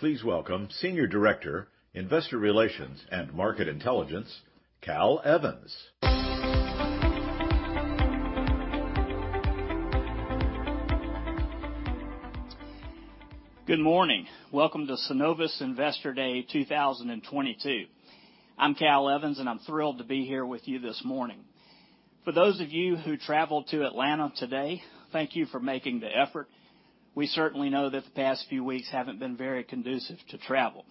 Please welcome Senior Director, Investor Relations and Market Intelligence, Cal Evans. Good morning. Welcome to Synovus Investor Day 2022. I'm Cal Evans, and I'm thrilled to be here with you this morning. For those of you who traveled to Atlanta today, thank you for making the effort. We certainly know that the past few weeks haven't been very conducive to travel.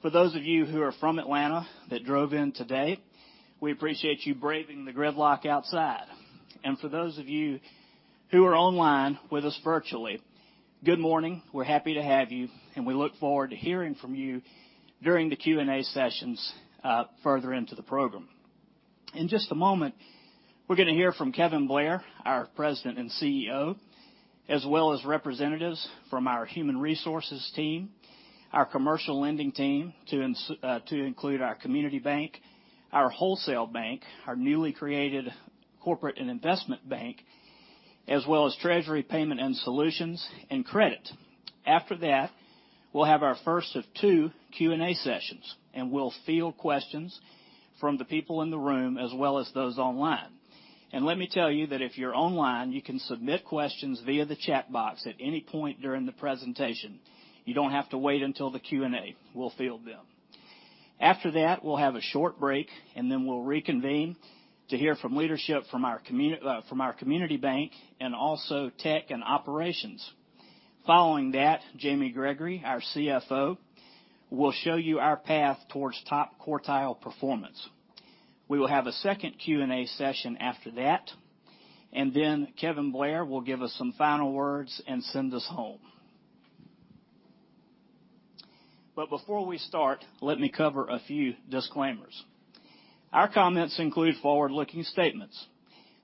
For those of you who are from Atlanta that drove in today, we appreciate you braving the gridlock outside. For those of you who are online with us virtually, good morning. We're happy to have you, and we look forward to hearing from you during the Q&A sessions further into the program. In just a moment, we're gonna hear from Kevin Blair, our President and CEO, as well as representatives from our Human Resources team, our Commercial Lending team, to include our Community Bank, our Wholesale Bank, our newly created Corporate and Investment Bank, as well as Treasury and Payment Solutions and credit. After that, we'll have our first of two Q&A sessions, and we'll field questions from the people in the room as well as those online. Let me tell you that if you're online, you can submit questions via the chat box at any point during the presentation. You don't have to wait until the Q&A. We'll field them. After that, we'll have a short break, and then we'll reconvene to hear from leadership from our Community Bank and also Technology and Operations. Following that, Jamie Gregory, our CFO, will show you our path towards top quartile performance. We will have a second Q&A session after that, and then Kevin Blair will give us some final words and send us home. Before we start, let me cover a few disclaimers. Our comments include forward-looking statements.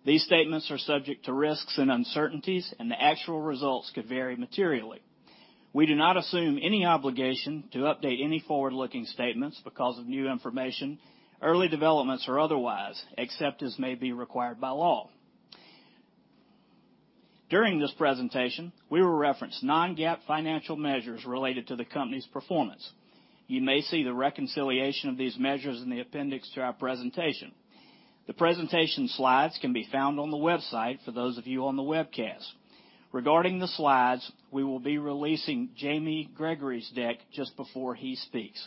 These statements are subject to risks and uncertainties, and the actual results could vary materially. We do not assume any obligation to update any forward-looking statements because of new information, early developments or otherwise, except as may be required by law. During this presentation, we will reference non-GAAP financial measures related to the company's performance. You may see the reconciliation of these measures in the appendix to our presentation. The presentation slides can be found on the website for those of you on the webcast. Regarding the slides, we will be releasing Jamie Gregory's deck just before he speaks.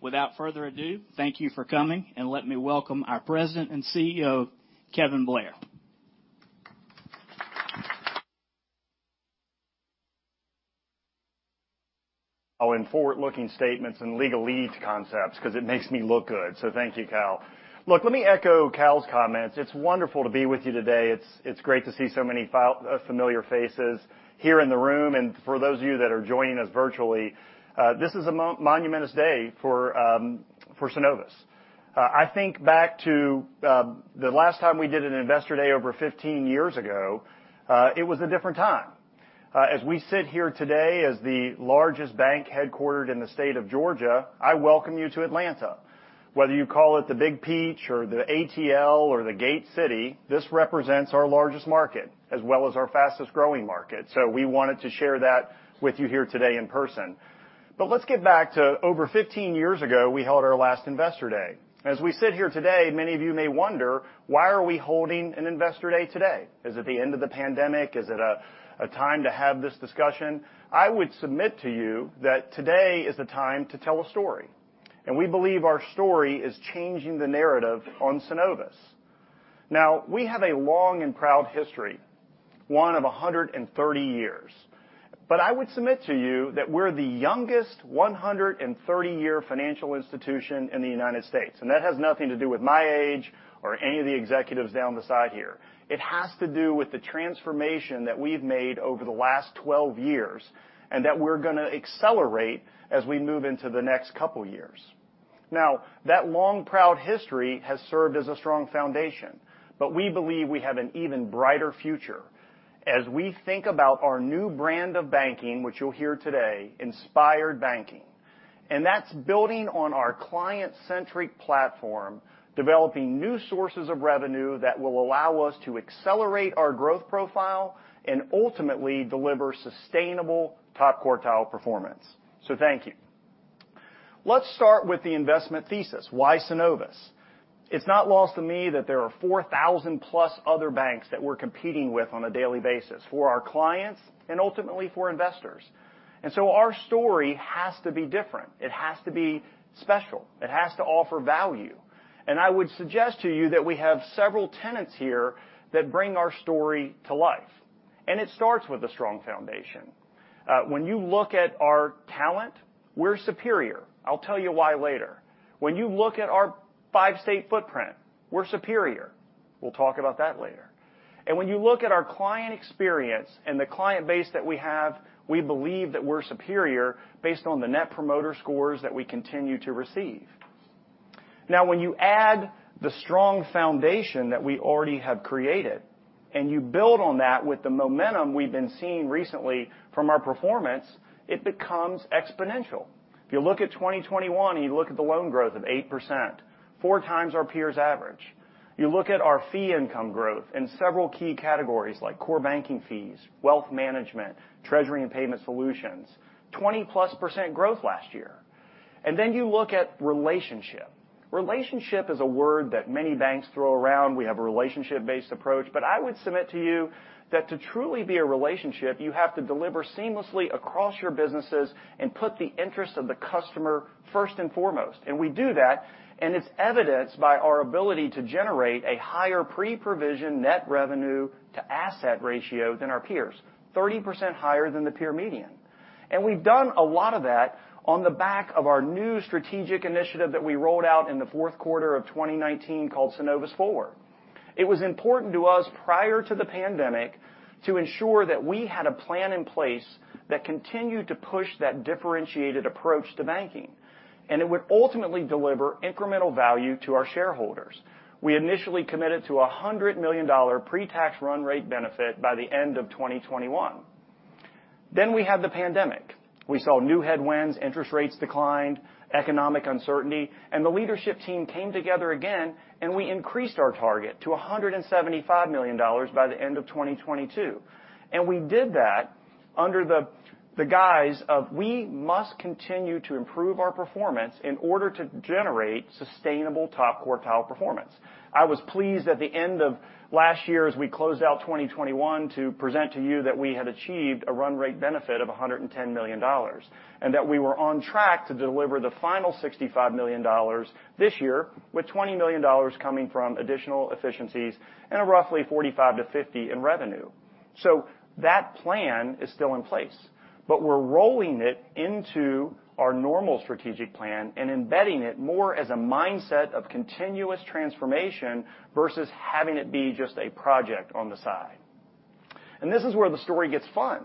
Without further ado, thank you for coming, and let me welcome our President and CEO, Kevin Blair. Oh, forward-looking statements and legal leads concepts 'cause it makes me look good, so thank you, Cal. Look, let me echo Cal's comments. It's wonderful to be with you today. It's great to see so many familiar faces here in the room, and for those of you that are joining us virtually. This is a momentous day for Synovus. I think back to the last time we did an Investor Day over 15 years ago, it was a different time. As we sit here today as the largest bank headquartered in the state of Georgia, I welcome you to Atlanta. Whether you call it the Big Peach or the ATL or the Gate City, this represents our largest market as well as our fastest-growing market. We wanted to share that with you here today in person. Let's get back to over 15 years ago, we held our last Investor Day. As we sit here today, many of you may wonder, "Why are we holding an Investor Day today? Is it the end of the pandemic? Is it a time to have this discussion?" I would submit to you that today is the time to tell a story, and we believe our story is changing the narrative on Synovus. Now, we have a long and proud history, one of 130 years. I would submit to you that we're the youngest 130-year financial institution in the United States, and that has nothing to do with my age or any of the executives down the side here. It has to do with the transformation that we've made over the last 12 years, and that we're gonna accelerate as we move into the next couple years. Now, that long, proud history has served as a strong foundation, but we believe we have an even brighter future as we think about our new brand of banking, which you'll hear today, Inspired Banking. That's building on our client-centric platform, developing new sources of revenue that will allow us to accelerate our growth profile and ultimately deliver sustainable top quartile performance. Thank you. Let's start with the investment thesis. Why Synovus? It's not lost to me that there are 4,000+ other banks that we're competing with on a daily basis for our clients and ultimately for investors. Our story has to be different. It has to be special. It has to offer value. I would suggest to you that we have several tenants here that bring our story to life, and it starts with a strong foundation. When you look at our talent, we're superior. I'll tell you why later. When you look at our five-state footprint, we're superior. We'll talk about that later. When you look at our client experience and the client base that we have, we believe that we're superior based on the Net Promoter scores that we continue to receive. Now, when you add the strong foundation that we already have created, and you build on that with the momentum we've been seeing recently from our performance, it becomes exponential. If you look at 2021, and you look at the loan growth of 8%, 4 times our peers' average. You look at our fee income growth in several key categories like core banking fees, wealth management, treasury and payment solutions, 20%+ growth last year. You look at relationship. Relationship is a word that many banks throw around. We have a relationship-based approach. I would submit to you that to truly be a relationship, you have to deliver seamlessly across your businesses and put the interest of the customer first and foremost. We do that, and it's evidenced by our ability to generate a higher pre-provision net revenue to asset ratio than our peers, 30% higher than the peer median. We've done a lot of that on the back of our new strategic initiative that we rolled out in the fourth quarter of 2019 called Synovus Forward. It was important to us prior to the pandemic to ensure that we had a plan in place that continued to push that differentiated approach to banking, and it would ultimately deliver incremental value to our shareholders. We initially committed to a $100 million pre-tax run rate benefit by the end of 2021. We had the pandemic. We saw new headwinds, interest rates declined, economic uncertainty, and the leadership team came together again, and we increased our target to a $175 million by the end of 2022. We did that under the guise of we must continue to improve our performance in order to generate sustainable top quartile performance. I was pleased at the end of last year as we closed out 2021 to present to you that we had achieved a run rate benefit of $110 million, and that we were on track to deliver the final $65 million this year, with $20 million coming from additional efficiencies and roughly $45 million-$50 million in revenue. That plan is still in place, but we're rolling it into our normal strategic plan and embedding it more as a mindset of continuous transformation versus having it be just a project on the side. This is where the story gets fun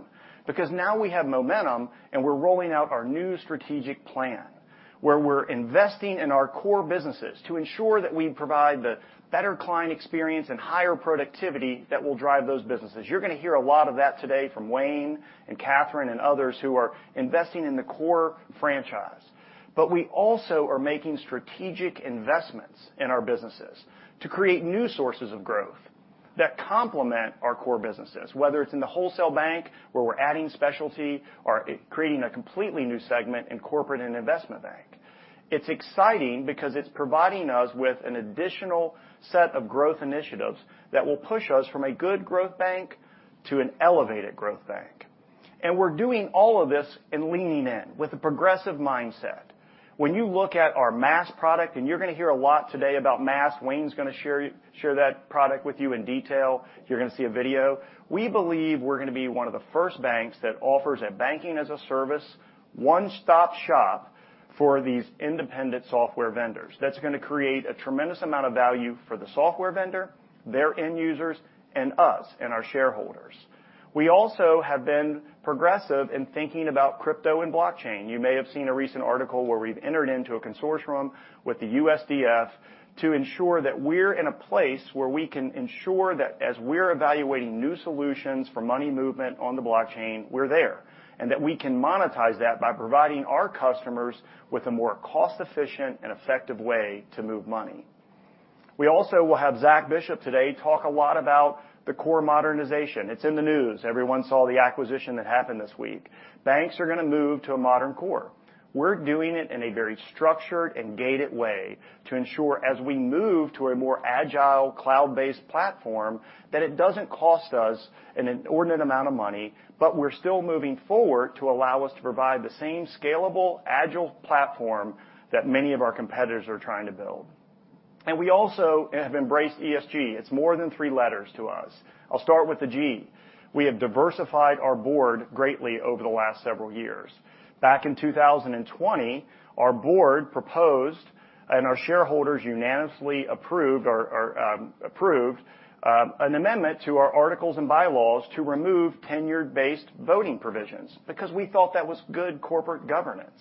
because now we have momentum, and we're rolling out our new strategic plan, where we're investing in our core businesses to ensure that we provide the better client experience and higher productivity that will drive those businesses. You're going to hear a lot of that today from Wayne and Katherine and others who are investing in the core franchise. We also are making strategic investments in our businesses to create new sources of growth that complement our core businesses, whether it's in the wholesale bank, where we're adding specialty or creating a completely new segment in corporate and investment bank. It's exciting because it's providing us with an additional set of growth initiatives that will push us from a good growth bank to an elevated growth bank. We're doing all of this and leaning in with a progressive mindset. When you look at our Maast product, and you're going to hear a lot today about Maast. Wayne's going to share that product with you in detail. You're going to see a video. We believe we're going to be one of the first banks that offers a banking-as-a-service one-stop shop for these independent software vendors. That's going to create a tremendous amount of value for the software vendor, their end users, and us and our shareholders. We also have been progressive in thinking about crypto and blockchain. You may have seen a recent article where we've entered into a consortium with the USDF to ensure that we're in a place where we can ensure that as we're evaluating new solutions for money movement on the blockchain, we're there, and that we can monetize that by providing our customers with a more cost-efficient and effective way to move money. We also will have Zack Bishop today talk a lot about the core modernization. It's in the news. Everyone saw the acquisition that happened this week. Banks are going to move to a modern core. We're doing it in a very structured and gated way to ensure as we move to a more agile cloud-based platform, that it doesn't cost us an inordinate amount of money, but we're still moving forward to allow us to provide the same scalable, agile platform that many of our competitors are trying to build. We also have embraced ESG. It's more than three letters to us. I'll start with the G. We have diversified our board greatly over the last several years. Back in 2020, our board proposed, and our shareholders unanimously approved an amendment to our articles and bylaws to remove tenured-based voting provisions because we thought that was good corporate governance.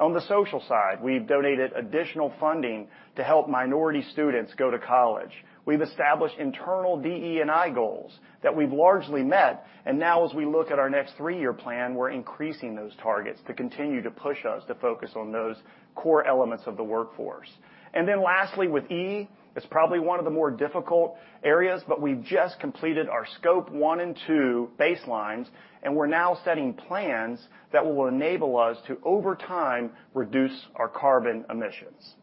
On the social side, we've donated additional funding to help minority students go to college. We've established internal DE&I goals that we've largely met. Now as we look at our next three-year plan, we're increasing those targets to continue to push us to focus on those core elements of the workforce. Lastly, with E, it's robably one of the more difficult areas, but we've just completed our Scope 1 and 2 baselines, and we're now setting plans that will enable us to, over time, reduce our carbon emissions.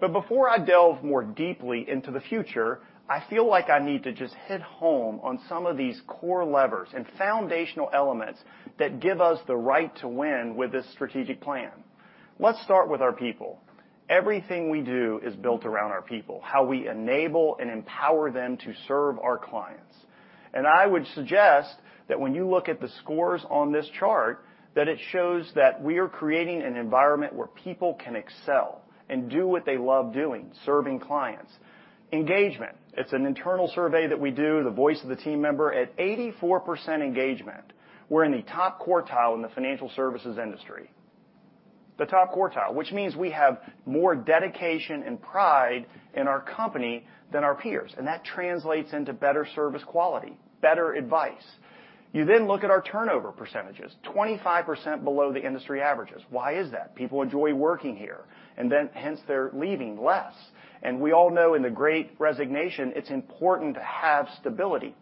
Before I delve more deeply into the future, I feel like I need to just hit home on some of these core levers and foundational elements that give us the right to win with this strategic plan. Let's start with our people. Everything we do is built around our people, how we enable and empower them to serve our clients. I would suggest that when you look at the scores on this chart, that it shows that we are creating an environment where people can excel and do what they love doing, serving clients. Engagement. It's an internal survey that we do, the voice of the team member. At 84% engagement, we're in the top quartile in the financial services industry. The top quartile, which means we have more dedication and pride in our company than our peers, and that translates into better service quality, better advice. You then look at our turnover percentages, 25% below the industry averages. Why is that? People enjoy working here, and then hence, they're leaving less. We all know in the great resignation, it's important to have stability.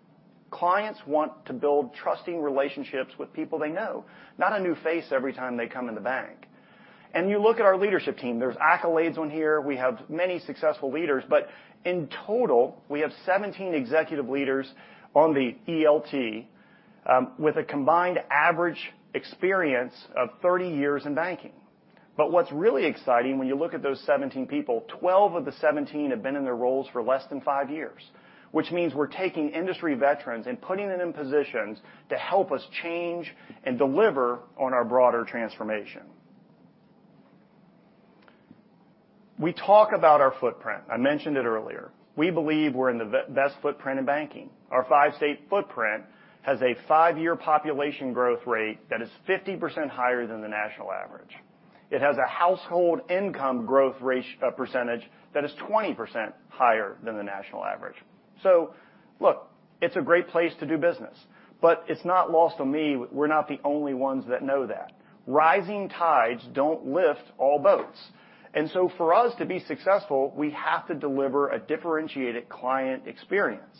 Clients want to build trusting relationships with people they know, not a new face every time they come in the bank. You look at our leadership team, there's accolades on here. We have many successful leaders, but in total, we have 17 executive leaders on the ELT with a combined average experience of 30 years in banking. What's really exciting when you look at those 17 people, 12 of the 17 have been in their roles for less than five years, which means we're taking industry veterans and putting them in positions to help us change and deliver on our broader transformation. We talk about our footprint. I mentioned it earlier. We believe we're in the best footprint in banking. Our 5-state footprint has a five-year population growth rate that is 50% higher than the national average. It has a household income growth percentage that is 20% higher than the national average. Look, it's a great place to do business, but it's not lost on me, we're not the only ones that know that. Rising tides don't lift all boats. For us to be successful, we have to deliver a differentiated client experience.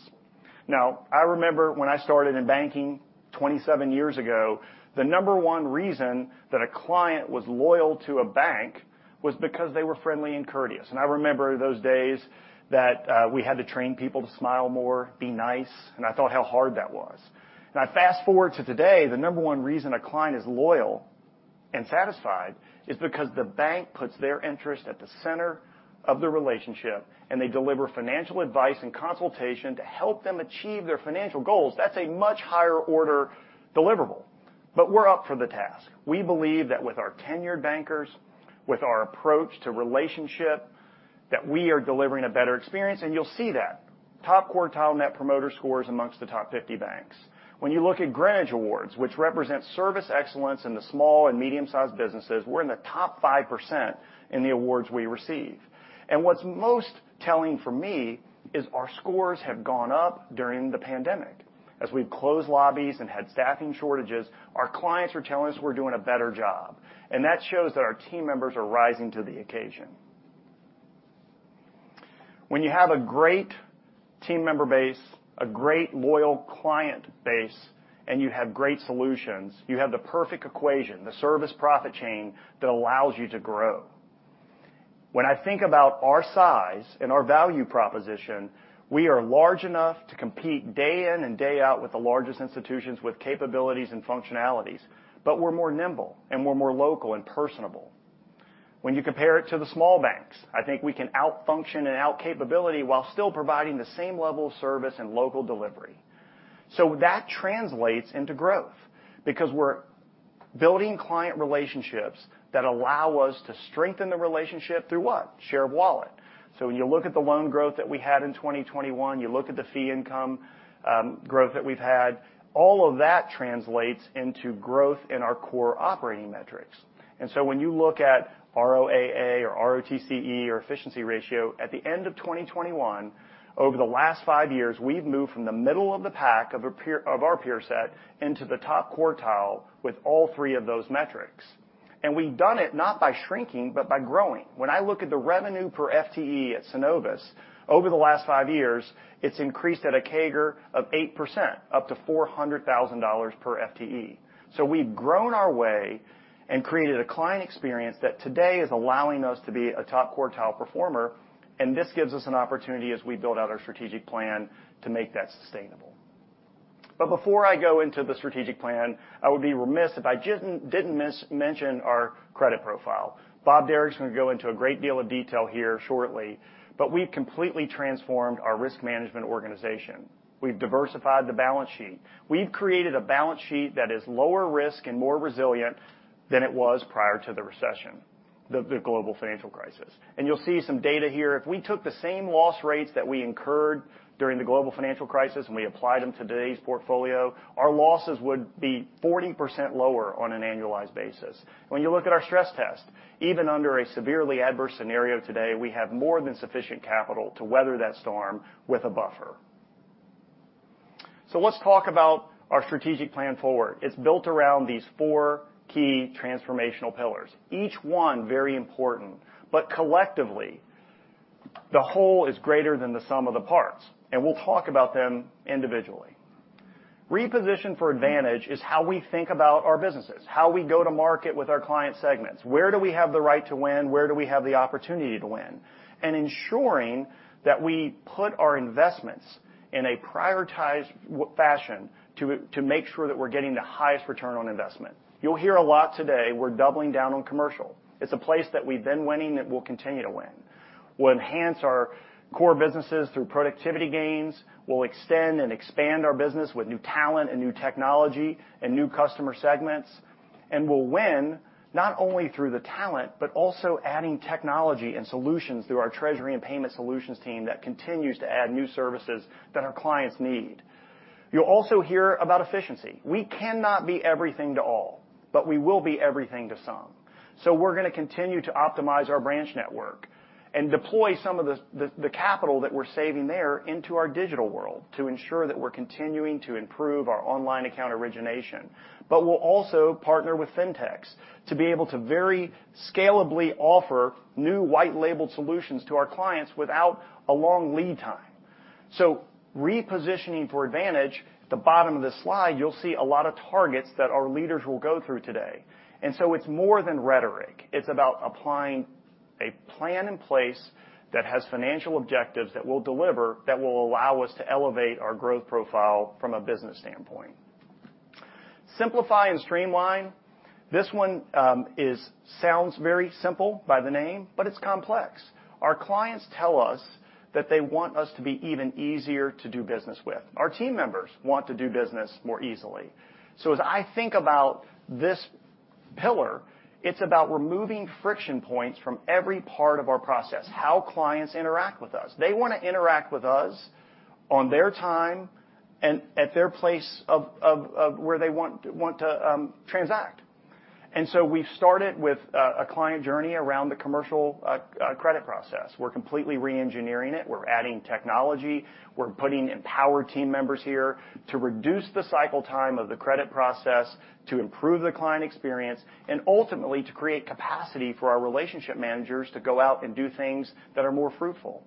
Now, I remember when I started in banking 27 years ago, the number one reason that a client was loyal to a bank was because they were friendly and courteous. I remember those days that, we had to train people to smile more, be nice, and I thought how hard that was. Now fast-forward to today, the number one reason a client is loyal and satisfied is because the bank puts their interest at the center of the relationship, and they deliver financial advice and consultation to help them achieve their financial goals. That's a much higher order deliverable, but we're up for the task. We believe that with our tenured bankers, with our approach to relationship, that we are delivering a better experience, and you'll see that. Top-quartile net promoter scores amongst the top 50 banks. When you look at Greenwich Awards, which represents service excellence in the small and medium-sized businesses, we're in the top 5% in the awards we receive. What's most telling for me is our scores have gone up during the pandemic. As we've closed lobbies and had staffing shortages, our clients are telling us we're doing a better job. That shows that our team members are rising to the occasion. When you have a great team member base, a great loyal client base, and you have great solutions, you have the perfect equation, the service profit chain that allows you to grow. When I think about our size and our value proposition, we are large enough to compete day in and day out with the largest institutions with capabilities and functionalities, but we're more nimble and we're more local and personable. When you compare it to the small banks, I think we can out-function and out-capability while still providing the same level of service and local delivery. That translates into growth because we're building client relationships that allow us to strengthen the relationship through what? Shared wallet. When you look at the loan growth that we had in 2021, you look at the fee income growth that we've had, all of that translates into growth in our core operating metrics. When you look at ROAA or ROTCE or efficiency ratio, at the end of 2021, over the last five years, we've moved from the middle of the pack of our peer set into the top quartile with all three of those metrics. We've done it not by shrinking, but by growing. When I look at the revenue per FTE at Synovus, over the last five years, it's increased at a CAGR of 8%, up to $400,000 per FTE. We've grown our way and created a client experience that today is allowing us to be a top quartile performer, and this gives us an opportunity as we build out our strategic plan to make that sustainable. Before I go into the strategic plan, I would be remiss if I didn't mention our credit profile. Bob Derrick's gonna go into a great deal of detail here shortly, but we completely transformed our risk management organization. We've diversified the balance sheet. We've created a balance sheet that is lower risk and more resilient than it was prior to the recession, the global financial crisis. You'll see some data here. If we took the same loss rates that we incurred during the global financial crisis, and we applied them to today's portfolio, our losses would be 40% lower on an annualized basis. When you look at our stress test, even under a severely adverse scenario today, we have more than sufficient capital to weather that storm with a buffer. Let's talk about our strategic plan forward. It's built around these four key transformational pillars. Each one very important, but collectively, the whole is greater than the sum of the parts, and we'll talk about them individually. Reposition for advantage is how we think about our businesses, how we go to market with our client segments. Where do we have the right to win? Where do we have the opportunity to win? Ensuring that we put our investments in a prioritized fashion to make sure that we're getting the highest return on investment. You'll hear a lot today, we're doubling down on commercial. It's a place that we've been winning, it will continue to win. We'll enhance our core businesses through productivity gains. We'll extend and expand our business with new talent and new technology and new customer segments. We'll win not only through the talent, but also adding technology and solutions through our Treasury and Payment Solutions team that continues to add new services that our clients need. You'll also hear about efficiency. We cannot be everything to all, but we will be everything to some. We're gonna continue to optimize our branch network and deploy some of the capital that we're saving there into our digital world to ensure that we're continuing to improve our online account origination. We'll also partner with fintechs to be able to very scalably offer new white-labeled solutions to our clients without a long lead time. Repositioning for advantage, the bottom of this slide, you'll see a lot of targets that our leaders will go through today. It's more than rhetoric. It's about applying a plan in place that has financial objectives that will deliver, that will allow us to elevate our growth profile from a business standpoint. Simplify and streamline. This one sounds very simple by the name, but it's complex. Our clients tell us that they want us to be even easier to do business with. Our team members want to do business more easily. As I think about this pillar, it's about removing friction points from every part of our process, how clients interact with us. They wanna interact with us on their time and at their place of where they want to transact. We started with a client journey around the commercial credit process. We're completely re-engineering it. We're adding technology. We're putting empowered team members here to reduce the cycle time of the credit process, to improve the client experience, and ultimately, to create capacity for our relationship managers to go out and do things that are more fruitful.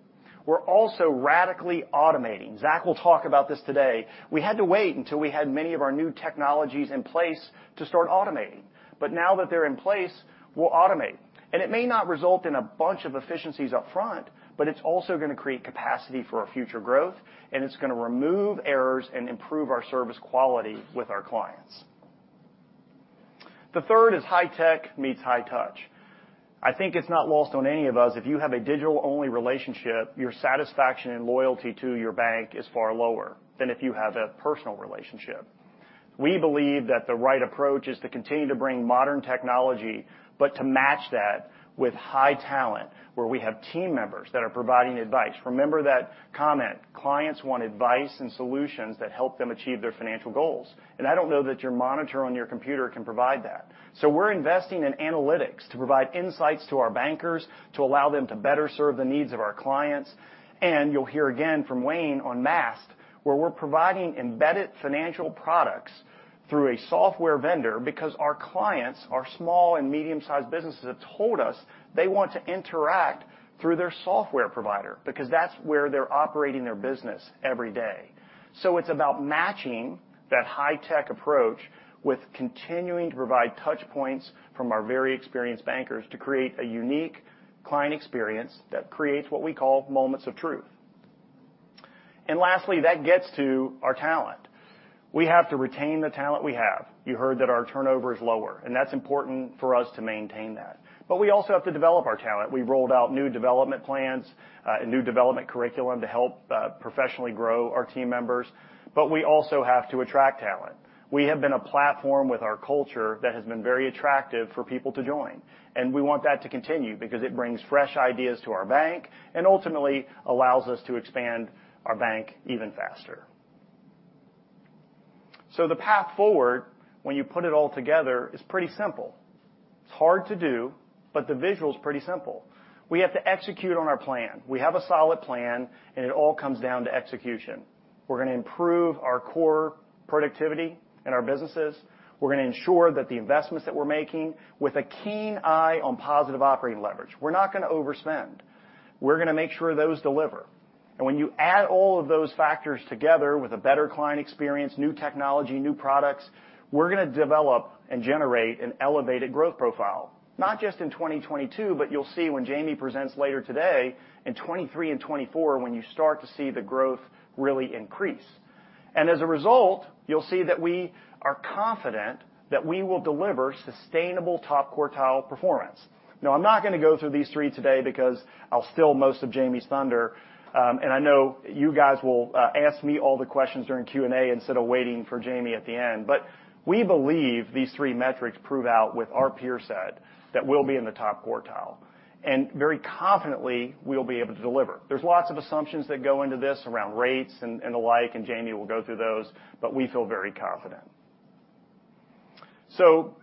We're also radically automating. Zack will talk about this today. We had to wait until we had many of our new technologies in place to start automating. Now that they're in place, we'll automate. It may not result in a bunch of efficiencies up front, but it's also gonna create capacity for our future growth, and it's gonna remove errors and improve our service quality with our clients. The third is high tech meets high touch. I think it's not lost on any of us, if you have a digital-only relationship, your satisfaction and loyalty to your bank is far lower than if you have a personal relationship. We believe that the right approach is to continue to bring modern technology, but to match that with high talent, where we have team members that are providing advice. Remember that comment, clients want advice and solutions that help them achieve their financial goals. I don't know that your monitor on your computer can provide that. We're investing in analytics to provide insights to our bankers, to allow them to better serve the needs of our clients. You'll hear again from Wayne on Maast, where we're providing embedded financial products through a software vendor because our clients, our small and medium-sized businesses, have told us they want to interact through their software provider because that's where they're operating their business every day. It's about matching that high tech approach with continuing to provide touch points from our very experienced bankers to create a unique client experience that creates what we call moments of truth. Lastly, that gets to our talent. We have to retain the talent we have. You heard that our turnover is lower, and that's important for us to maintain that. We also have to develop our talent. We've rolled out new development plans, new development curriculum to help, professionally grow our team members. We also have to attract talent. We have been a platform with our culture that has been very attractive for people to join. We want that to continue because it brings fresh ideas to our bank, and ultimately allows us to expand our bank even faster. The path forward, when you put it all together, is pretty simple. It's hard to do, but the visual is pretty simple. We have to execute on our plan. We have a solid plan, and it all comes down to execution. We're gonna improve our core productivity in our businesses. We're gonna ensure that the investments that we're making, with a keen eye on positive operating leverage. We're not gonna overspend. We're gonna make sure those deliver. When you add all of those factors together, with a better client experience, new technology, new products, we're gonna develop and generate an elevated growth profile. Not just in 2022, but you'll see when Jamie presents later today, in 2023 and 2024, when you start to see the growth really increase. As a result, you'll see that we are confident that we will deliver sustainable top quartile performance. Now, I'm not gonna go through these three today because I'll steal most of Jamie's thunder, and I know you guys will ask me all the questions during Q&A instead of waiting for Jamie at the end. We believe these three metrics prove out with our peer set that we'll be in the top quartile. Very confidently, we'll be able to deliver. There's lots of assumptions that go into this around rates and the like, and Jamie will go through those, but we feel very confident.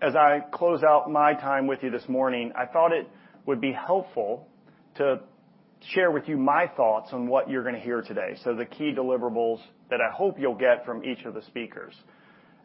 As I close out my time with you this morning, I thought it would be helpful to share with you my thoughts on what you're gonna hear today. The key deliverables that I hope you'll get from each of the speakers.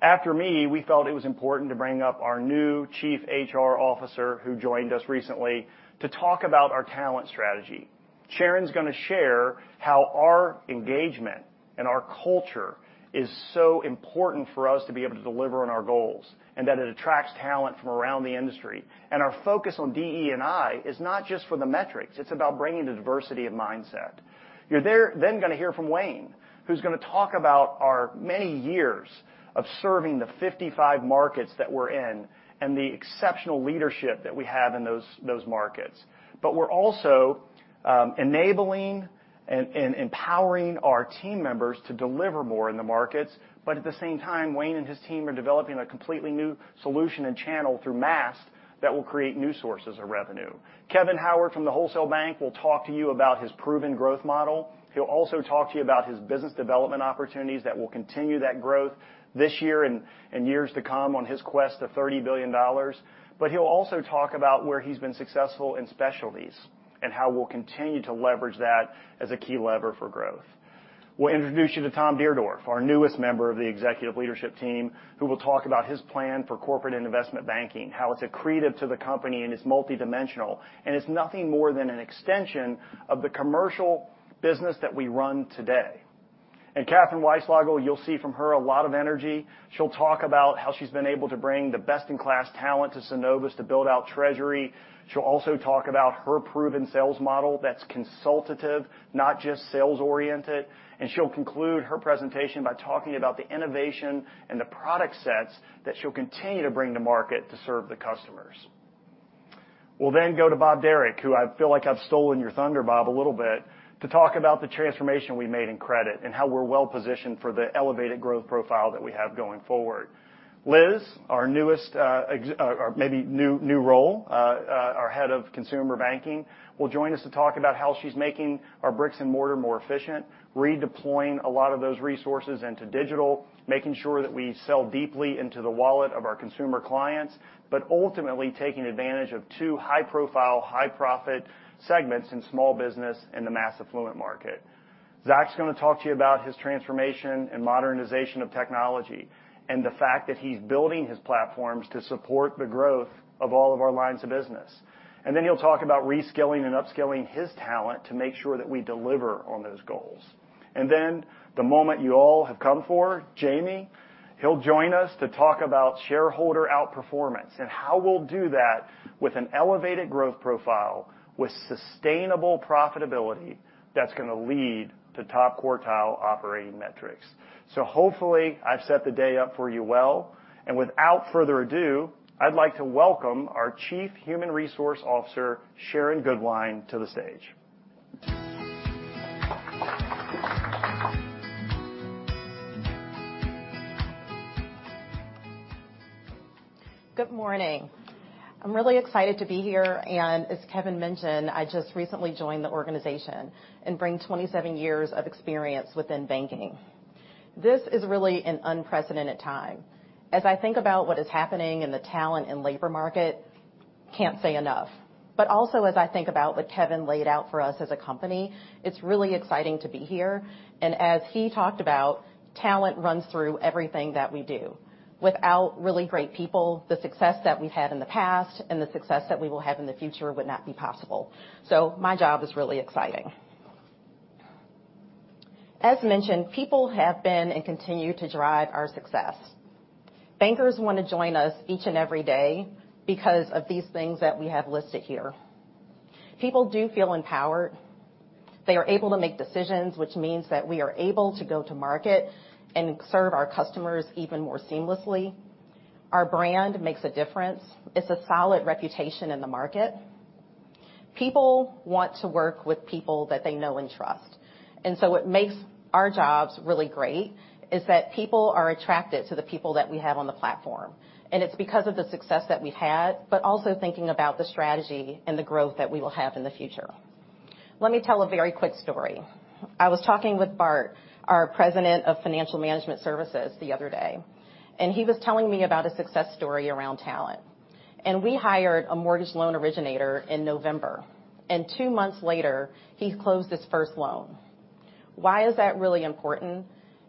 After me, we felt it was important to bring up our new chief HR officer, who joined us recently, to talk about our talent strategy. Sharon's gonna share how our engagement and our culture is so important for us to be able to deliver on our goals, and that it attracts talent from around the industry. Our focus on DE&I is not just for the metrics, it's about bringing the diversity of mindset. Then gonna hear from Wayne, who's gonna talk about our many years of serving the 55 markets that we're in and the exceptional leadership that we have in those markets. We're also enabling and empowering our team members to deliver more in the markets. At the same time, Wayne and his team are developing a completely new solution and channel through Maast that will create new sources of revenue. Kevin Howard from the Wholesale Bank will talk to you about his proven growth model. He'll also talk to you about his business development opportunities that will continue that growth this year and years to come on his quest to $30 billion. He'll also talk to you about where he's been successful in specialties and how we'll continue to leverage that as a key lever for growth. We'll introduce you to Tom Dierdorff, our newest member of the executive leadership team, who will talk about his plan for corporate and investment banking, how it's accretive to the company, and it's multidimensional, and it's nothing more than an extension of the commercial business that we run today. Katherine Weislogel, you'll see from her a lot of energy. She'll talk about how she's been able to bring the best-in-class talent to Synovus to build out treasury. She'll also talk about her proven sales model that's consultative, not just sales-oriented. She'll conclude her presentation by talking about the innovation and the product sets that she'll continue to bring to market to serve the customers. We'll then go to Bob Derrick, who I feel like I've stolen your thunder, Bob, a little bit, to talk about the transformation we made in credit and how we're well-positioned for the elevated growth profile that we have going forward. Liz, our newest, our Head of Consumer Banking, will join us to talk about how she's making our bricks and mortar more efficient, redeploying a lot of those resources into digital, making sure that we sell deeply into the wallet of our consumer clients, but ultimately, taking advantage of two high-profile, high-profit segments in small business and the mass affluent market. Zack's gonna talk to you about his transformation and modernization of technology and the fact that he's building his platforms to support the growth of all of our lines of business. Then he'll talk about reskilling and upskilling his talent to make sure that we deliver on those goals. Then the moment you all have come for, Jamie Gregory, he'll join us to talk about shareholder outperformance and how we'll do that with an elevated growth profile with sustainable profitability that's gonna lead to top-quartile operating metrics. Hopefully, I've set the day up for you well. Without further ado, I'd like to welcome our Chief Human Resources Officer, Sharon Goodwine, to the stage. Good morning. I'm really excited to be here, and as Kevin mentioned, I just recently joined the organization and bring 27 years of experience within banking. This is really an unprecedented time. As I think about what is happening in the talent and labor market, I can't say enough. Also, as I think about what Kevin laid out for us as a company, it's really exciting to be here. As he talked about, talent runs through everything that we do. Without really great people, the success that we've had in the past and the success that we will have in the future would not be possible. My job is really exciting. As mentioned, people have been and continue to drive our success. Bankers wanna join us each and every day because of these things that we have listed here. People do feel empowered. They are able to make decisions, which means that we are able to go to market and serve our customers even more seamlessly. Our brand makes a difference. It's a solid reputation in the market. People want to work with people that they know and trust. What makes our jobs really great is that people are attracted to the people that we have on the platform. It's because of the success that we've had, but also thinking about the strategy and the growth that we will have in the future. Let me tell a very quick story. I was talking with Bart Singleton, our President of Financial Management Services, the other day, and he was telling me about a success story around talent. We hired a mortgage loan originator in November, and two months later, he closed his first loan. Why is that really important?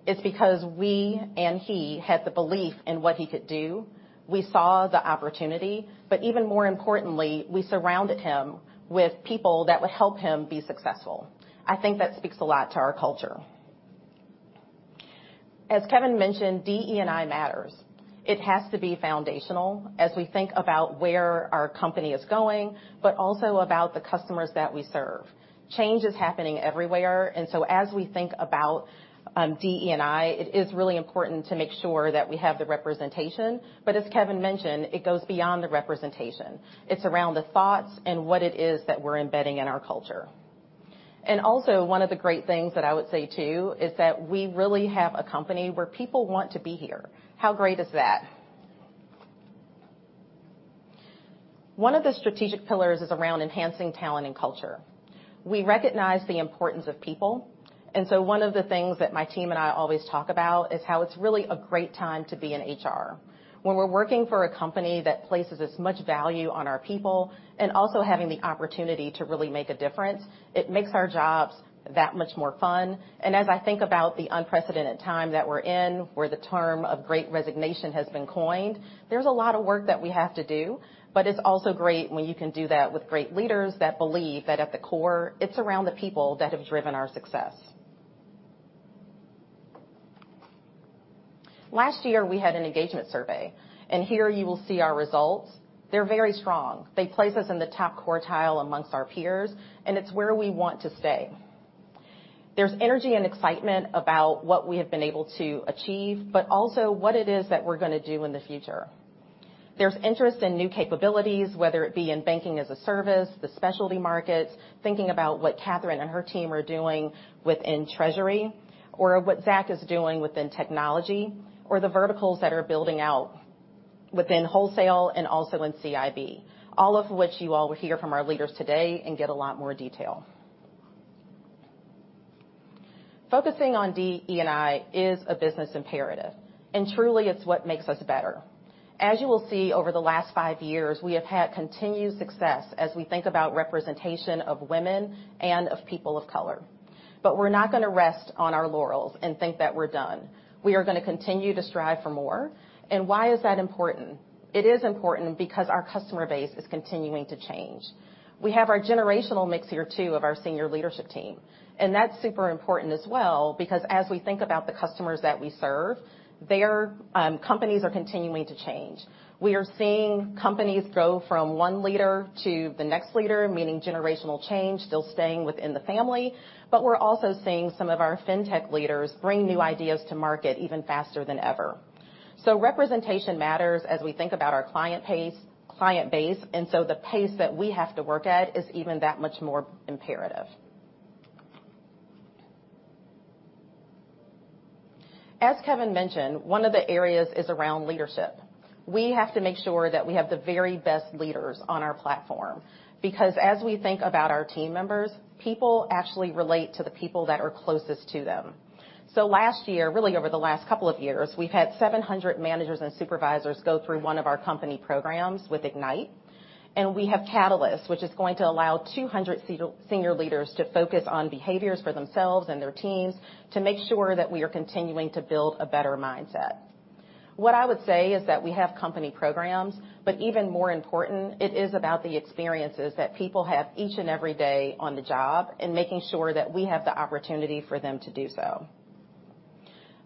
It's because we and he had the belief in what he could do. We saw the opportunity, but even more importantly, we surrounded him with people that would help him be successful. I think that speaks a lot to our culture. As Kevin mentioned, DE&I matters. It has to be foundational as we think about where our company is going, but also about the customers that we serve. Change is happening everywhere. As we think about DE&I, it is really important to make sure that we have the representation. As Kevin mentioned, it goes beyond the representation. It's around the thoughts and what it is that we're embedding in our culture. One of the great things that I would say, too, is that we really have a company where people want to be here. How great is that? One of the strategic pillars is around enhancing talent and culture. We recognize the importance of people. One of the things that my team and I always talk about is how it's really a great time to be in HR. When we're working for a company that places as much value on our people and also having the opportunity to really make a difference, it makes our jobs that much more fun. As I think about the unprecedented time that we're in, where the term Great Resignation has been coined, there's a lot of work that we have to do, but it's also great when you can do that with great leaders that believe that at the core, it's around the people that have driven our success. Last year, we had an engagement survey, and here you will see our results. They're very strong. They place us in the top quartile among our peers, and it's where we want to stay. There's energy and excitement about what we have been able to achieve but also what it is that we're gonna do in the future. There's interest in new capabilities, whether it be in banking-as-a-service, the specialty markets, thinking about what Katherine and her team are doing within treasury or what Zack is doing within technology or the verticals that are building out within wholesale and also in CIB, all of which you all will hear from our leaders today and get a lot more detail. Focusing on DE&I is a business imperative, and truly, it's what makes us better. As you will see over the last five years, we have had continued success as we think about representation of women and of people of color. But we're not gonna rest on our laurels and think that we're done. We are gonna continue to strive for more. Why is that important? It is important because our customer base is continuing to change. We have our generational mix here too of our senior leadership team, and that's super important as well because as we think about the customers that we serve, their companies are continuing to change. We are seeing companies go from one leader to the next leader, meaning generational change, still staying within the family, but we're also seeing some of our fintech leaders bring new ideas to market even faster than ever. Representation matters as we think about our client base, and the pace that we have to work at is even that much more imperative. As Kevin mentioned, one of the areas is around leadership. We have to make sure that we have the very best leaders on our platform because as we think about our team members, people actually relate to the people that are closest to them. Last year, really over the last couple of years, we've had 700 managers and supervisors go through one of our company programs with Ignite. We have Catalyst, which is going to allow 200 senior leaders to focus on behaviors for themselves and their teams to make sure that we are continuing to build a better mindset. What I would say is that we have company programs, but even more important, it is about the experiences that people have each and every day on the job and making sure that we have the opportunity for them to do so.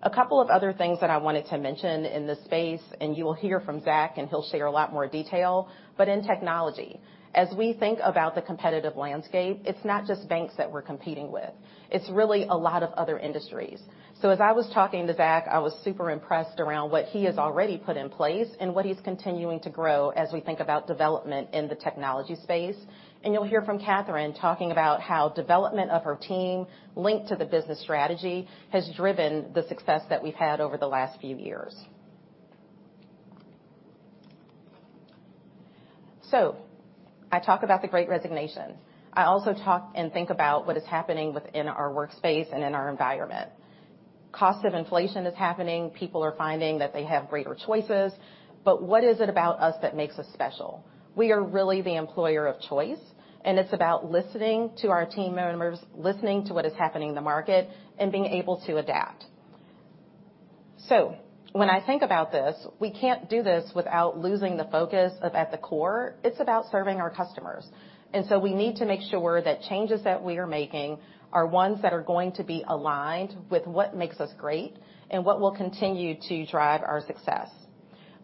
A couple of other things that I wanted to mention in this space, and you will hear from Zack, and he'll share a lot more detail, but in technology, as we think about the competitive landscape, it's not just banks that we're competing with. It's really a lot of other industries. As I was talking to Zack, I was super impressed around what he has already put in place and what he's continuing to grow as we think about development in the technology space. You'll hear from Katherine talking about how development of her team linked to the business strategy has driven the success that we've had over the last few years. I talk about the Great Resignation. I also talk and think about what is happening within our workspace and in our environment. Cost of inflation is happening. People are finding that they have greater choices. What is it about us that makes us special? We are really the employer of choice, and it's about listening to our team members, listening to what is happening in the market, and being able to adapt. When I think about this, we can't do this without losing the focus of at the core, it's about serving our customers. We need to make sure that changes that we are making are ones that are going to be aligned with what makes us great and what will continue to drive our success.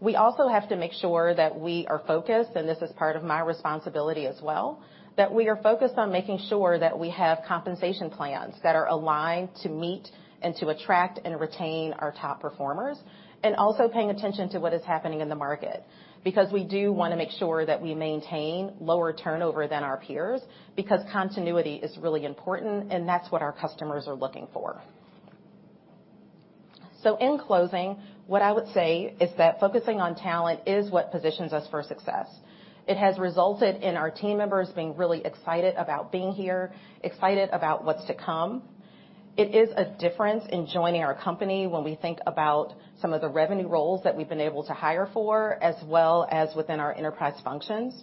We also have to make sure that we are focused, and this is part of my responsibility as well, that we are focused on making sure that we have compensation plans that are aligned to meet and to attract and retain our top performers, and also paying attention to what is happening in the market. Because we do wanna make sure that we maintain lower turnover than our peers because continuity is really important, and that's what our customers are looking for. In closing, what I would say is that focusing on talent is what positions us for success. It has resulted in our team members being really excited about being here, excited about what's to come. It is a difference in joining our company when we think about some of the revenue roles that we've been able to hire for, as well as within our enterprise functions.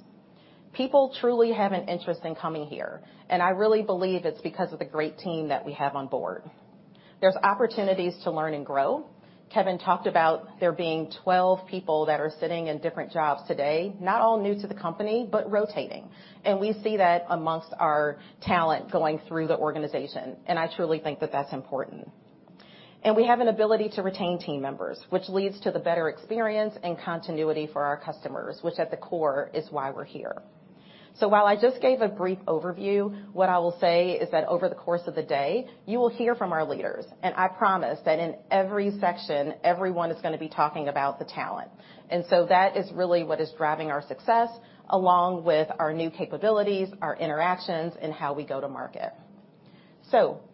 People truly have an interest in coming here, and I really believe it's because of the great team that we have on board. There's opportunities to learn and grow. Kevin talked about there being 12 people that are sitting in different jobs today, not all new to the company, but rotating. We see that amongst our talent going through the organization, and I truly think that that's important. We have an ability to retain team members, which leads to the better experience and continuity for our customers, which at the core is why we're here. While I just gave a brief overview, what I will say is that over the course of the day, you will hear from our leaders, and I promise that in every section, everyone is gonna be talking about the talent. That is really what is driving our success, along with our new capabilities, our interactions, and how we go to market.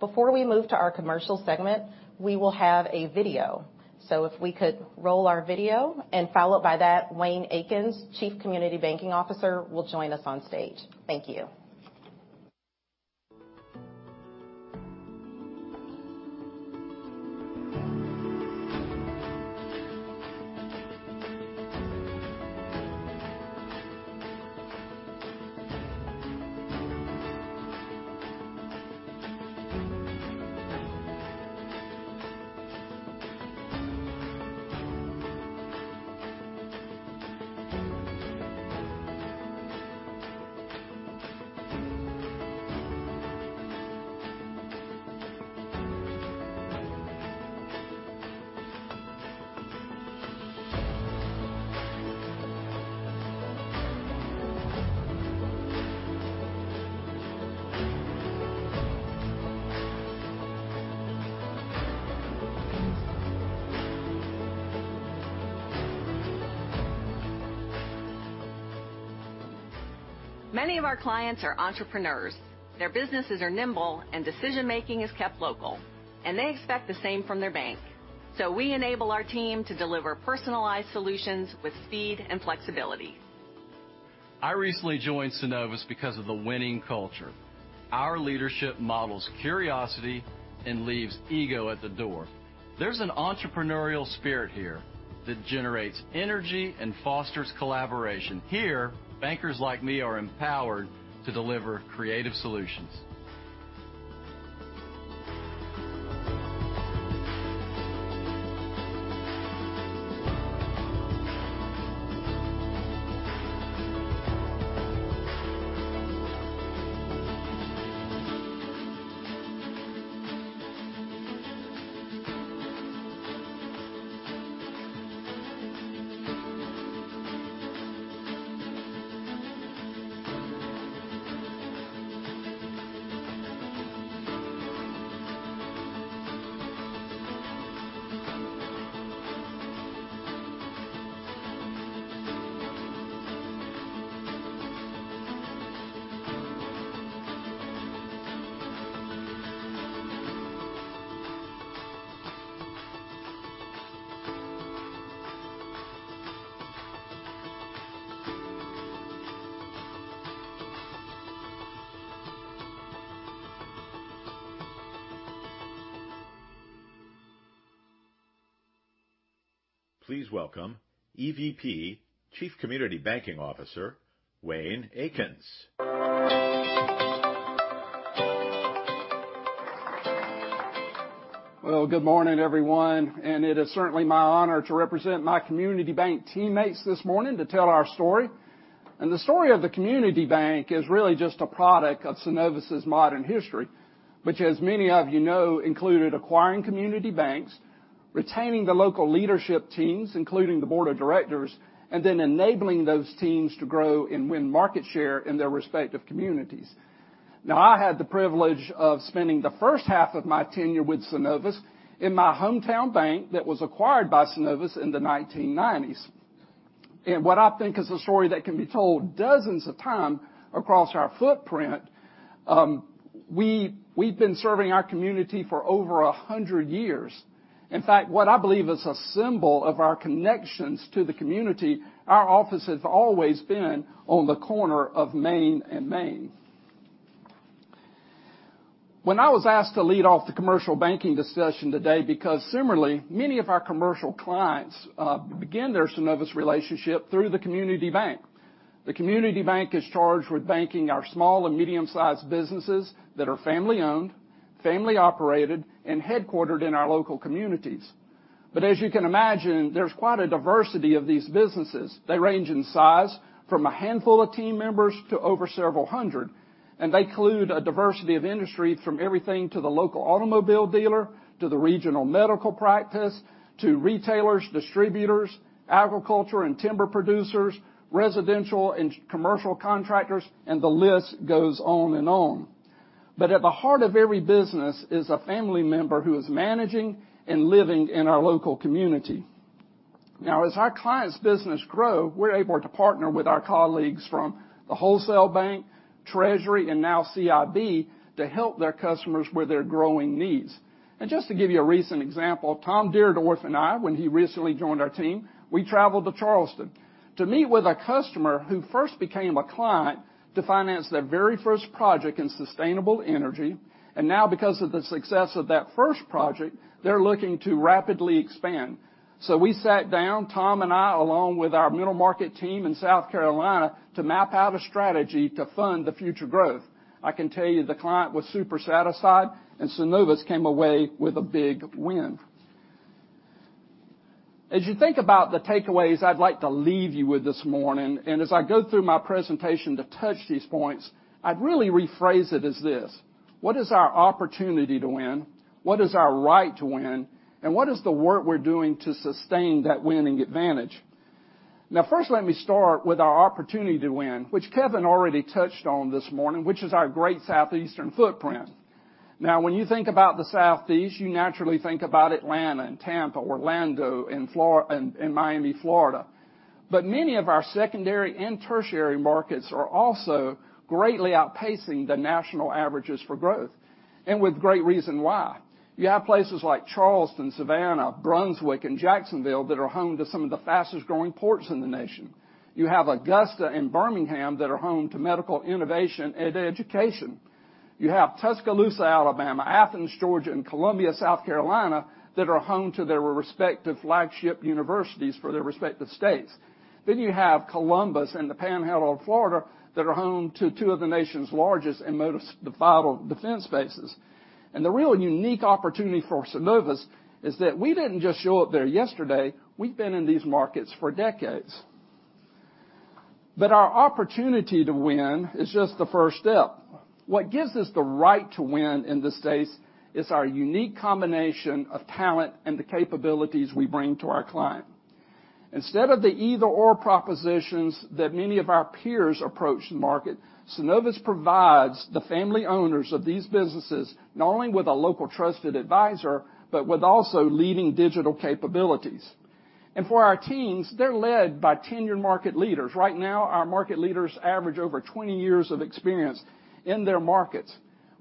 Before we move to our commercial segment, we will have a video. If we could roll our video, followed by that, Wayne Akins, Chief Community Banking Officer, will join us on stage. Thank you. Many of our clients are entrepreneurs. Their businesses are nimble, and decision-making is kept local, and they expect the same from their bank. We enable our team to deliver personalized solutions with speed and flexibility. I recently joined Synovus because of the winning culture. Our leadership models curiosity and leaves ego at the door. There's an entrepreneurial spirit here that generates energy and fosters collaboration. Here, bankers like me are empowered to deliver creative solutions. Please welcome EVP, Chief Community Banking Officer, Wayne Akins. Well, good morning, everyone, and it is certainly my honor to represent my community bank teammates this morning to tell our story. The story of the community bank is really just a product of Synovus's modern history, which, as many of you know, included acquiring community banks, retaining the local leadership teams, including the board of directors, and then enabling those teams to grow and win market share in their respective communities. Now, I had the privilege of spending the first half of my tenure with Synovus in my hometown bank that was acquired by Synovus in the 1990s. What I think is a story that can be told dozens of times across our footprint, we've been serving our community for over 100 years. In fact, what I believe is a symbol of our connections to the community, our office has always been on the corner of Main and Main. When I was asked to lead off the commercial banking discussion today because similarly, many of our commercial clients begin their Synovus relationship through the community bank. The community bank is charged with banking our small and medium-sized businesses that are family-owned, family-operated, and headquartered in our local communities. But as you can imagine, there's quite a diversity of these businesses. They range in size from a handful of team members to over several hundred, and they include a diversity of industry from everything to the local automobile dealer, to the regional medical practice, to retailers, distributors, agriculture and timber producers, residential and commercial contractors, and the list goes on and on. At the heart of every business is a family member who is managing and living in our local community. Now, as our clients' business grow, we're able to partner with our colleagues from the wholesale bank, treasury, and now CIB to help their customers with their growing needs. Just to give you a recent example, Tom Dierdorff and I, when he recently joined our team, we traveled to Charleston to meet with a customer who first became a client to finance their very first project in sustainable energy. Now because of the success of that first project, they're looking to rapidly expand. We sat down, Tom and I, along with our middle market team in South Carolina, to map out a strategy to fund the future growth. I can tell you the client was super satisfied, and Synovus came away with a big win. As you think about the takeaways I'd like to leave you with this morning, and as I go through my presentation to touch these points, I'd really rephrase it as this: What is our opportunity to win? What is our right to win? And what is the work we're doing to sustain that win and get vantage? Now, first, let me start with our opportunity to win, which Kevin already touched on this morning, which is our great Southeastern footprint. Now, when you think about the Southeast, you naturally think about Atlanta, Tampa, Orlando, and Miami, Florida. But many of our secondary and tertiary markets are also greatly outpacing the national averages for growth, and with great reason why. You have places like Charleston, Savannah, Brunswick, and Jacksonville that are home to some of the fastest-growing ports in the nation. You have Augusta and Birmingham that are home to medical innovation and education. You have Tuscaloosa, Alabama, Athens, Georgia, and Columbia, South Carolina, that are home to their respective flagship universities for their respective states. Then you have Columbus and the Panhandle of Florida that are home to two of the nation's largest and most vital defense bases. The real unique opportunity for Synovus is that we didn't just show up there yesterday, we've been in these markets for decades. Our opportunity to win is just the first step. What gives us the right to win in the States is our unique combination of talent and the capabilities we bring to our client. Instead of the either/or propositions that many of our peers approach the market, Synovus provides the family owners of these businesses not only with a local trusted advisor, but also with leading digital capabilities. For our teams, they're led by tenured market leaders. Right now, our market leaders average over 20 years of experience in their markets.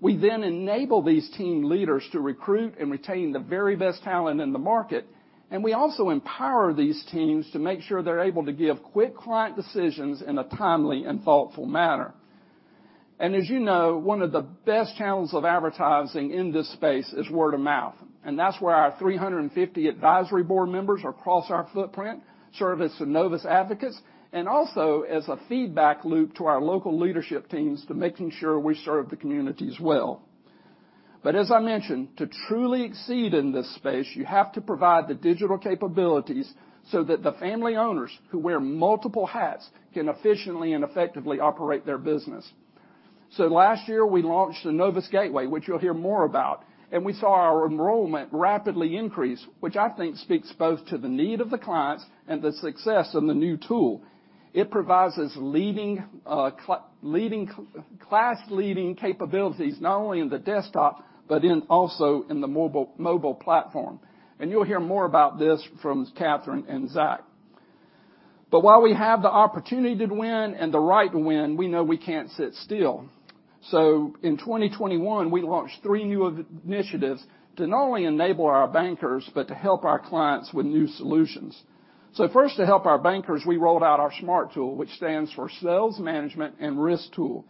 We then enable these team leaders to recruit and retain the very best talent in the market, and we also empower these teams to make sure they're able to give quick client decisions in a timely and thoughtful manner. As you know, one of the best channels of advertising in this space is word of mouth. That's where our 350 advisory board members across our footprint serve as Synovus advocates, and also as a feedback loop to our local leadership teams to making sure we serve the communities well. As I mentioned, to truly exceed in this space, you have to provide the digital capabilities so that the family owners, who wear multiple hats, can efficiently and effectively operate their business. Last year, we launched Synovus Gateway, which you'll hear more about. We saw our enrollment rapidly increase, which I think speaks both to the need of the clients and the success of the new tool. It provides us class-leading capabilities not only in the desktop, but also in the mobile platform. You'll hear more about this from Katherine and Zack. While we have the opportunity to win and the right to win, we know we can't sit still. In 2021, we launched three new initiatives to not only enable our bankers, but to help our clients with new solutions. First, to help our bankers, we rolled out our SMART tool, which stands for Sales Management At Risk Tool.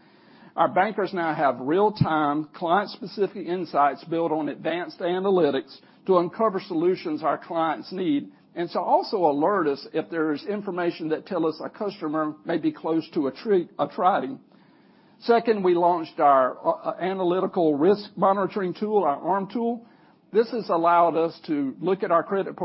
Our bankers now have real-time, client-specific insights built on advanced analytics to uncover solutions our clients need, and to also alert us if there is information that tell us a customer may be close to attriting. Second, we launched our Analytical Risk Monitoring Tool, our ARM tool. This has allowed us to look at our credit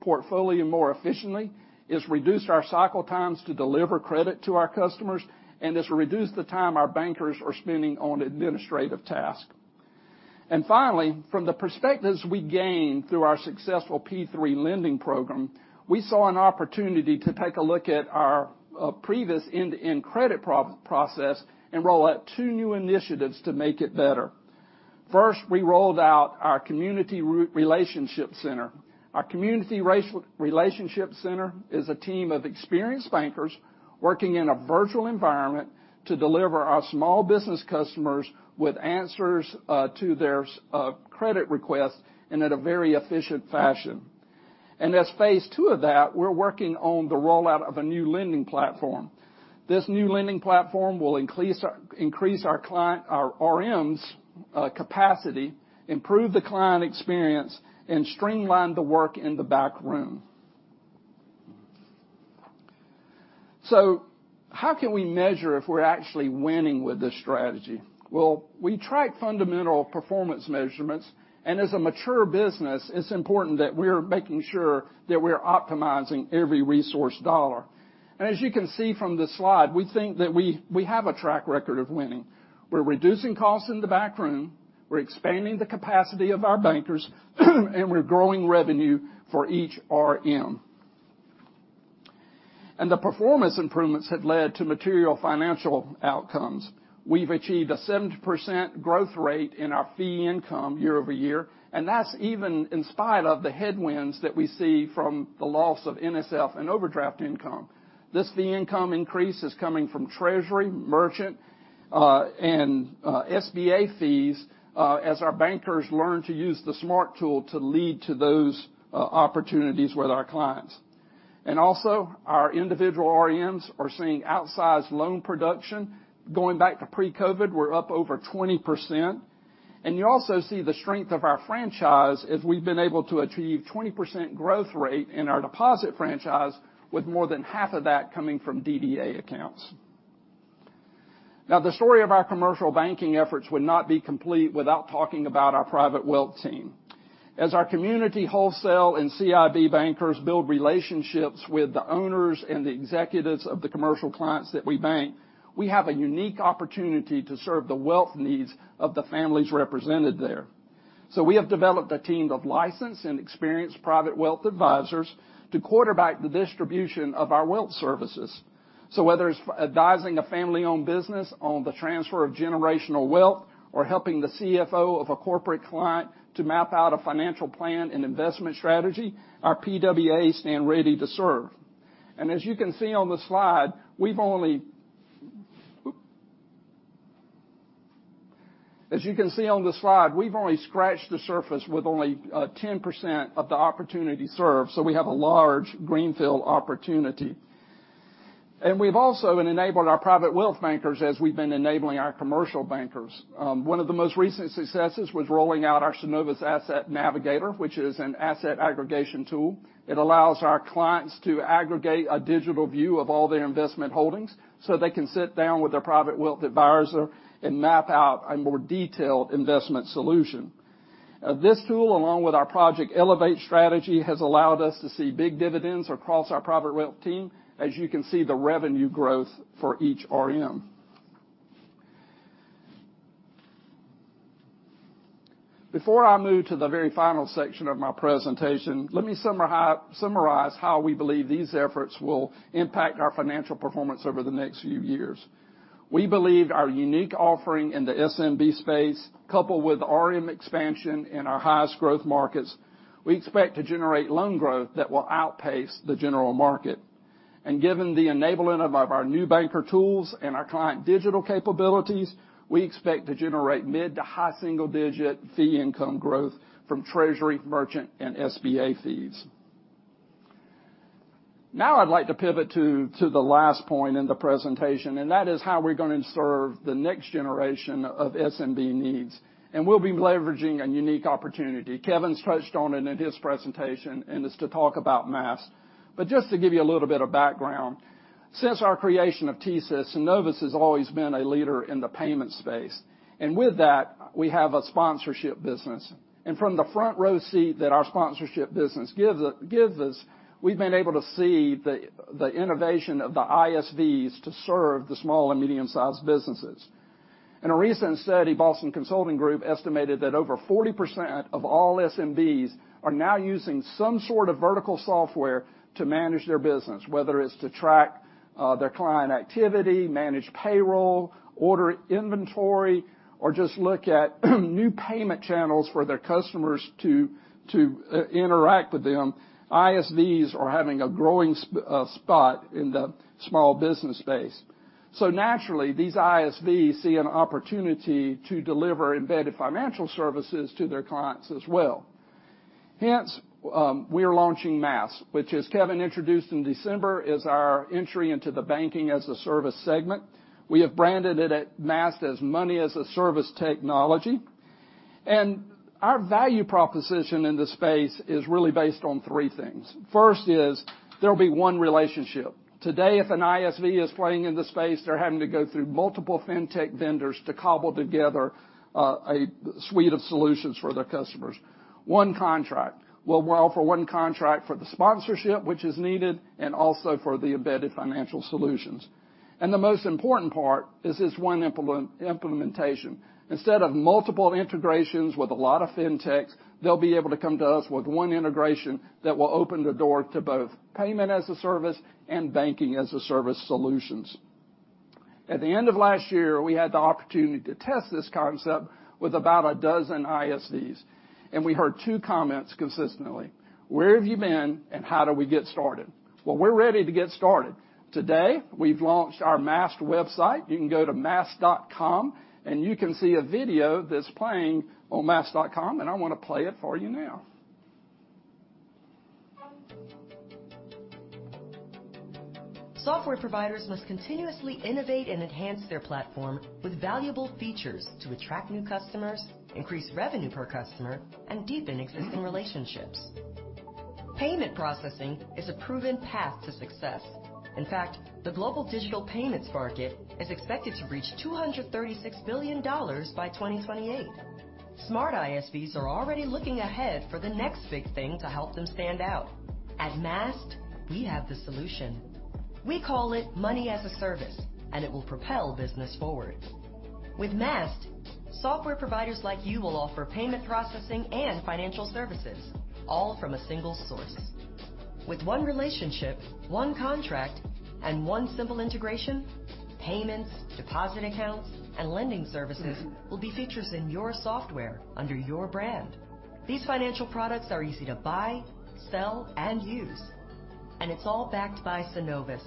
portfolio more efficiently, it's reduced our cycle times to deliver credit to our customers, and it's reduced the time our bankers are spending on administrative tasks. Finally, from the perspectives we gained through our successful PPP lending program, we saw an opportunity to take a look at our previous end-to-end credit process and roll out two new initiatives to make it better. First, we rolled out our Community Relationships Center. Our Community Relationships Center is a team of experienced bankers working in a virtual environment to deliver our small business customers with answers to their credit requests and at a very efficient fashion. As phase two of that, we're working on the rollout of a new lending platform. This new lending platform will increase our client, our RMs capacity, improve the client experience, and streamline the work in the back room. How can we measure if we're actually winning with this strategy? We track fundamental performance measurements, and as a mature business, it's important that we're making sure that we're optimizing every resource dollar. As you can see from the slide, we think that we have a track record of winning. We're reducing costs in the back room, we're expanding the capacity of our bankers, and we're growing revenue for each RM. The performance improvements have led to material financial outcomes. We've achieved a 70% growth rate in our fee income year-over-year, and that's even in spite of the headwinds that we see from the loss of NSF and overdraft income. This fee income increase is coming from treasury, merchant, and SBA fees as our bankers learn to use the SMART tool to lead to those opportunities with our clients. Our individual RMs are seeing outsized loan production. Going back to pre-COVID, we're up over 20%. You also see the strength of our franchise as we've been able to achieve 20% growth rate in our deposit franchise, with more than half of that coming from DDA accounts. Now, the story of our commercial banking efforts would not be complete without talking about our private wealth team. As our community wholesale and CIB bankers build relationships with the owners and the executives of the commercial clients that we bank, we have a unique opportunity to serve the wealth needs of the families represented there. We have developed a team of licensed and experienced private wealth advisors to quarterback the distribution of our wealth services. Whether it's advising a family-owned business on the transfer of generational wealth or helping the CFO of a corporate client to map out a financial plan and investment strategy, our PWAs stand ready to serve. As you can see on the slide, we've only... As you can see on the slide, we've only scratched the surface with only 10% of the opportunity served, so we have a large greenfield opportunity. We've also enabled our private wealth bankers as we've been enabling our commercial bankers. One of the most recent successes was rolling out our Synovus Asset Navigator, which is an asset aggregation tool. It allows our clients to aggregate a digital view of all their investment holdings, so they can sit down with their private wealth advisor and map out a more detailed investment solution. This tool, along with our Project Elevate strategy, has allowed us to see big dividends across our private wealth team, as you can see the revenue growth for each RM. Before I move to the very final section of my presentation, let me summarize how we believe these efforts will impact our financial performance over the next few years. We believe our unique offering in the SMB space, coupled with RM expansion in our highest growth markets, we expect to generate loan growth that will outpace the general market. Given the enabling of our new banker tools and our client digital capabilities, we expect to generate mid to high single digit fee income growth from treasury, merchant, and SBA fees. Now I'd like to pivot to the last point in the presentation, and that is how we're gonna serve the next generation of SMB needs. We'll be leveraging a unique opportunity. Kevin's touched on it in his presentation, and it's to talk about Maast. Just to give you a little bit of background, since our creation of TSYS, Synovus has always been a leader in the payment space. With that, we have a sponsorship business. From the front-row seat that our sponsorship business gives us, we've been able to see the innovation of the ISVs to serve the small and medium-sized businesses. In a recent study, Boston Consulting Group estimated that over 40% of all SMBs are now using some sort of vertical software to manage their business, whether it's to track their client activity, manage payroll, order inventory, or just look at new payment channels for their customers to interact with them. ISVs are having a growing spot in the small business space. Naturally, these ISVs see an opportunity to deliver embedded financial services to their clients as well. Hence, we are launching Maast, which as Kevin introduced in December, is our entry into the banking-as-a-service segment. We have branded it Maast as Money-as-a-Service Technology. Our value proposition in the space is really based on three things. First is, there'll be one relationship. Today, if an ISV is playing in the space, they're having to go through multiple fintech vendors to cobble together a suite of solutions for their customers. One contract. Well, we offer one contract for the sponsorship, which is needed, and also for the embedded financial solutions. The most important part is this one implementation. Instead of multiple integrations with a lot of fintechs, they'll be able to come to us with one integration that will open the door to both payment-as-a-service and banking-as-a-service solutions. At the end of last year, we had the opportunity to test this concept with about a dozen ISVs, and we heard two comments consistently: Where have you been, and how do we get started? Well, we're ready to get started. Today, we've launched our Maast website. You can go to maast.synovus.com, and you can see a video that's playing on maast.synovus.com, and I wanna play it for you now. Software providers must continuously innovate and enhance their platform with valuable features to attract new customers, increase revenue per customer, and deepen existing relationships. Payment processing is a proven path to success. In fact, the global digital payments market is expected to reach $236 billion by 2028. Smart ISVs are already looking ahead for the next big thing to help them stand out. At Maast, we have the solution. We call it Money as a Service, and it will propel business forward. With Maast, software providers like you will offer payment processing and financial services, all from a single source. With one relationship, one contract, and one simple integration, payments, deposit accounts, and lending services will be features in your software under your brand. These financial products are easy to buy, sell, and use, and it's all backed by Synovus,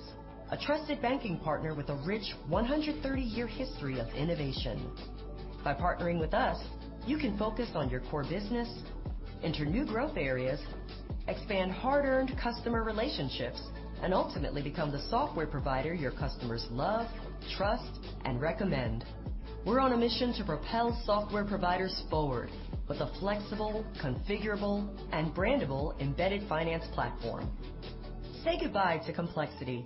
a trusted banking partner with a rich 130-year history of innovation. By partnering with us, you can focus on your core business, enter new growth areas, expand hard-earned customer relationships, and ultimately become the software provider your customers love, trust, and recommend. We're on a mission to propel software providers forward with a flexible, configurable, and brandable embedded finance platform. Say goodbye to complexity.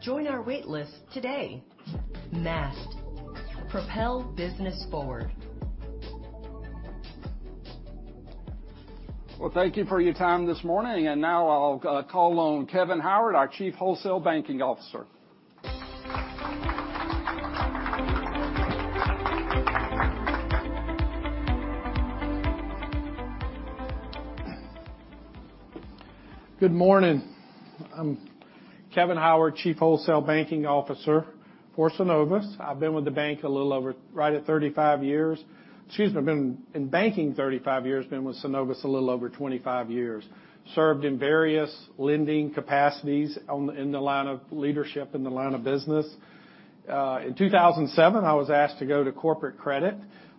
Join our waitlist today. Maast, propel business forward. Well, thank you for your time this morning. Now I'll call on Kevin Howard, our Chief Wholesale Banking Officer. Good morning. I'm Kevin Howard, Chief Wholesale Banking Officer for Synovus. I've been with the bank a little over right at 35 years. Excuse me, I've been in banking 35 years, been with Synovus a little over 25 years. Served in various lending capacities in the line of leadership in the line of business. In 2007, I was asked to go to corporate credit,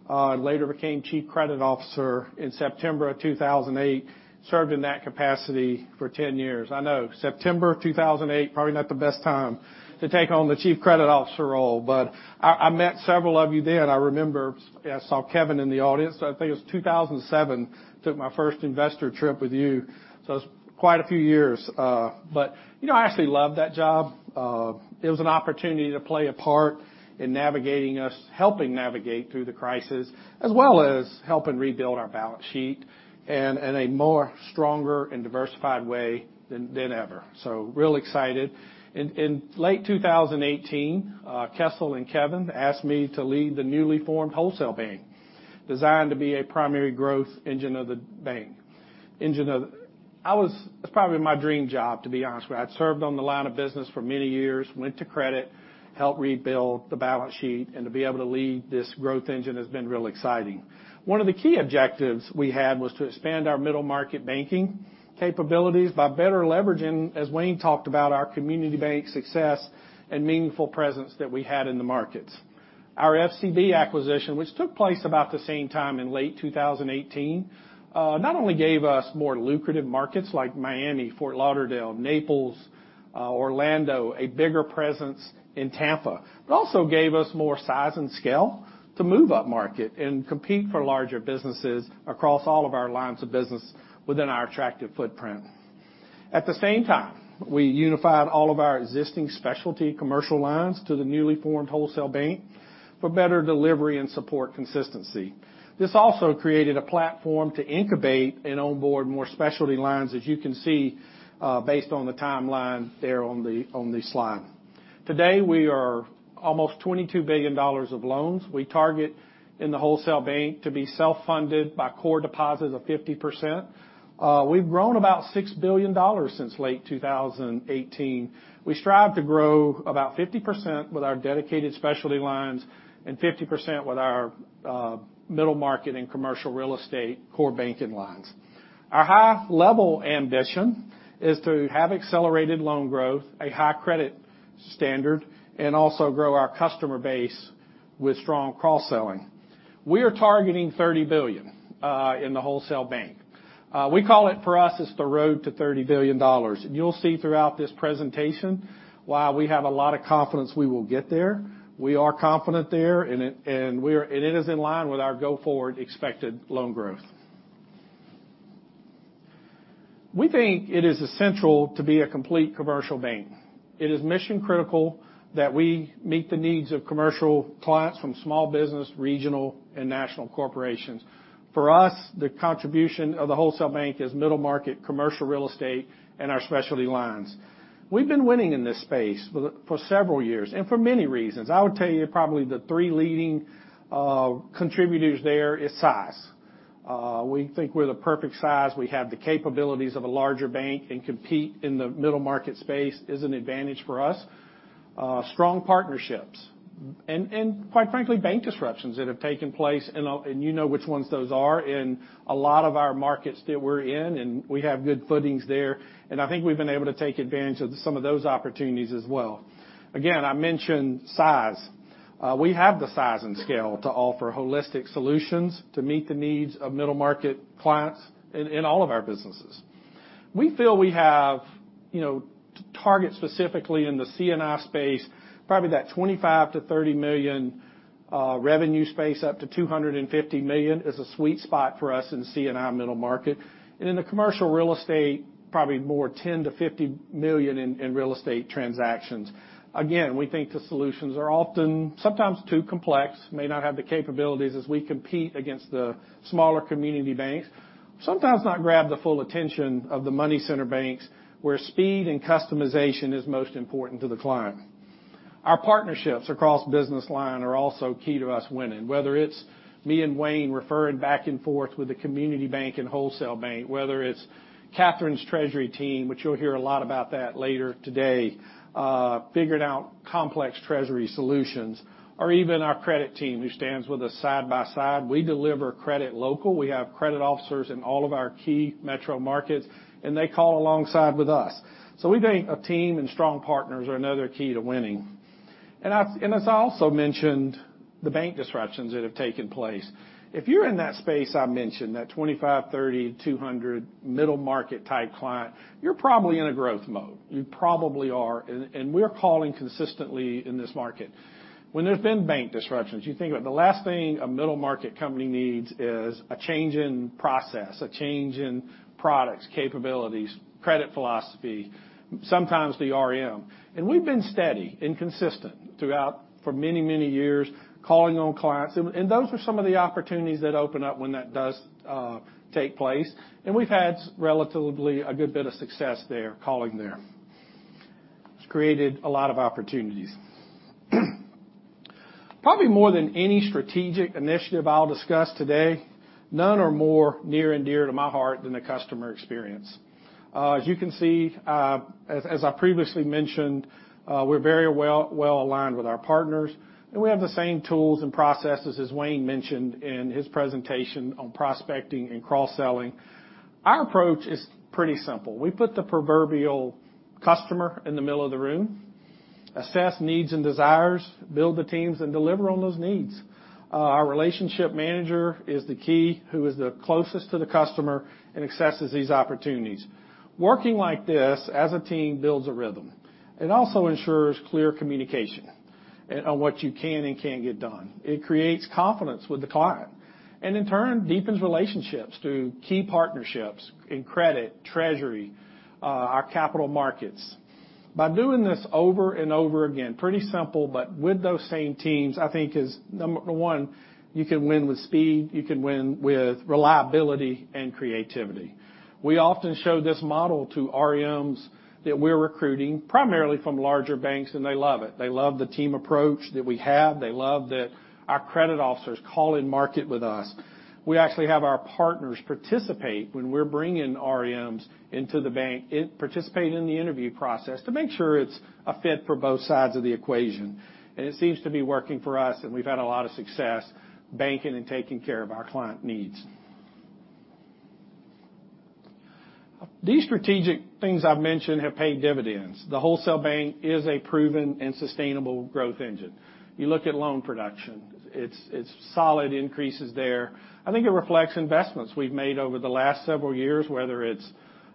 and later became Chief Credit Officer in September 2008. Served in that capacity for 10 years. I know, September 2008, probably not the best time to take on the Chief Credit Officer role, but I met several of you then. I remember I saw Kevin in the audience. I think it was 2007, took my first investor trip with you. It's quite a few years. You know, I actually loved that job. It was an opportunity to play a part in navigating us, helping navigate through the crisis, as well as helping rebuild our balance sheet in a more stronger and diversified way than ever. Real excited. In late 2018, Kessel and Kevin asked me to lead the newly formed wholesale bank, designed to be a primary growth engine of the bank. It's probably my dream job, to be honest with you. I'd served on the line of business for many years, went to credit, helped rebuild the balance sheet, and to be able to lead this growth engine has been real exciting. One of the key objectives we had was to expand our middle market banking capabilities by better leveraging, as Wayne talked about, our community bank success and meaningful presence that we had in the markets. Our FCB acquisition, which took place about the same time in late 2018, not only gave us more lucrative markets like Miami, Fort Lauderdale, Naples, Orlando, a bigger presence in Tampa, but also gave us more size and scale to move upmarket and compete for larger businesses across all of our lines of business within our attractive footprint. At the same time, we unified all of our existing specialty commercial lines to the newly formed wholesale bank for better delivery and support consistency. This also created a platform to incubate and onboard more specialty lines, as you can see, based on the timeline there on the slide. Today, we are almost $22 billion of loans. We target in the wholesale bank to be self-funded by core deposits of 50%. We've grown about $6 billion since late 2018. We strive to grow about 50% with our dedicated specialty lines and 50% with our middle market and commercial real estate core banking lines. Our high-level ambition is to have accelerated loan growth, a high credit standard, and also grow our customer base with strong cross-selling. We are targeting $30 billion in the wholesale bank. We call it, for us, it's the road to $30 billion. You'll see throughout this presentation why we have a lot of confidence we will get there. We are confident there, and it is in line with our go-forward expected loan growth. We think it is essential to be a complete commercial bank. It is mission-critical that we meet the needs of commercial clients from small business, regional, and national corporations. For us, the contribution of the wholesale bank is middle market, commercial real estate, and our specialty lines. We've been winning in this space for several years and for many reasons. I would tell you probably the three leading contributors there is size. We think we're the perfect size. We have the capabilities of a larger bank and compete in the middle market space is an advantage for us. Strong partnerships and quite frankly, bank disruptions that have taken place, and you know which ones those are in a lot of our markets that we're in, and we have good footings there. I think we've been able to take advantage of some of those opportunities as well. Again, I mentioned size. We have the size and scale to offer holistic solutions to meet the needs of middle-market clients in all of our businesses. We feel we have, you know, to target specifically in the C&I space, probably that $25 million-$30 million revenue space up to $250 million is a sweet spot for us in C&I middle market. In the commercial real estate, probably from $10 million-$50 million in real estate transactions. Again, we think the solutions are often sometimes too complex, may not have the capabilities as we compete against the smaller community banks, sometimes not grab the full attention of the money center banks, where speed and customization is most important to the client. Our partnerships across business line are also key to us winning, whether it's me and Wayne referring back and forth with the community bank and wholesale bank, whether it's Katherine's treasury team, which you'll hear a lot about that later today, figuring out complex treasury solutions, or even our credit team who stands with us side by side. We deliver credit local. We have credit officers in all of our key metro markets, and they call alongside with us. We think a team and strong partners are another key to winning. As I also mentioned, the bank disruptions that have taken place. If you're in that space I mentioned, that 25, 30, 200 middle-market-type client, you're probably in a growth mode. You probably are. We're calling consistently in this market. When there's been bank disruptions, you think about the last thing a middle-market company needs is a change in process, a change in products, capabilities, credit philosophy, sometimes the RM. We've been steady and consistent throughout for many, many years, calling on clients. Those are some of the opportunities that open up when that does take place. We've had relatively a good bit of success there, calling there. It's created a lot of opportunities. Probably more than any strategic initiative I'll discuss today, none are more near and dear to my heart than the customer experience. As you can see, as I previously mentioned, we're very well-aligned with our partners, and we have the same tools and processes as Wayne mentioned in his presentation on prospecting and cross-selling. Our approach is pretty simple. We put the proverbial customer in the middle of the room, assess needs and desires, build the teams, and deliver on those needs. Our relationship manager is the key, who is the closest to the customer and accesses these opportunities. Working like this as a team builds a rhythm. It also ensures clear communication and on what you can and can't get done. It creates confidence with the client, and in turn, deepens relationships through key partnerships in credit, treasury, our capital markets. By doing this over and over again, pretty simple, but with those same teams, I think is number 1, you can win with speed, you can win with reliability and creativity. We often show this model to RMs that we're recruiting primarily from larger banks, and they love it. They love the team approach that we have. They love that our credit officers call and market with us. We actually have our partners participate when we're bringing RM's into the bank, participate in the interview process to make sure it's a fit for both sides of the equation. It seems to be working for us, and we've had a lot of success banking and taking care of our client needs. These strategic things I've mentioned have paid dividends. The wholesale bank is a proven and sustainable growth engine. You look at loan production, it's solid increases there. I think it reflects investments we've made over the last several years, whether it's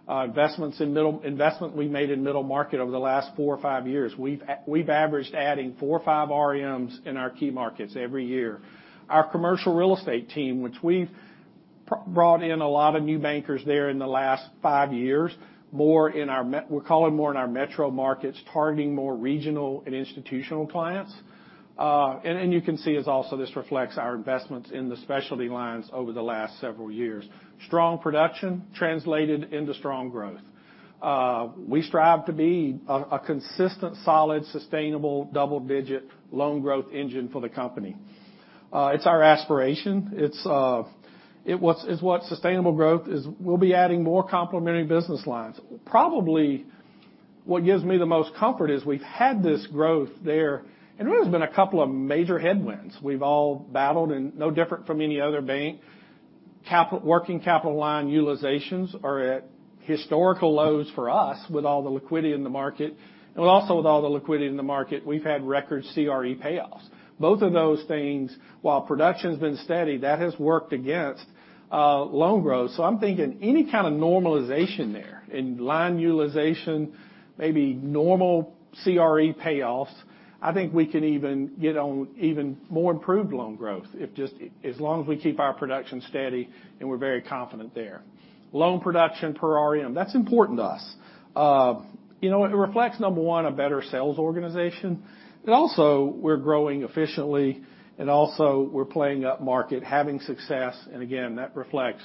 investments in middle market over the last four or five years. We've averaged adding four or five RMs in our key markets every year. Our commercial real estate team, which we've brought in a lot of new bankers there in the last five years, more in our metro markets, targeting more regional and institutional clients. You can see, this also reflects our investments in the specialty lines over the last several years. Strong production translated into strong growth. We strive to be a consistent, solid, sustainable double-digit loan growth engine for the company. It's our aspiration. It's what sustainable growth is. We'll be adding more complementary business lines. Probably what gives me the most comfort is we've had this growth there, and there's been a couple of major headwinds. We've all battled and no different from any other bank. Working capital line utilizations are at historical lows for us with all the liquidity in the market. Also with all the liquidity in the market, we've had record CRE payoffs. Both of those things, while production's been steady, that has worked against loan growth. I'm thinking any kind of normalization there in line utilization, maybe normal CRE payoffs, I think we can even get on even more improved loan growth if just as long as we keep our production steady, and we're very confident there. Loan production per RM, that's important to us. You know, it reflects, number one, a better sales organization. It also, we're growing efficiently, and also we're playing up market, having success, and again, that reflects,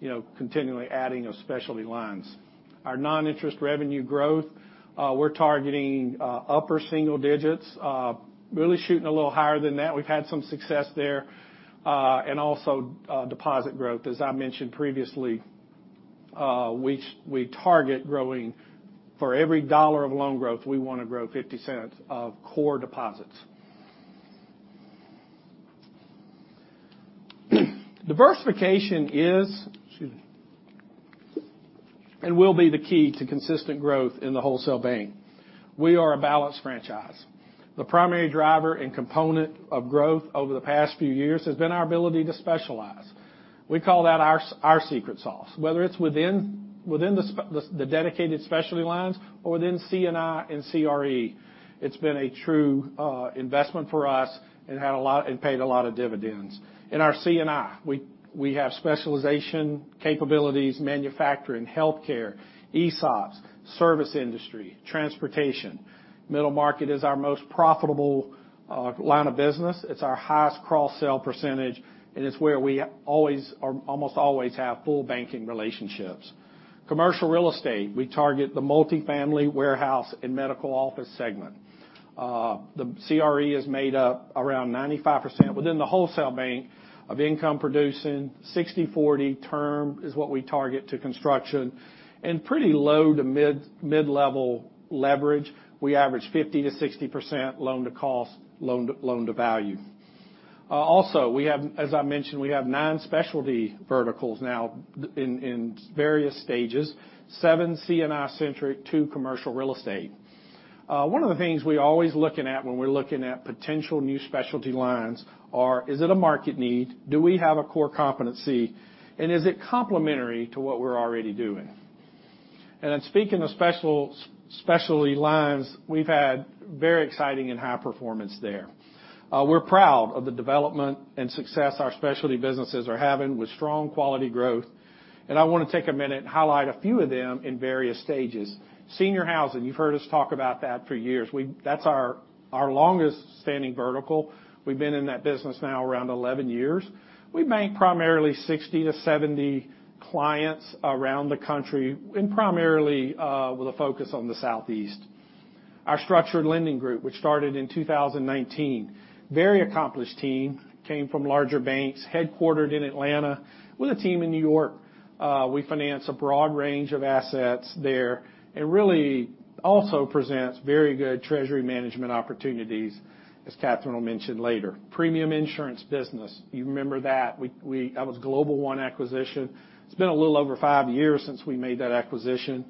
you know, continually adding of specialty lines. Our non-interest revenue growth, we're targeting upper single digits, really shooting a little higher than that. We've had some success there, and also deposit growth, as I mentioned previously, which we target growing for every dollar of loan growth, we wanna grow 50 cents of core deposits. Diversification is, excuse me, and will be the key to consistent growth in the wholesale bank. We are a balanced franchise. The primary driver and component of growth over the past few years has been our ability to specialize. We call that our secret sauce, whether it's within the dedicated specialty lines or within C&I and CRE. It's been a true investment for us and had a lot and paid a lot of dividends. In our C&I, we have specialization capabilities, manufacturing, healthcare, ESOPs, service industry, transportation. Middle market is our most profitable line of business. It's our highest cross-sell percentage, and it's where we always or almost always have full banking relationships. Commercial real estate, we target the multifamily warehouse and medical office segment. The CRE is made up around 95% within the wholesale bank of income producing 60/40 term is what we target to construction and pretty low to mid-level leverage. We average 50%-60% loan to cost, loan to value. Also, as I mentioned, we have nine specialty verticals now in various stages, seven C&I centric, two commercial real estate. One of the things we're always looking at when we're looking at potential new specialty lines is it a market need? Do we have a core competency? Is it complementary to what we're already doing? Speaking of specialty lines, we've had very exciting and high performance there. We're proud of the development and success our specialty businesses are having with strong quality growth. I wanna take a minute and highlight a few of them in various stages. Senior housing, you've heard us talk about that for years. That's our longest standing vertical. We've been in that business now around 11 years. We bank primarily 60-70 clients around the country and primarily with a focus on the Southeast. Our structured lending group, which started in 2019, very accomplished team, came from larger banks, headquartered in Atlanta with a team in New York. We finance a broad range of assets there and really also presents very good treasury management opportunities, as Katherine will mention later. Premium insurance business, you remember that. We. That was Global One acquisition. It's been a little over five years since we made that acquisition.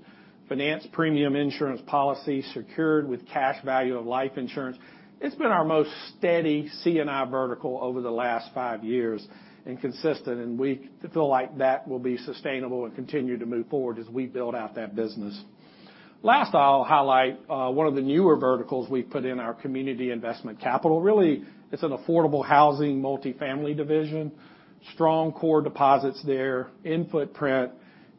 Finances premium insurance policy secured with cash value of life insurance. It's been our most steady C&I vertical over the last five years and consistent, and we feel like that will be sustainable and continue to move forward as we build out that business. Last, I'll highlight one of the newer verticals we've put in our Community Investment Capital. Really, it's an affordable housing multifamily division, strong core deposits there, in footprint,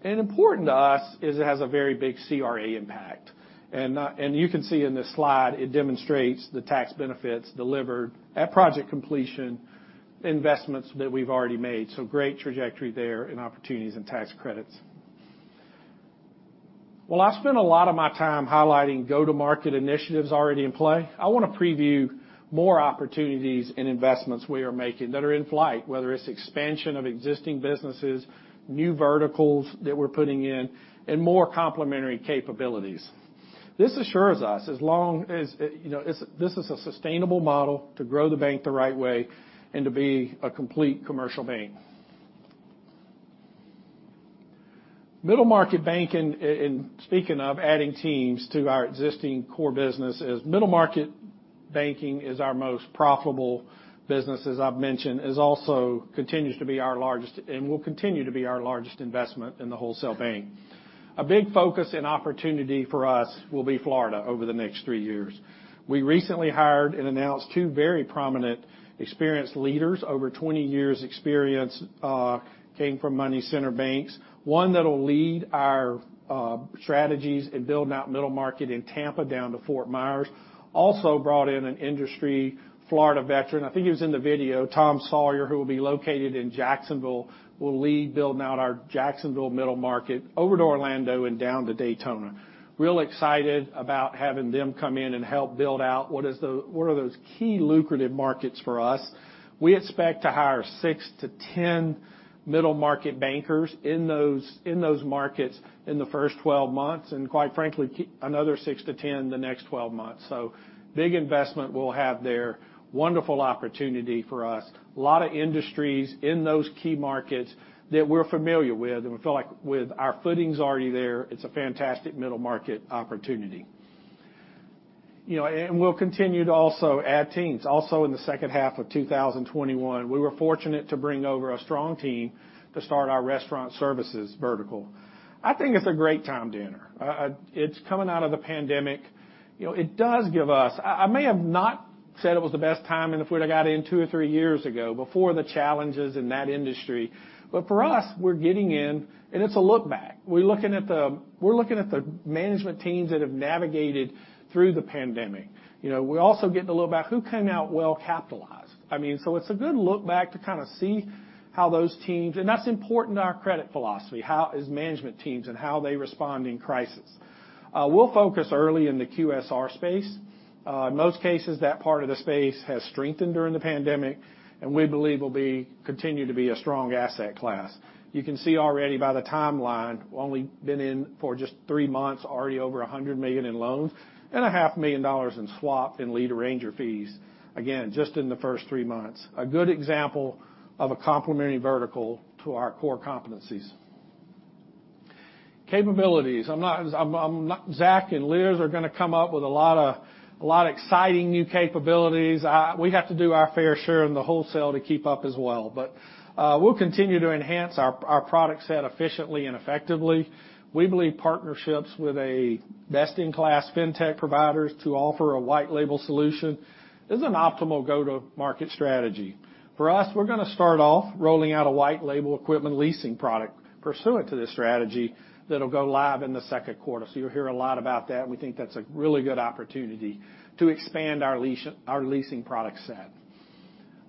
and important to us is it has a very big CRA impact. You can see in this slide, it demonstrates the tax benefits delivered at project completion, investments that we've already made. Great trajectory there and opportunities and tax credits. While I spent a lot of my time highlighting go-to-market initiatives already in play, I wanna preview more opportunities and investments we are making that are in flight, whether it's expansion of existing businesses, new verticals that we're putting in, and more complementary capabilities. This assures us as long as, you know, this is a sustainable model to grow the bank the right way and to be a complete commercial bank. Middle market banking, and speaking of adding teams to our existing core business is middle market banking, our most profitable business, as I've mentioned, also continues to be our largest and will continue to be our largest investment in the wholesale bank. A big focus and opportunity for us will be Florida over the next three years. We recently hired and announced two very prominent experienced leaders, over 20 years experience, came from money center banks. One that'll lead our strategies in building out middle market in Tampa down to Fort Myers. Also brought in an industry Florida veteran. I think he was in the video, Tom Sawyer, who will be located in Jacksonville, will lead building out our Jacksonville middle market over to Orlando and down to Daytona. Really excited about having them come in and help build out what is the one of those key lucrative markets for us. We expect to hire 6-10 middle market bankers in those markets in the first 12 months, and quite frankly, another 6-10 the next 12 months. Big investment we'll have there. Wonderful opportunity for us. A lot of industries in those key markets that we're familiar with, and we feel like with our footings already there, it's a fantastic middle market opportunity. You know, we'll continue to also add teams. Also, in the second half of 2021, we were fortunate to bring over a strong team to start our restaurant services vertical. I think it's a great time to enter. It's coming out of the pandemic. You know, it does give us. I may have not said it was the best time, and if we'd have got in two or three years ago before the challenges in that industry. For us, we're getting in, and it's a look back. We're looking at the management teams that have navigated through the pandemic. You know, we're also getting a look back who came out well-capitalized. I mean, it's a good look back to kinda see how those teams, and that's important to our credit philosophy, how those management teams and how they respond in crisis. We'll focus early in the QSR space. In most cases, that part of the space has strengthened during the pandemic, and we believe will continue to be a strong asset class. You can see already by the timeline, only been in for just three months, already over $100 million in loans and $0.5 million in swap and lead arranger fees. Again, just in the first three months. A good example of a complementary vertical to our core competencies, capabilities. Zack and Liz are gonna come up with a lot of exciting new capabilities. We have to do our fair share in the wholesale to keep up as well. We'll continue to enhance our product set efficiently and effectively. We believe partnerships with a best-in-class fintech providers to offer a white label solution is an optimal go-to-market strategy. For us, we're gonna start off rolling out a white label equipment leasing product pursuant to this strategy that'll go live in the second quarter. You'll hear a lot about that. We think that's a really good opportunity to expand our leasing product set.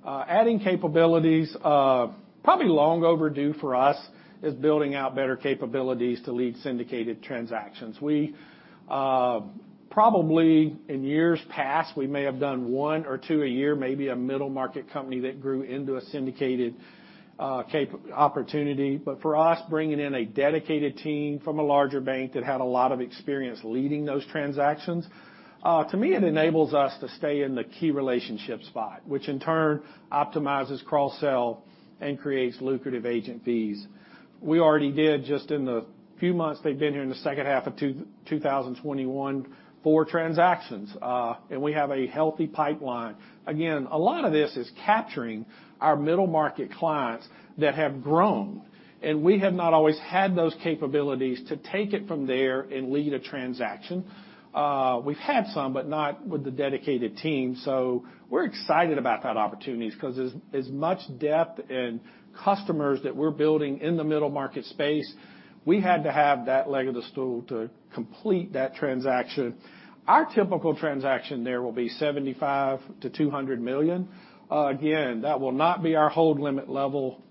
Adding capabilities, probably long overdue for us, is building out better capabilities to lead syndicated transactions. We probably in years past, we may have done one or two a year, maybe a middle-market company that grew into a syndicated opportunity. For us, bringing in a dedicated team from a larger bank that had a lot of experience leading those transactions, to me, it enables us to stay in the key relationship spot, which in turn optimizes cross-sell and creates lucrative agent fees. We already did, just in the few months they've been here in the second half of 2021, four transactions. We have a healthy pipeline. Again, a lot of this is capturing our middle market clients that have grown, and we have not always had those capabilities to take it from there and lead a transaction. We've had some, but not with the dedicated team. We're excited about that opportunities 'cause as much depth in customers that we're building in the middle market space, we had to have that leg of the stool to complete that transaction. Our typical transaction there will be $75 million-$200 million. Again, that will not be our hold limit level.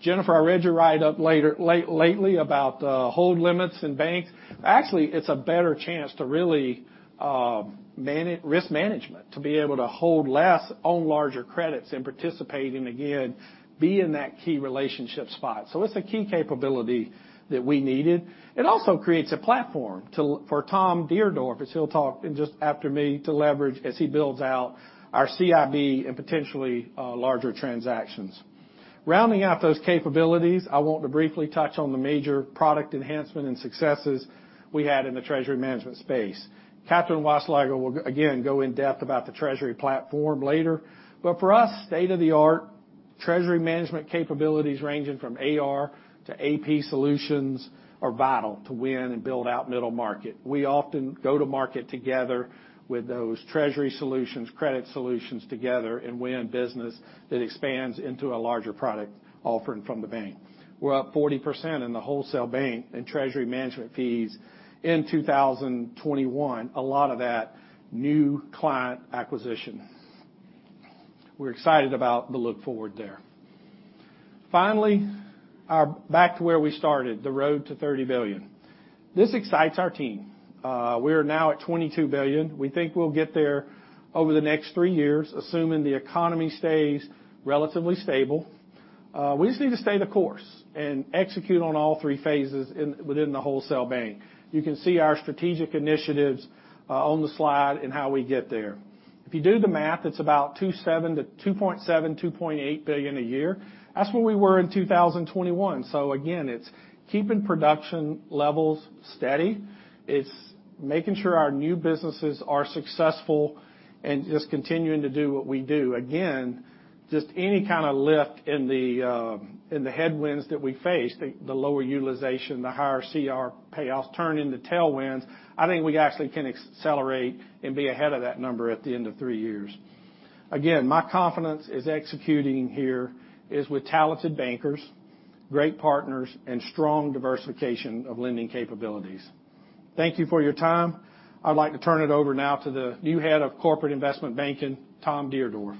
Jennifer, I read your write-up lately about hold limits in banks. Actually, it's a better chance to really manage risk management to be able to hold less on larger credits and participate and again be in that key relationship spot. It's a key capability that we needed. It also creates a platform for Tom Dierdorff, as he'll talk just after me, to leverage as he builds out our CIB and potentially larger transactions. Rounding out those capabilities, I want to briefly touch on the major product enhancement and successes we had in the treasury management space. Katherine Weislogel will again go in depth about the treasury platform later. For us, state-of-the-art treasury management capabilities ranging from AR to AP solutions are vital to win and build out middle market. We often go to market together with those treasury solutions, credit solutions together, and win business that expands into a larger product offering from the bank. We're up 40% in the wholesale bank and treasury management fees in 2021, a lot of that new client acquisition. We're excited about the look forward there. Finally, back to where we started, the road to $30 billion. This excites our team. We are now at $22 billion. We think we'll get there over the next three years, assuming the economy stays relatively stable. We just need to stay the course and execute on all three phases within the wholesale bank. You can see our strategic initiatives on the slide and how we get there. If you do the math, it's about $2.7 billion-$2.8 billion a year. That's where we were in 2021. Again, it's keeping production levels steady. It's making sure our new businesses are successful and just continuing to do what we do. Again, just any kind of lift in the headwinds that we face, the lower utilization, the higher CRE payoffs turn into tailwinds. I think we actually can accelerate and be ahead of that number at the end of three years. Again, my confidence is executing here is with talented bankers, great partners, and strong diversification of lending capabilities. Thank you for your time. I'd like to turn it over now to the new head of Corporate & Investment Banking, Tom Dierdorff.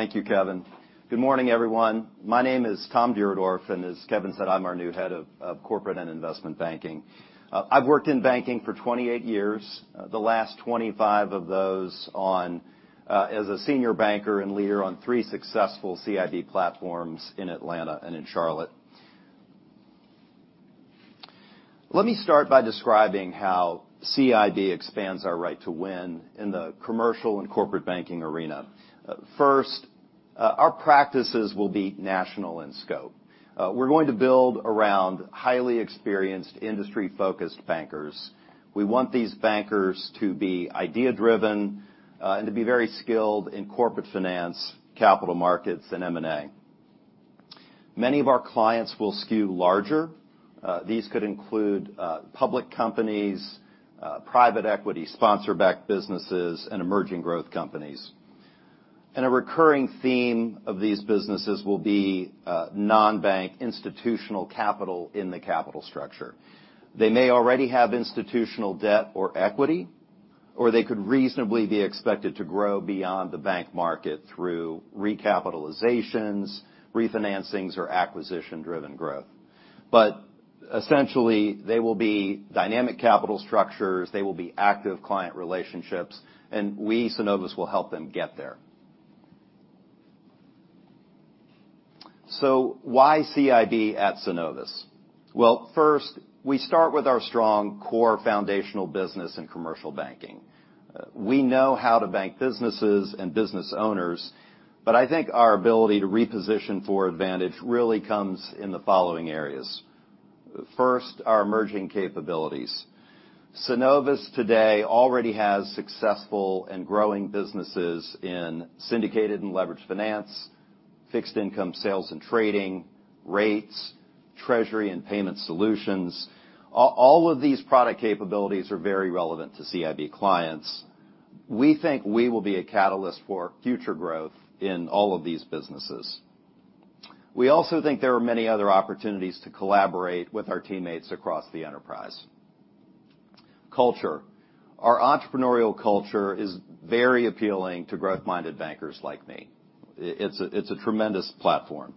Thank you, Kevin. Good morning, everyone. My name is Tom Dierdorff, and as Kevin said, I'm our new head of Corporate & Investment Banking. I've worked in banking for 28 years, the last 25 of those as a senior banker and leader on three successful CIB platforms in Atlanta and in Charlotte. Let me start by describing how CIB expands our right to win in the commercial and corporate banking arena. First, our practices will be national in scope. We're going to build around highly experienced industry-focused bankers. We want these bankers to be idea-driven and to be very skilled in corporate finance, capital markets, and M&A. Many of our clients will skew larger. These could include public companies, private equity, sponsor-backed businesses, and emerging growth companies. A recurring theme of these businesses will be non-bank institutional capital in the capital structure. They may already have institutional debt or equity, or they could reasonably be expected to grow beyond the bank market through recapitalizations, refinancings, or acquisition-driven growth. Essentially, they will be dynamic capital structures, they will be active client relationships, and we, Synovus, will help them get there. Why CIB at Synovus? Well, first, we start with our strong core foundational business in commercial banking. We know how to bank businesses and business owners, but I think our ability to reposition for advantage really comes in the following areas. First, our emerging capabilities. Synovus today already has successful and growing businesses in syndicated and leveraged finance, fixed income sales and trading, rates, Treasury and Payment Solutions. All of these product capabilities are very relevant to CIB clients. We think we will be a catalyst for future growth in all of these businesses. We also think there are many other opportunities to collaborate with our teammates across the enterprise. Culture. Our entrepreneurial culture is very appealing to growth-minded bankers like me. It's a tremendous platform.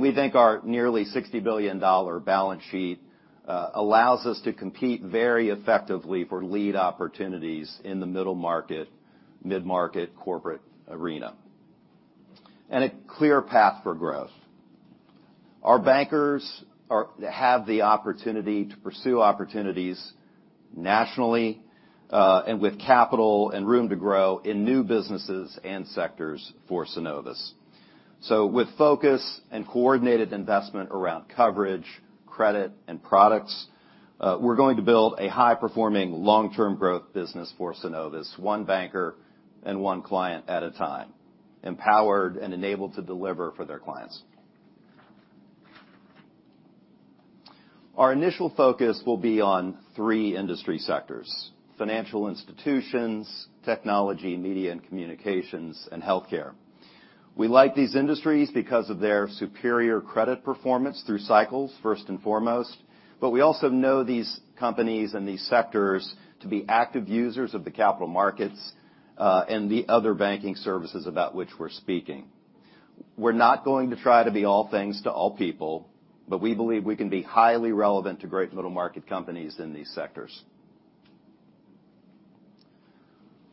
We think our nearly $60 billion balance sheet allows us to compete very effectively for lead opportunities in the middle market, mid-market corporate arena. A clear path for growth. Our bankers have the opportunity to pursue opportunities nationally, and with capital and room to grow in new businesses and sectors for Synovus. With focus and coordinated investment around coverage, credit, and products, we're going to build a high-performing long-term growth business for Synovus, one banker and one client at a time, empowered and enabled to deliver for their clients. Our initial focus will be on three industry sectors: financial institutions, technology, media, and communications, and healthcare. We like these industries because of their superior credit performance through cycles, first and foremost, but we also know these companies and these sectors to be active users of the capital markets, and the other banking services about which we're speaking. We're not going to try to be all things to all people, but we believe we can be highly relevant to great middle-market companies in these sectors.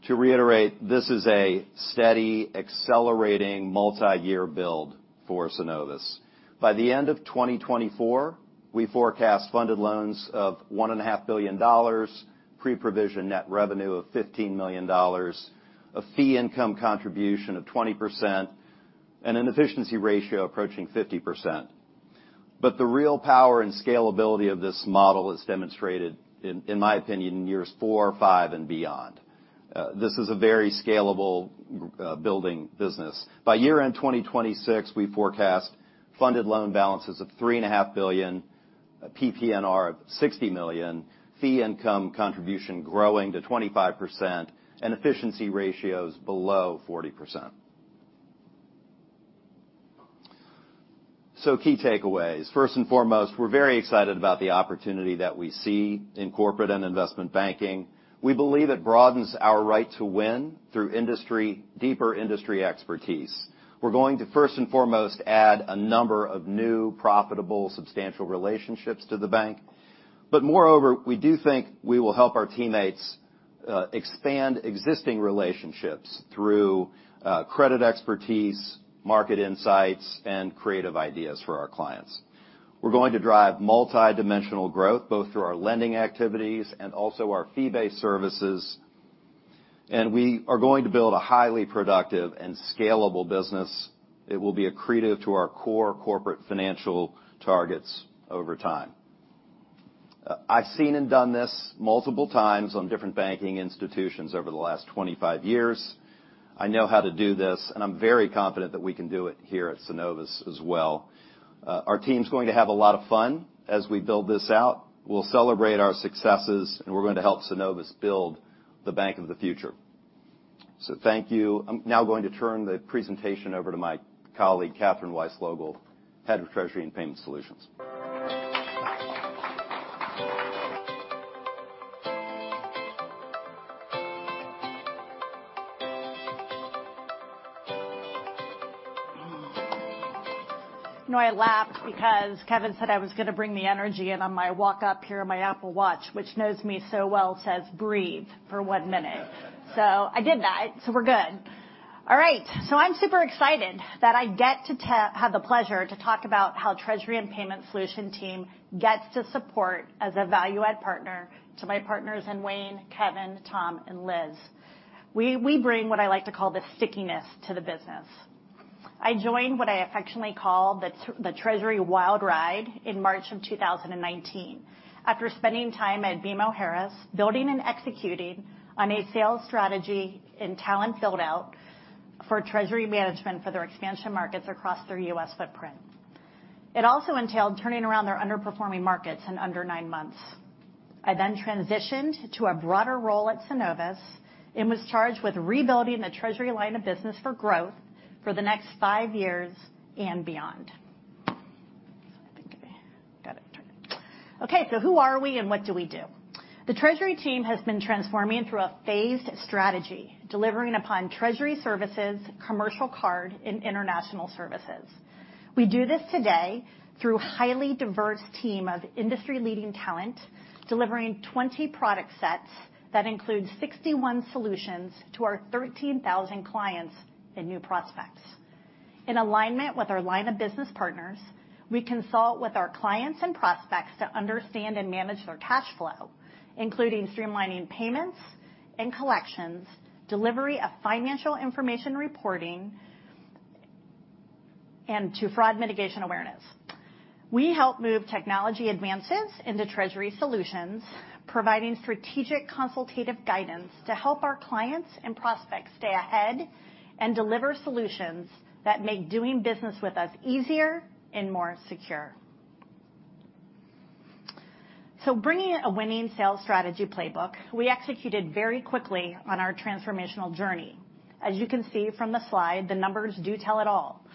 To reiterate, this is a steady, accelerating, multiyear build for Synovus. By the end of 2024, we forecast funded loans of $1.5 billion, Pre-Provision Net Revenue of $15 million, a fee income contribution of 20%, and an efficiency ratio approaching 50%. The real power and scalability of this model is demonstrated in my opinion in years 4, 5, and beyond. This is a very scalable building business. By year-end 2026, we forecast funded loan balances of $3.5 billion, a PPNR of $60 million, fee income contribution growing to 25%, and efficiency ratios below 40%. Key takeaways. First and foremost, we're very excited about the opportunity that we see in corporate and investment banking. We believe it broadens our right to win through industry, deeper industry expertise. We're going to first and foremost add a number of new profitable, substantial relationships to the bank. But moreover, we do think we will help our teammates expand existing relationships through credit expertise, market insights, and creative ideas for our clients. We're going to drive multidimensional growth, both through our lending activities and also our fee-based services. We are going to build a highly productive and scalable business that will be accretive to our core corporate financial targets over time. I've seen and done this multiple times on different banking institutions over the last 25 years. I know how to do this, and I'm very confident that we can do it here at Synovus as well. Our team's going to have a lot of fun as we build this out. We'll celebrate our successes, and we're going to help Synovus build the bank of the future. Thank you. I'm now going to turn the presentation over to my colleague, Katherine Weislogel, Head of Treasury and Payment Solutions. You know, I laughed because Kevin said I was gonna bring the energy in on my walk up here, and my Apple Watch, which knows me so well, says breathe for one minute. I did that, so we're good. All right. I'm super excited that I get to have the pleasure to talk about how Treasury and Payment Solutions team gets to support as a value add partner to my partners in Wayne, Kevin, Tom, and Liz. We bring what I like to call the stickiness to the business. I joined what I affectionately call the treasury wild ride in March of 2019 after spending time at BMO Harris Bank, building and executing on a sales strategy and talent build-out for treasury management for their expansion markets across their U.S. footprint. It also entailed turning around their underperforming markets in under nine months. I then transitioned to a broader role at Synovus and was charged with rebuilding the treasury line of business for growth for the next five years and beyond. I think I got it turned. Okay, who are we and what do we do? The treasury team has been transforming through a phased strategy, delivering upon treasury services, commercial card, and international services. We do this today through a highly diverse team of industry-leading talent, delivering 20 product sets that includes 61 solutions to our 13,000 clients and new prospects. In alignment with our line of business partners, we consult with our clients and prospects to understand and manage their cash flow, including streamlining payments and collections, delivery of financial information reporting, and to fraud mitigation awareness. We help move technology advances into treasury solutions, providing strategic consultative guidance to help our clients and prospects stay ahead and deliver solutions that make doing business with us easier and more secure. Bringing a winning sales strategy playbook, we executed very quickly on our transformational journey. As you can see from the slide, the numbers do tell it all.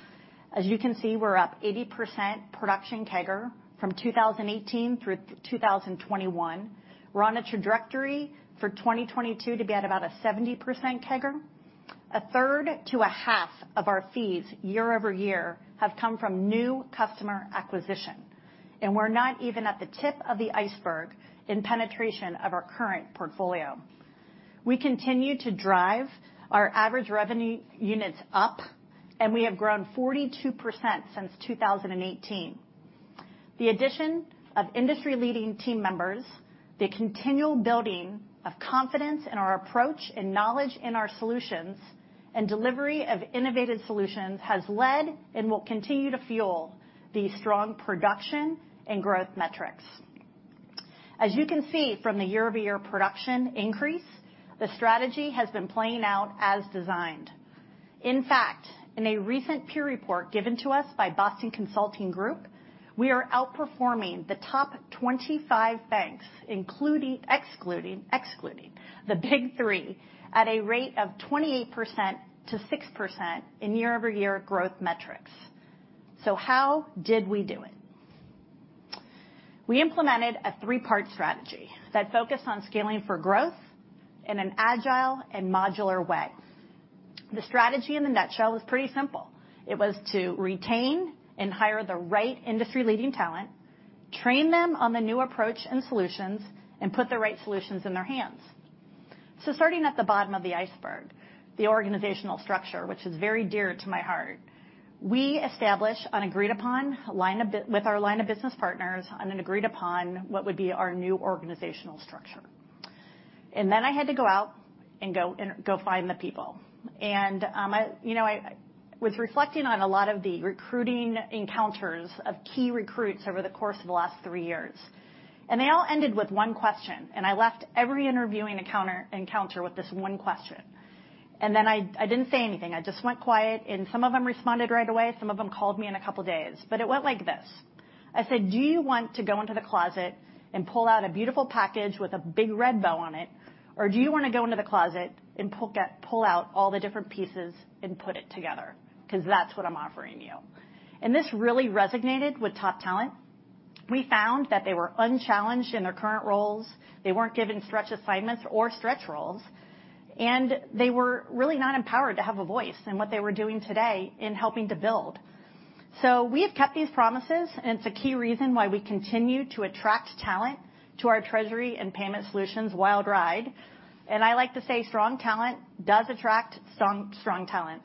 As you can see, we're up 80% production CAGR from 2018 through 2021. We're on a trajectory for 2022 to be at about a 70% CAGR. A third to a half of our fees year-over-year have come from new customer acquisition, and we're not even at the tip of the iceberg in penetration of our current portfolio. We continue to drive our average revenue units up, and we have grown 42% since 2018. The addition of industry-leading team members, the continual building of confidence in our approach and knowledge in our solutions, and delivery of innovative solutions has led and will continue to fuel these strong production and growth metrics. As you can see from the year-over-year production increase, the strategy has been playing out as designed. In fact, in a recent peer review report given to us by Boston Consulting Group, we are outperforming the top 25 banks, excluding the Big Three, at a rate of 28%-6% in year-over-year growth metrics. How did we do it? We implemented a three-part strategy that focused on scaling for growth in an agile and modular way. The strategy in a nutshell was pretty simple. It was to retain and hire the right industry-leading talent, train them on the new approach and solutions, and put the right solutions in their hands. Starting at the bottom of the iceberg, the organizational structure, which is very dear to my heart, we established an agreed upon line of business with our line of business partners on an agreed upon what would be our new organizational structure. Then I had to go out and find the people. You know, I was reflecting on a lot of the recruiting encounters of key recruits over the course of the last three years. They all ended with one question, and I left every interviewing encounter with this one question. Then I didn't say anything. I just went quiet, and some of them responded right away, some of them called me in a couple days. It went like this. I said, "Do you want to go into the closet and pull out a beautiful package with a big red bow on it? Or do you wanna go into the closet and pull out all the different pieces and put it together? 'Cause that's what I'm offering you." This really resonated with top talent. We found that they were unchallenged in their current roles. They weren't given stretch assignments or stretch roles, and they were really not empowered to have a voice in what they were doing today in helping to build. We have kept these promises, and it's a key reason why we continue to attract talent to our Treasury and Payment Solutions wild ride. I like to say strong talent does attract strong talent.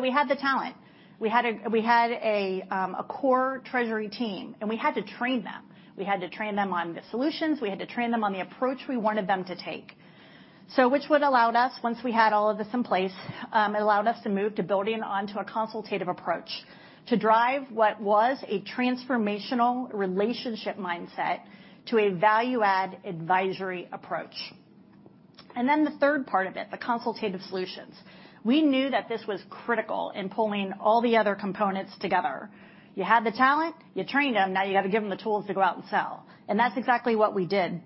We had the talent. We had a core treasury team, and we had to train them. We had to train them on the solutions. We had to train them on the approach we wanted them to take. Which would allowed us, once we had all of this in place, it allowed us to move to building onto a consultative approach to drive what was a transformational relationship mindset to a value-add advisory approach. Then the third part of it, the consultative solutions. We knew that this was critical in pulling all the other components together. You had the talent, you trained them, now you gotta give them the tools to go out and sell. That's exactly what we did.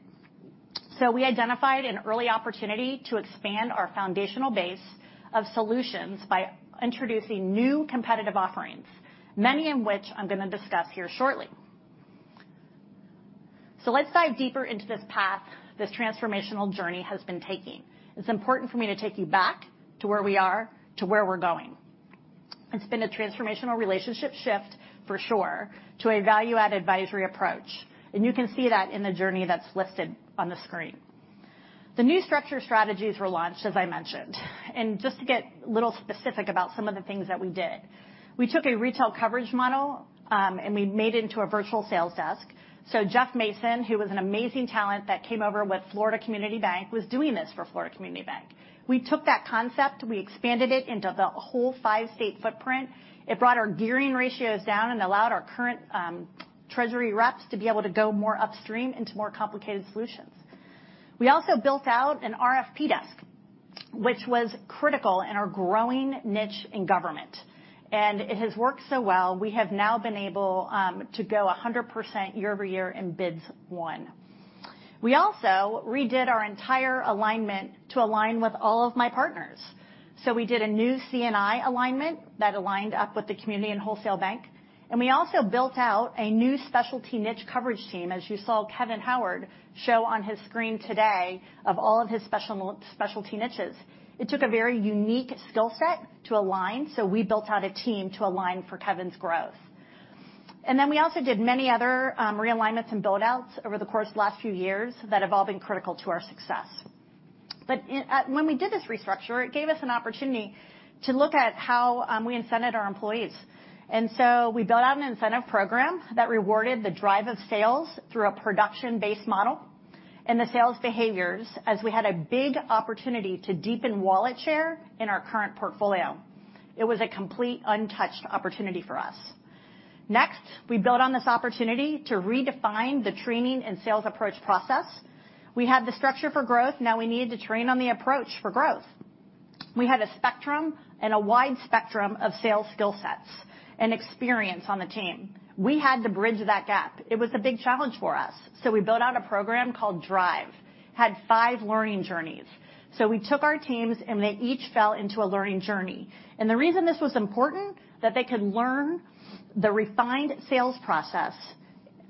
We identified an early opportunity to expand our foundational base of solutions by introducing new competitive offerings, many in which I'm gonna discuss here shortly. Let's dive deeper into this path this transformational journey has been taking. It's important for me to take you back to where we are, to where we're going. It's been a transformational relationship shift, for sure, to a value-add advisory approach. You can see that in the journey that's listed on the screen. The new structure strategies were launched, as I mentioned. Just to get a little specific about some of the things that we did. We took a retail coverage model, and we made it into a virtual sales desk. Jeff Mason, who was an amazing talent that came over with Florida Community Bank, was doing this for Florida Community Bank. We took that concept, we expanded it into the whole five-state footprint. It brought our gearing ratios down and allowed our current treasury reps to be able to go more upstream into more complicated solutions. We also built out an RFP desk, which was critical in our growing niche in government. It has worked so well, we have now been able to go 100% year-over-year in bids won. We also redid our entire alignment to align with all of my partners. We did a new C&I alignment that aligned up with the Community and Wholesale Bank. We also built out a new specialty niche coverage team, as you saw Kevin Howard show on his screen today of all of his specialty niches. It took a very unique skill set to align, so we built out a team to align for Kevin's growth. We also did many other realignments and build-outs over the course of the last few years that have all been critical to our success. When we did this restructure, it gave us an opportunity to look at how we incented our employees. We built out an incentive program that rewarded the drive of sales through a production-based model and the sales behaviors, as we had a big opportunity to deepen wallet share in our current portfolio. It was a complete untouched opportunity for us. Next, we built on this opportunity to redefine the training and sales approach process. We had the structure for growth, now we needed to train on the approach for growth. We had a spectrum and a wide spectrum of sales skill sets and experience on the team. We had to bridge that gap. It was a big challenge for us. We built out a program called Drive, had five learning journeys. We took our teams, and they each fell into a learning journey. The reason this was important, that they could learn the refined sales process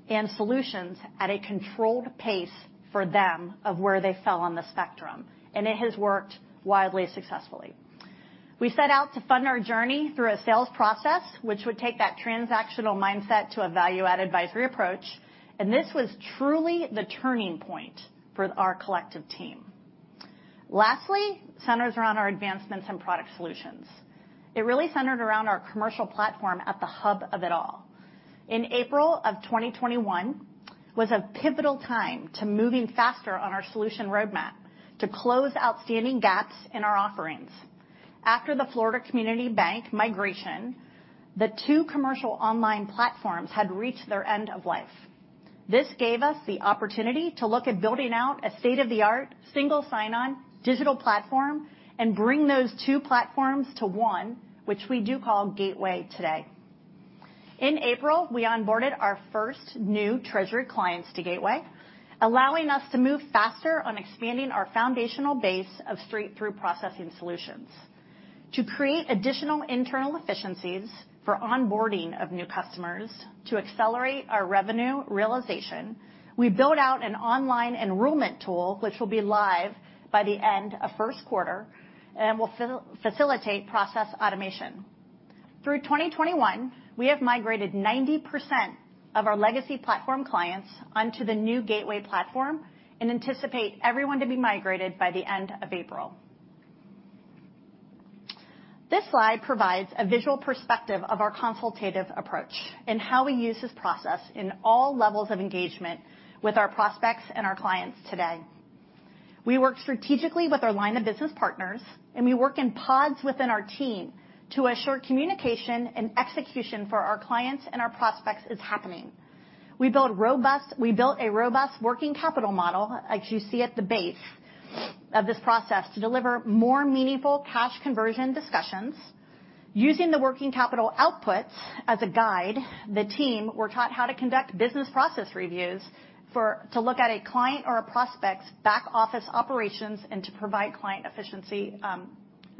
and solutions at a controlled pace for them of where they fell on the spectrum. It has worked wildly successfully. We set out to fund our journey through a sales process, which would take that transactional mindset to a value-add advisory approach, and this was truly the turning point for our collective team. Lastly, it centers around our advancements in product solutions. It really centered around our commercial platform at the hub of it all. In April 2021 was a pivotal time to moving faster on our solution roadmap to close outstanding gaps in our offerings. After the Florida Community Bank migration, the two commercial online platforms had reached their end of life. This gave us the opportunity to look at building out a state-of-the-art single sign-on digital platform and bring those two platforms to one, which we do call Gateway today. In April, we onboarded our first new treasury clients to Gateway, allowing us to move faster on expanding our foundational base of straight-through processing solutions. To create additional internal efficiencies for onboarding of new customers to accelerate our revenue realization, we built out an online enrollment tool, which will be live by the end of first quarter and will facilitate process automation. Through 2021, we have migrated 90% of our legacy platform clients onto the new Gateway platform and anticipate everyone to be migrated by the end of April. This slide provides a visual perspective of our consultative approach and how we use this process in all levels of engagement with our prospects and our clients today. We work strategically with our line of business partners, and we work in pods within our team to assure communication and execution for our clients and our prospects is happening. We built a robust working capital model, as you see at the base of this process, to deliver more meaningful cash conversion discussions. Using the working capital outputs as a guide, the team were taught how to conduct business process reviews to look at a client or a prospect's back-office operations and to provide client efficiency,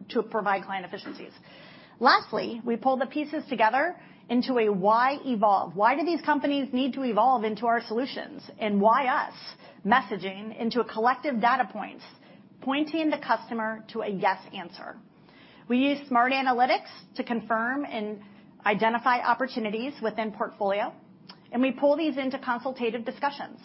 to provide client efficiencies. Lastly, we pull the pieces together into a why evolve, why do these companies need to evolve into our solutions, and why us messaging into a collective data points, pointing the customer to a yes answer. We use smart analytics to confirm and identify opportunities within portfolio, and we pull these into consultative discussions.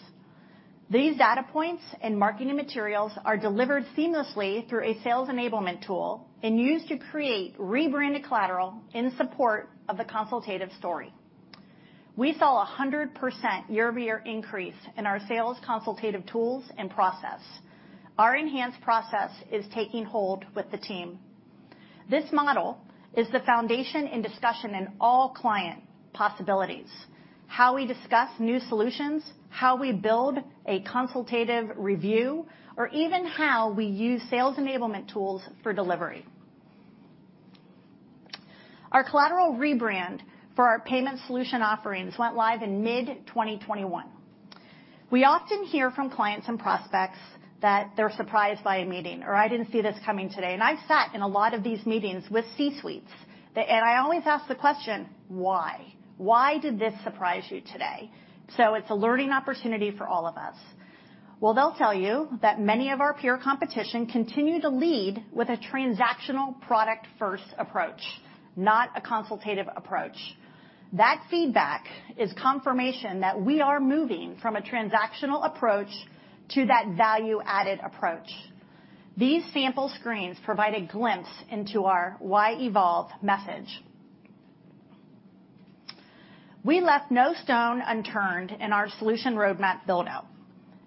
These data points and marketing materials are delivered seamlessly through a sales enablement tool and used to create rebranded collateral in support of the consultative story. We saw a 100% year-over-year increase in our sales consultative tools and process. Our enhanced process is taking hold with the team. This model is the foundation in discussion in all client possibilities. How we discuss new solutions, how we build a consultative review, or even how we use sales enablement tools for delivery. Our collateral rebrand for our payment solution offerings went live in mid-2021. We often hear from clients and prospects that they're surprised by a meeting, or I didn't see this coming today, and I sat in a lot of these meetings with C-suites. I always ask the question, why? Why did this surprise you today? It's a learning opportunity for all of us. Well, they'll tell you that many of our peer competition continue to lead with a transactional product-first approach, not a consultative approach. That feedback is confirmation that we are moving from a transactional approach to that value-added approach. These sample screens provide a glimpse into our why evolve message. We left no stone unturned in our solution roadmap build-out.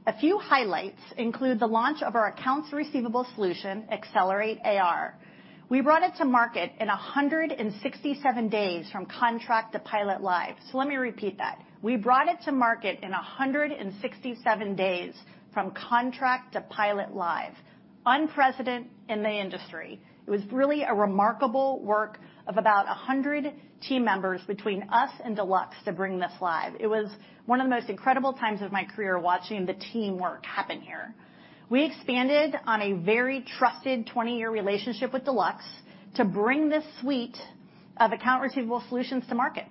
A few highlights include the launch of our accounts receivable solution, Accelerate AR. We brought it to market in 167 days from contract to pilot live. Let me repeat that. We brought it to market in 167 days from contract to pilot live. Unprecedented in the industry. It was really a remarkable work of about 100 team members between us and Deluxe to bring this live. It was one of the most incredible times of my career watching the teamwork happen here. We expanded on a very trusted 20-year relationship with Deluxe to bring this suite of account receivable solutions to market.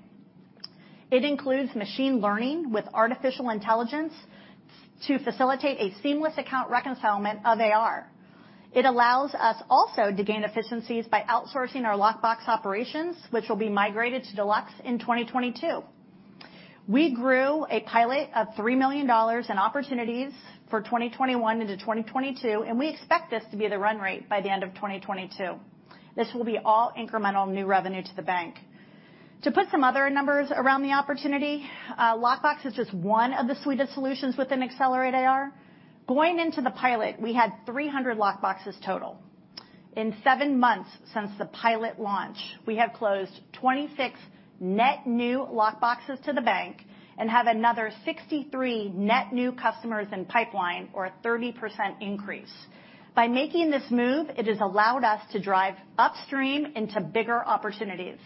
It includes machine learning with artificial intelligence to facilitate a seamless account reconciliation of AR. It allows us also to gain efficiencies by outsourcing our lockbox operations, which will be migrated to Deluxe in 2022. We grew a pilot of $3 million in opportunities for 2021 into 2022, and we expect this to be the run rate by the end of 2022. This will be all incremental new revenue to the bank. To put some other numbers around the opportunity, lockbox is just one of the suite of solutions within Accelerate AR. Going into the pilot, we had 300 lockboxes total. In seven months since the pilot launch, we have closed 26 net new lockboxes to the bank and have another 63 net new customers in pipeline or a 30% increase. By making this move, it has allowed us to drive upstream into bigger opportunities.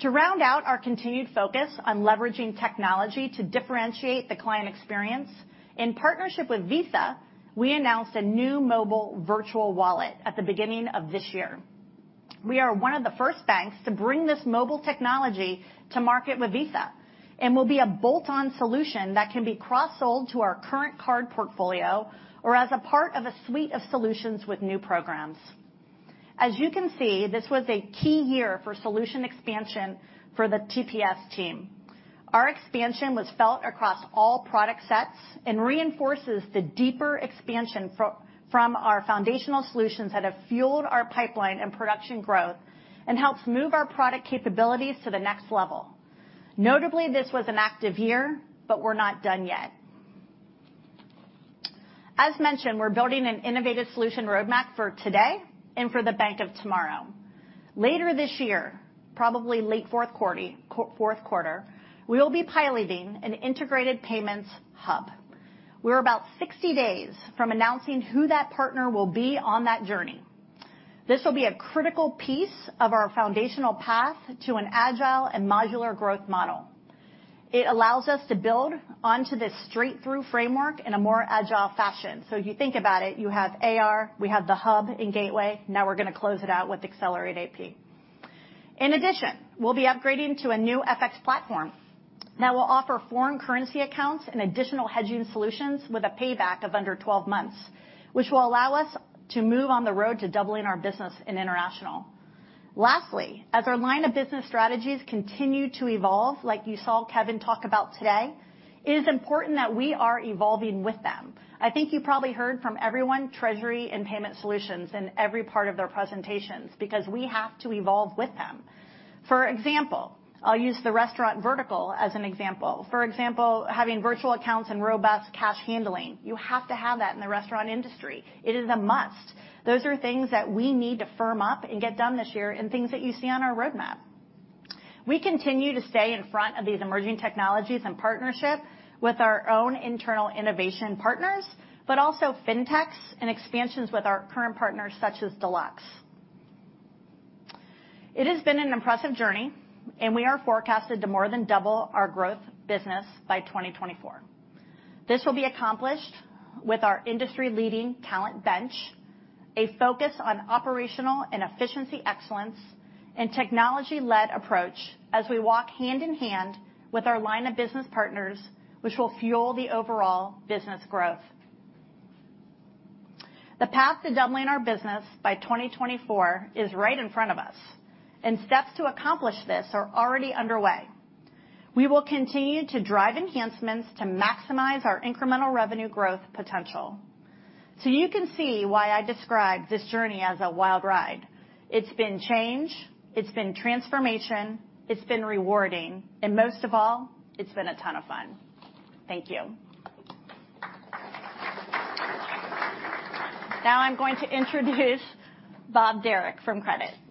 To round out our continued focus on leveraging technology to differentiate the client experience, in partnership with Visa, we announced a new mobile virtual wallet at the beginning of this year. We are one of the first banks to bring this mobile technology to market with Visa and will be a bolt-on solution that can be cross-sold to our current card portfolio or as a part of a suite of solutions with new programs. As you can see, this was a key year for solution expansion for the TPS team. Our expansion was felt across all product sets and reinforces the deeper expansion from our foundational solutions that have fueled our pipeline and production growth and helps move our product capabilities to the next level. Notably, this was an active year, but we're not done yet. As mentioned, we're building an innovative solution roadmap for today and for the bank of tomorrow. Later this year, probably late fourth quarter, we will be piloting an integrated payments hub. We're about 60 days from announcing who that partner will be on that journey. This will be a critical piece of our foundational path to an agile and modular growth model. It allows us to build onto this straight-through framework in a more agile fashion. If you think about it, you have AR, we have the hub in Gateway. Now we're gonna close it out with Accelerate AP. In addition, we'll be upgrading to a new FX platform that will offer foreign currency accounts and additional hedging solutions with a payback of under 12 months, which will allow us to move on the road to doubling our business in international. Lastly, as our line of business strategies continue to evolve, like you saw Kevin talk about today, it is important that we are evolving with them. I think you probably heard from everyone, Treasury and Payment Solutions in every part of their presentations because we have to evolve with them. For example, I'll use the restaurant vertical as an example. For example, having virtual accounts and robust cash handling. You have to have that in the restaurant industry. It is a must. Those are things that we need to firm up and get done this year and things that you see on our roadmap. We continue to stay in front of these emerging technologies in partnership with our own internal innovation partners, but also FinTechs and expansions with our current partners such as Deluxe. It has been an impressive journey, and we are forecasted to more than double our growth business by 2024. This will be accomplished with our industry-leading talent bench, a focus on operational and efficiency excellence, and technology-led approach as we walk hand-in-hand with our line of business partners, which will fuel the overall business growth. The path to doubling our business by 2024 is right in front of us, and steps to accomplish this are already underway. We will continue to drive enhancements to maximize our incremental revenue growth potential. You can see why I describe this journey as a wild ride. It's been change, it's been transformation, it's been rewarding, and most of all, it's been a ton of fun. Thank you. Now I'm going to introduce Bob Derrick from Credit. Well,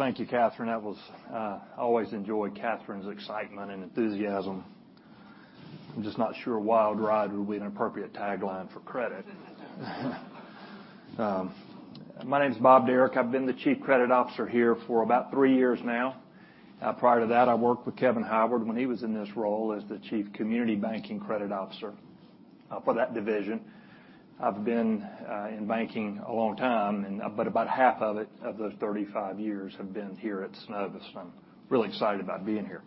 thank you, Katherine. I always enjoy Katherine's excitement and enthusiasm. I'm just not sure wild ride would be an appropriate tagline for credit. My name's Bob Derrick. I've been the Chief Credit Officer here for about three years now. Prior to that, I worked with Kevin Howard when he was in this role as the Chief Community Banking Credit Officer, for that division. I've been in banking a long time and about half of it, of those 35 years, have been here at Synovus. I'm really excited about being here.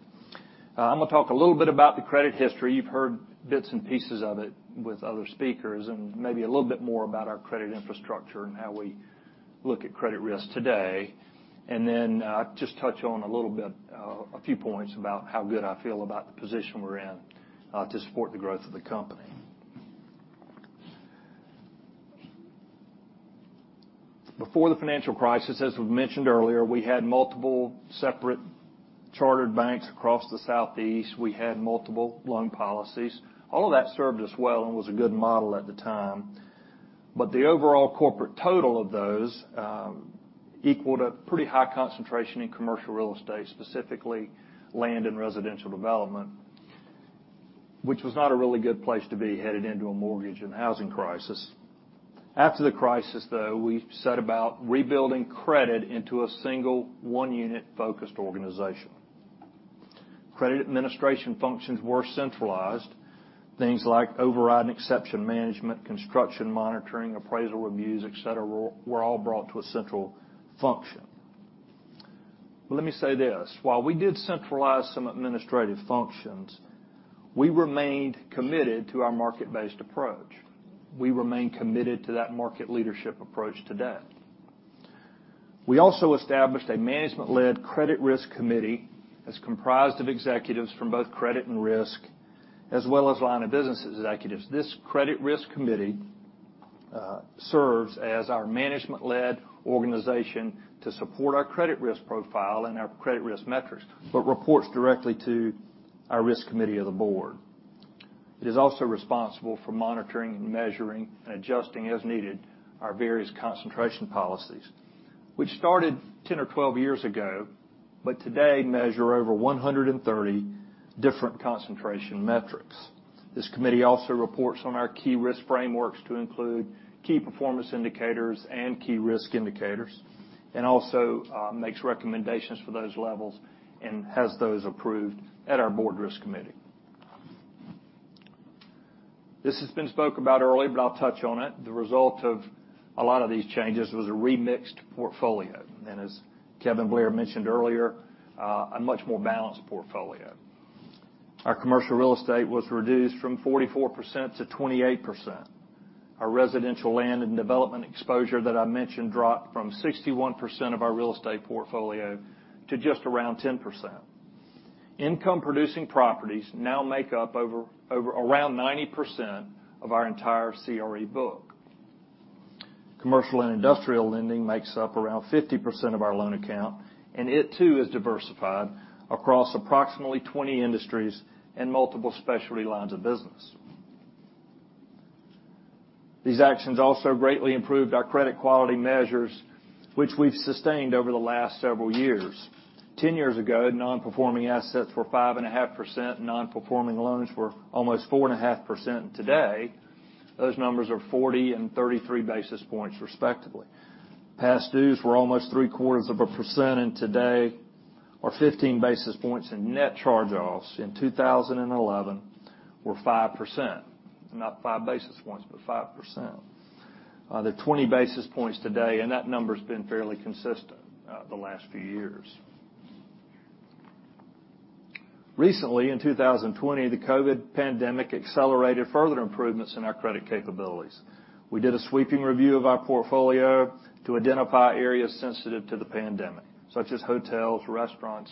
I'm gonna talk a little bit about the credit history. You've heard bits and pieces of it with other speakers, and maybe a little bit more about our credit infrastructure and how we look at credit risks today. Just touch on a little bit, a few points about how good I feel about the position we're in, to support the growth of the company. Before the financial crisis, as we've mentioned earlier, we had multiple separate chartered banks across the Southeast. We had multiple loan policies. All of that served us well and was a good model at the time. The overall corporate total of those equaled a pretty high concentration in commercial real estate, specifically land and residential development. Which was not a really good place to be headed into a mortgage and housing crisis. After the crisis, though, we set about rebuilding credit into a single one-unit focused organization. Credit administration functions were centralized. Things like override and exception management, construction monitoring, appraisal reviews, et cetera, were all brought to a central function. Let me say this. While we did centralize some administrative functions, we remained committed to our market-based approach. We remain committed to that market leadership approach today. We also established a management-led credit risk committee that's comprised of executives from both credit and risk, as well as line of business executives. This credit risk committee serves as our management-led organization to support our credit risk profile and our credit risk metrics, but reports directly to our risk committee of the board. It is also responsible for monitoring and measuring and adjusting as needed our various concentration policies, which started 10 or 12 years ago but today measure over 130 different concentration metrics. This committee also reports on our key risk frameworks to include key performance indicators and key risk indicators, and also makes recommendations for those levels and has those approved at our board risk committee. This has been spoken about earlier, but I'll touch on it. The result of a lot of these changes was a remixed portfolio. As Kevin Blair mentioned earlier, a much more balanced portfolio. Our commercial real estate was reduced from 44% to 28%. Our residential land and development exposure that I mentioned dropped from 61% of our real estate portfolio to just around 10%. Income producing properties now make up around 90% of our entire CRE book. Commercial and industrial lending makes up around 50% of our loan account, and it too is diversified across approximately 20 industries and multiple specialty lines of business. These actions also greatly improved our credit quality measures, which we've sustained over the last several years. Ten years ago, non-performing assets were 5.5%, and non-performing loans were almost 4.5%. Today, those numbers are 40 and 33 basis points respectively. Past dues were almost 0.75%, and today are 15 basis points. Net charge-offs in 2011 were 5%. Not five basis points, but 5%. They're 20 basis points today, and that number's been fairly consistent the last few years. Recently, in 2020, the COVID pandemic accelerated further improvements in our credit capabilities. We did a sweeping review of our portfolio to identify areas sensitive to the pandemic, such as hotels, restaurants,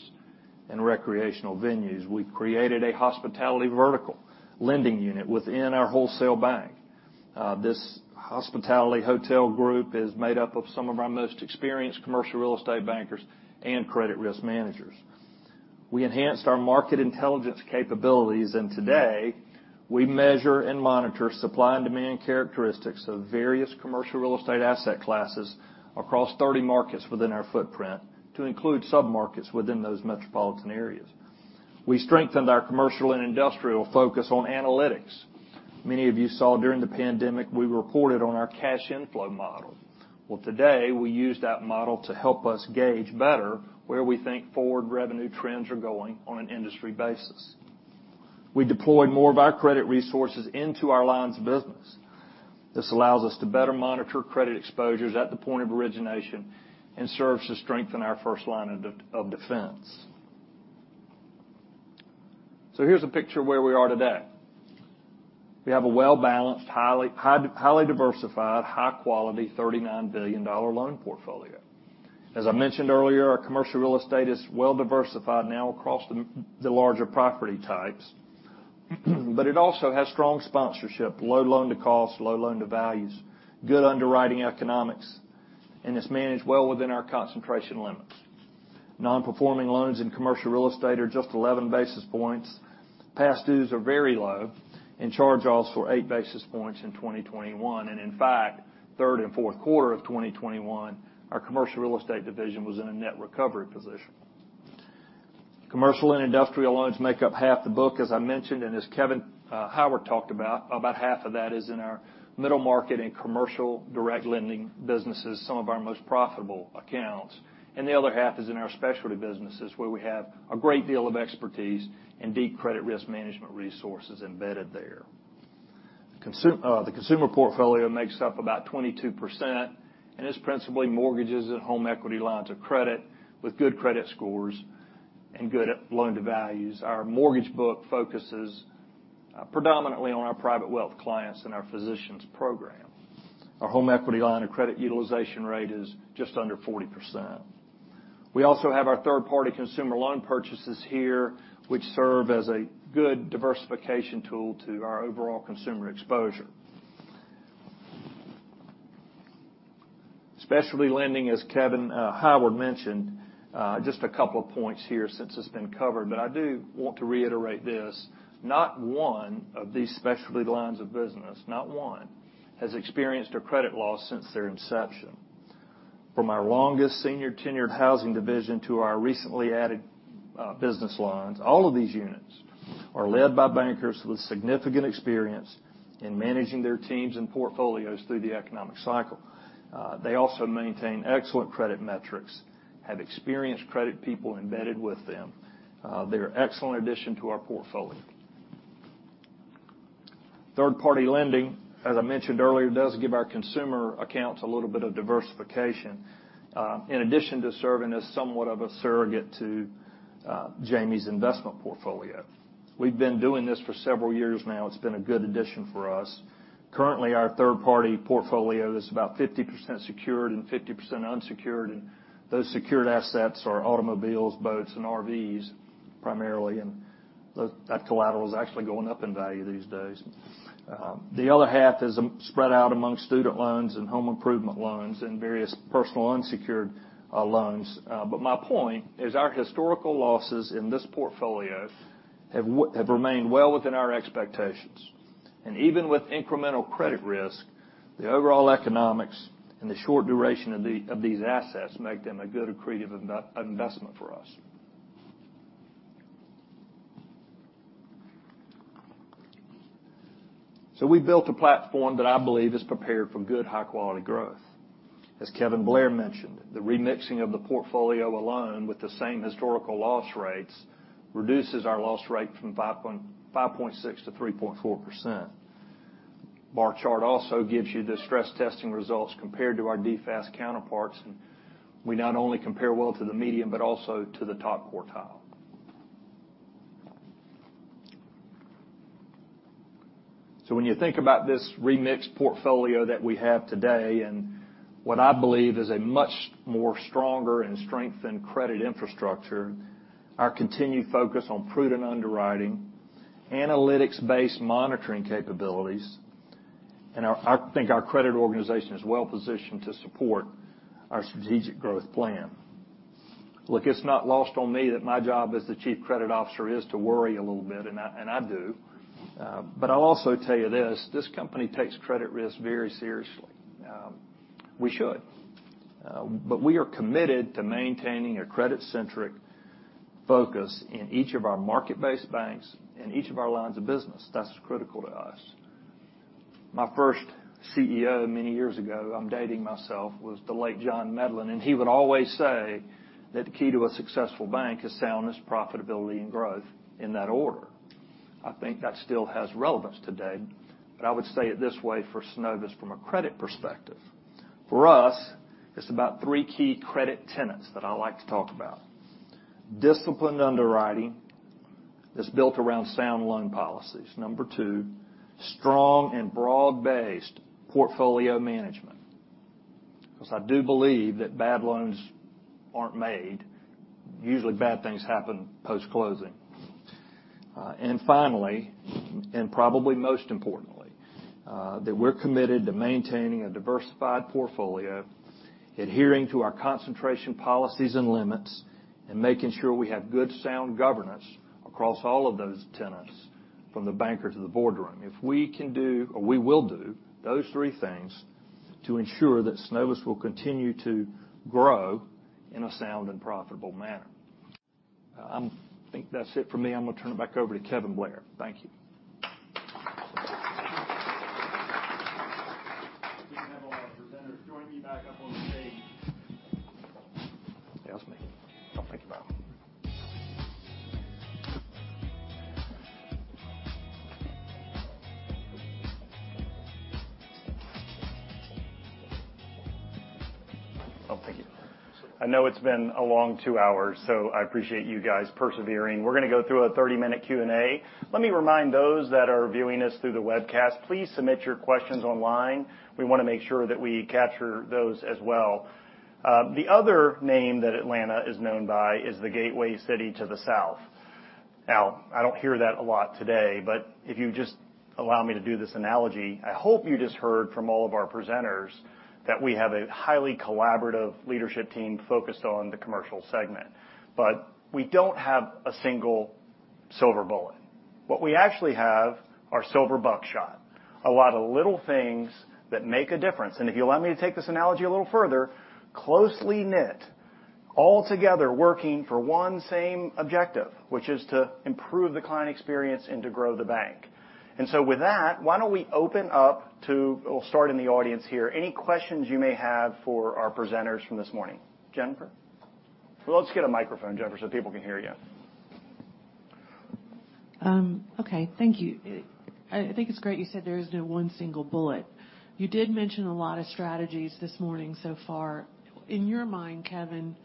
and recreational venues. We created a hospitality vertical lending unit within our wholesale bank. This hospitality hotel group is made up of some of our most experienced commercial real estate bankers and credit risk managers. We enhanced our market intelligence capabilities, and today, we measure and monitor supply and demand characteristics of various commercial real estate asset classes across 30 markets within our footprint to include sub-markets within those metropolitan areas. We strengthened our commercial and industrial focus on analytics. Many of you saw during the pandemic, we reported on our cash inflow model. Well, today, we use that model to help us gauge better where we think forward revenue trends are going on an industry basis. We deployed more of our credit resources into our lines of business. This allows us to better monitor credit exposures at the point of origination, and serves to strengthen our first line of defense. Here's a picture of where we are today. We have a well-balanced, highly diversified, high quality $39 billion loan portfolio. As I mentioned earlier, our commercial real estate is well-diversified now across the larger property types, but it also has strong sponsorship, low loan-to-cost, low loan-to-value, good underwriting economics, and it's managed well within our concentration limits. Non-performing loans in commercial real estate are just 11 basis points. Past dues are very low, and charge-offs were eight basis points in 2021. In fact, third and fourth quarter of 2021, our commercial real estate division was in a net recovery position. Commercial and industrial loans make up half the book, as I mentioned, and as Kevin Howard talked about half of that is in our middle market and commercial direct lending businesses, some of our most profitable accounts. The other half is in our specialty businesses, where we have a great deal of expertise and deep credit risk management resources embedded there. The consumer portfolio makes up about 22% and is principally mortgages and home equity lines of credit with good credit scores and good loan-to-values. Our mortgage book focuses predominantly on our private wealth clients and our physicians program. Our home equity line of credit utilization rate is just under 40%. We also have our third-party consumer loan purchases here, which serve as a good diversification tool to our overall consumer exposure. Specialty lending, as Kevin Howard mentioned, just a couple of points here since it's been covered, but I do want to reiterate this. Not one of these specialty lines of business, not one, has experienced a credit loss since their inception. From our longest senior tenured housing division to our recently added business lines, all of these units are led by bankers with significant experience in managing their teams and portfolios through the economic cycle. They also maintain excellent credit metrics, have experienced credit people embedded with them. They're an excellent addition to our portfolio. Third-party lending, as I mentioned earlier, does give our consumer accounts a little bit of diversification, in addition to serving as somewhat of a surrogate to Jamie's investment portfolio. We've been doing this for several years now. It's been a good addition for us. Currently, our third-party portfolio is about 50% secured and 50% unsecured, and those secured assets are automobiles, boats, and RVs primarily, and that collateral is actually going up in value these days. The other half is spread out among student loans and home improvement loans and various personal unsecured loans. My point is our historical losses in this portfolio have remained well within our expectations. Even with incremental credit risk, the overall economics and the short duration of these assets make them a good accretive investment for us. We built a platform that I believe is prepared for good, high-quality growth. As Kevin Blair mentioned, the remixing of the portfolio alone with the same historical loss rates reduces our loss rate from 5.6% to 3.4%. Bar chart also gives you the stress testing results compared to our DFAST counterparts, and we not only compare well to the median, but also to the top quartile. When you think about this remixed portfolio that we have today and what I believe is a much more stronger and strengthened credit infrastructure, our continued focus on prudent underwriting, analytics-based monitoring capabilities, and our, I think, our credit organization is well positioned to support our strategic growth plan. Look, it's not lost on me that my job as the Chief Credit Officer is to worry a little bit, and I do. I'll also tell you this company takes credit risk very seriously. We should. We are committed to maintaining a credit-centric focus in each of our market-based banks and each of our lines of business. That's critical to us. My first CEO many years ago, I'm dating myself, was the late John Medlin, and he would always say that the key to a successful bank is soundness, profitability, and growth in that order. I think that still has relevance today, but I would say it this way for Synovus from a credit perspective. For us, it's about three key credit tenets that I like to talk about. Disciplined underwriting that's built around sound loan policies. Number 2, strong and broad-based portfolio management. 'Cause I do believe that bad loans aren't made. Usually bad things happen post-closing. And finally, and probably most importantly, that we're committed to maintaining a diversified portfolio, adhering to our concentration policies and limits, and making sure we have good sound governance across all of those tenets from the bankers to the boardroom. If we can do or we will do those three things to ensure that Synovus will continue to grow in a sound and profitable manner. I think that's it for me. I'm gonna turn it back over to Kevin Blair. Thank you. We have a lot of presenters. Join me back up on the stage. Yeah, that's me. Oh, thank you. Oh, thank you. I know it's been a long two hours, so I appreciate you guys persevering. We're gonna go through a 30-minute Q&A. Let me remind those that are viewing us through the webcast, please submit your questions online. We wanna make sure that we capture those as well. The other name that Atlanta is known by is the Gateway City to the South. Now, I don't hear that a lot today, but if you just allow me to do this analogy, I hope you just heard from all of our presenters that we have a highly collaborative leadership team focused on the commercial segment. We don't have a single silver bullet. What we actually have are silver buckshot, a lot of little things that make a difference. If you allow me to take this analogy a little further, closely knit all together, working for one same objective, which is to improve the client experience and to grow the bank. With that, why don't we open up to. We'll start in the audience here. Any questions you may have for our presenters from this morning. Jennifer? Well, let's get a microphone, Jennifer, so people can hear you. Okay. Thank you. I think it's great you said there is no one single bullet. You did mention a lot of strategies this morning so far. In your mind, Kevin,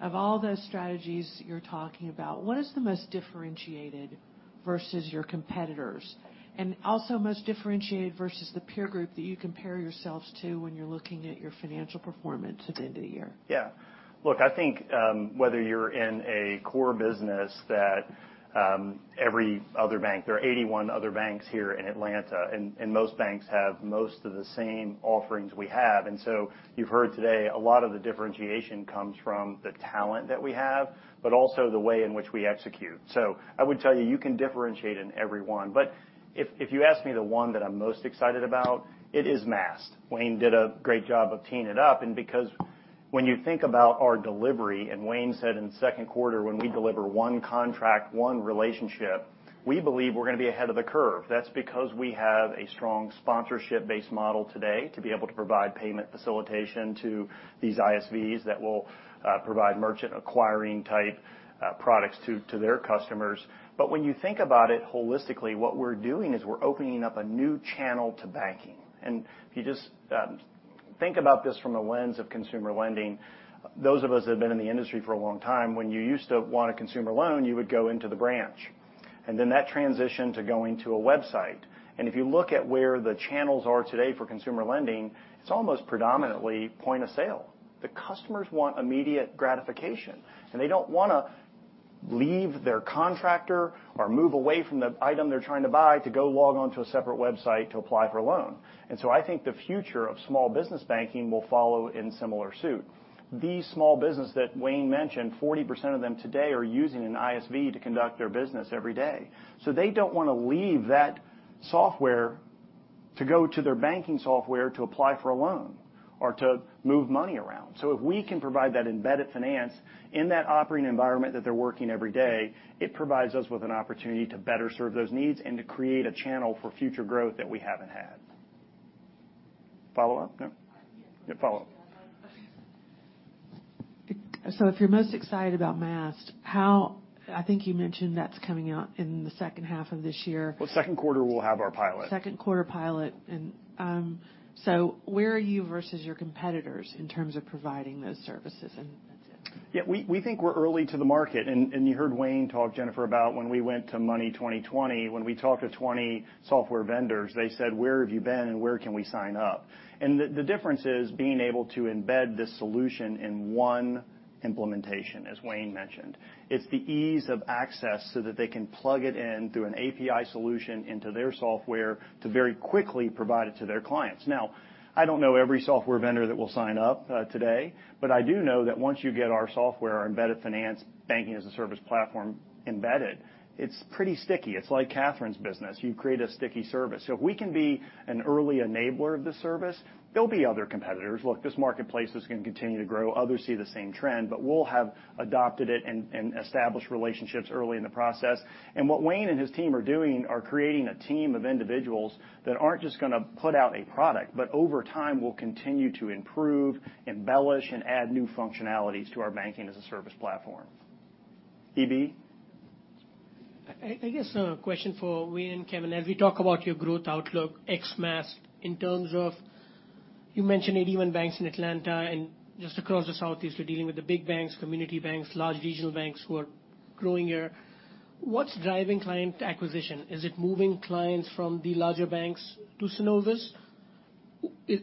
of all those strategies you're talking about, what is the most differentiated versus your competitors? And also most differentiated versus the peer group that you compare yourselves to when you're looking at your financial performance at the end of the year? Yeah. Look, I think whether you're in a core business that every other bank, there are 81 other banks here in Atlanta, and most banks have most of the same offerings we have. You've heard today a lot of the differentiation comes from the talent that we have, but also the way in which we execute. I would tell you can differentiate in every one. If you ask me the one that I'm most excited about, it is Maast. Wayne did a great job of teeing it up, and because when you think about our delivery, and Wayne said in second quarter, when we deliver one contract, one relationship, we believe we're gonna be ahead of the curve. That's because we have a strong sponsorship-based model today to be able to provide payment facilitation to these ISVs that will provide merchant acquiring type products to their customers. When you think about it holistically, what we're doing is we're opening up a new channel to banking. If you just think about this from a lens of consumer lending, those of us that have been in the industry for a long time, when you used to want a consumer loan, you would go into the branch. Then that transition to going to a website. If you look at where the channels are today for consumer lending, it's almost predominantly point of sale. The customers want immediate gratification, and they don't wanna leave their contractor or move away from the item they're trying to buy to go log on to a separate website to apply for a loan. I think the future of small business banking will follow in similar suit. These small business that Wayne mentioned, 40% of them today are using an ISV to conduct their business every day. They don't wanna leave that software to go to their banking software to apply for a loan or to move money around. If we can provide that embedded finance in that operating environment that they're working every day, it provides us with an opportunity to better serve those needs and to create a channel for future growth that we haven't had. Follow-up? No? Yeah. Yeah, follow up. If you're most excited about Maast, I think you mentioned that's coming out in the second half of this year. Well, second quarter we'll have our pilot. Second quarter pilot. Where are you versus your competitors in terms of providing those services? That's it. Yeah, we think we're early to the market. You heard Wayne talk, Jennifer, about when we went to Money20/20, when we talked to 20 software vendors, they said, "Where have you been, and where can we sign up?" The difference is being able to embed this solution in one implementation, as Wayne mentioned. It's the ease of access so that they can plug it in through an API solution into their software to very quickly provide it to their clients. Now, I don't know every software vendor that will sign up today, but I do know that once you get our software, our embedded finance banking-as-a-service platform embedded, it's pretty sticky. It's like Katherine's business. You create a sticky service. If we can be an early enabler of this service, there'll be other competitors. Look, this marketplace is gonna continue to grow. Others see the same trend, but we'll have adopted it and established relationships early in the process. What Wayne and his team are doing are creating a team of individuals that aren't just gonna put out a product, but over time, will continue to improve, embellish, and add new functionalities to our banking-as-a-service platform. EB? I guess a question for Wayne and Kevin. As we talk about your growth outlook, Maast, in terms of you mentioned 81 banks in Atlanta and just across the Southeast, you're dealing with the big banks, community banks, large regional banks who are growing year. What's driving client acquisition? Is it moving clients from the larger banks to Synovus?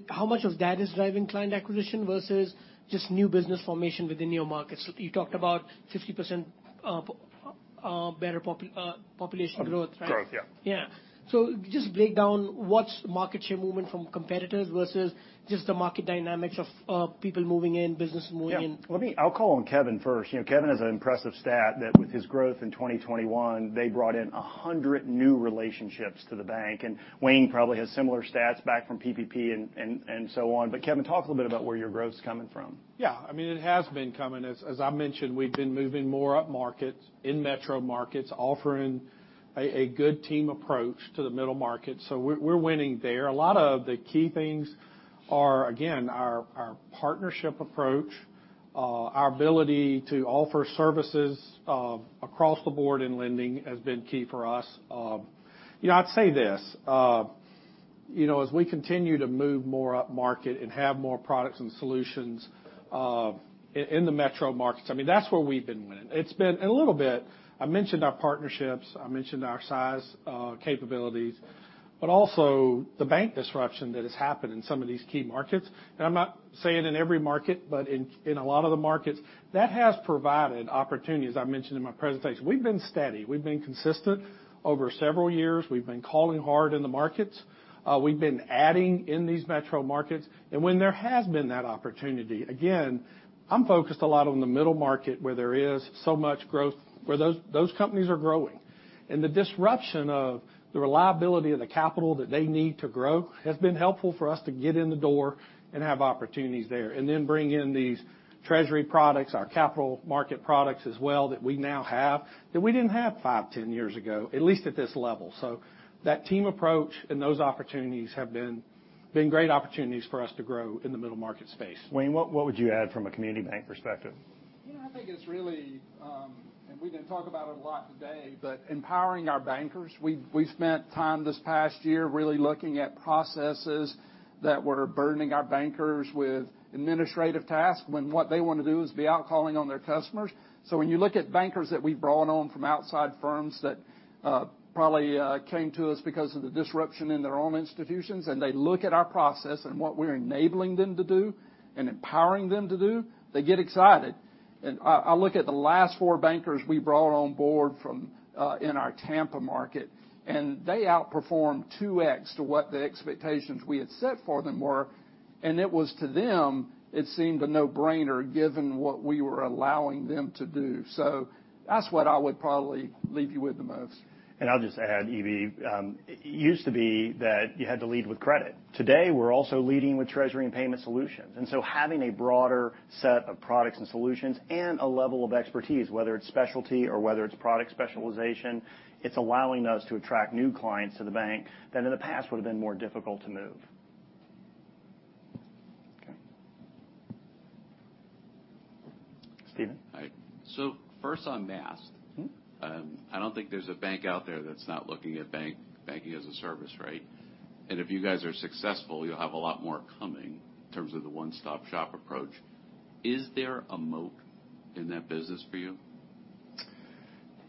How much of that is driving client acquisition versus just new business formation within your markets? You talked about 50%, better population growth, right? Growth, yeah. Yeah. Just break down what's market share movement from competitors versus just the market dynamics of people moving in, business moving in. Yeah. Let me, I'll call on Kevin first. You know, Kevin has an impressive stat that with his growth in 2021, they brought in 100 new relationships to the bank, and Wayne probably has similar stats back from PPP and so on. Kevin, talk a little bit about where your growth's coming from. Yeah. I mean, it has been coming. As I mentioned, we've been moving more upmarket, in metro markets, offering a good team approach to the middle market, so we're winning there. A lot of the key things are, again, our partnership approach, our ability to offer services across the board in lending has been key for us. You know, I'd say this. You know, as we continue to move more upmarket and have more products and solutions, in the metro markets, I mean, that's where we've been winning. It's been... A little bit, I mentioned our partnerships. I mentioned our size, capabilities, but also the bank disruption that has happened in some of these key markets, and I'm not saying in every market, but in a lot of the markets, that has provided opportunities I mentioned in my presentation. We've been steady. We've been consistent over several years. We've been calling hard in the markets. We've been adding in these metro markets. When there has been that opportunity, again, I'm focused a lot on the middle market, where there is so much growth, where those companies are growing. The disruption of the reliability of the capital that they need to grow has been helpful for us to get in the door and have opportunities there, and then bring in these treasury products, our capital market products as well that we now have that we didn't have 5, 10 years ago, at least at this level. That team approach and those opportunities have been great opportunities for us to grow in the middle market space. Wayne, what would you add from a community bank perspective? Yeah, I think it's really, and we didn't talk about it a lot today, but empowering our bankers. We spent time this past year really looking at processes that were burdening our bankers with administrative tasks when what they wanna do is be out calling on their customers. When you look at bankers that we've brought on from outside firms that probably came to us because of the disruption in their own institutions, and they look at our process and what we're enabling them to do and empowering them to do, they get excited. I look at the last four bankers we brought on board from in our Tampa market, and they outperformed 2x what the expectations we had set for them were, and it was to them, it seemed a no-brainer given what we were allowing them to do. That's what I would probably leave you with the most. I'll just add, EB, it used to be that you had to lead with credit. Today, we're also leading with Treasury and Payment Solutions. Having a broader set of products and solutions and a level of expertise, whether it's specialty or whether it's product specialization, it's allowing us to attract new clients to the bank that in the past would've been more difficult to move. Okay. Steven? Hi. First on Maast. Mm-hmm. I don't think there's a bank out there that's not looking at banking as a service, right? If you guys are successful, you'll have a lot more coming in terms of the one-stop shop approach. Is there a moat in that business for you?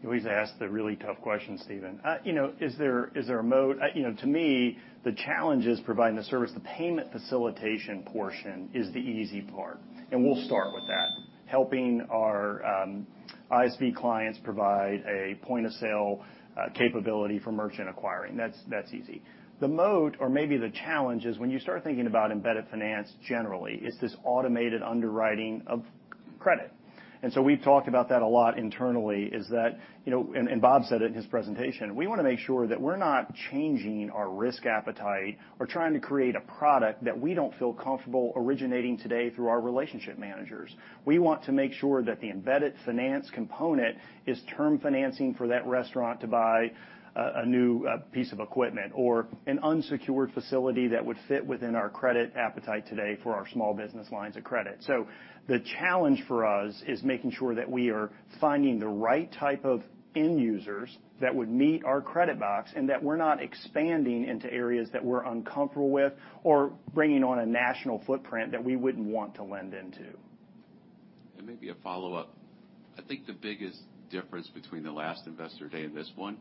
You always ask the really tough questions, Steven. You know, is there a moat? You know, to me, the challenge is providing the service. The payment facilitation portion is the easy part, and we'll start with that. Helping our ISV clients provide a point-of-sale capability for merchant acquiring, that's easy. The moat or maybe the challenge is when you start thinking about embedded finance generally, it's this automated underwriting of credit. We've talked about that a lot internally, you know, and Bob said it in his presentation, we wanna make sure that we're not changing our risk appetite or trying to create a product that we don't feel comfortable originating today through our relationship managers. We want to make sure that the embedded finance component is term financing for that restaurant to buy a new piece of equipment or an unsecured facility that would fit within our credit appetite today for our small business lines of credit. The challenge for us is making sure that we are finding the right type of end users that would meet our credit box and that we're not expanding into areas that we're uncomfortable with or bringing on a national footprint that we wouldn't want to lend into. Maybe a follow-up. I think the biggest difference between the last Investor Day and this one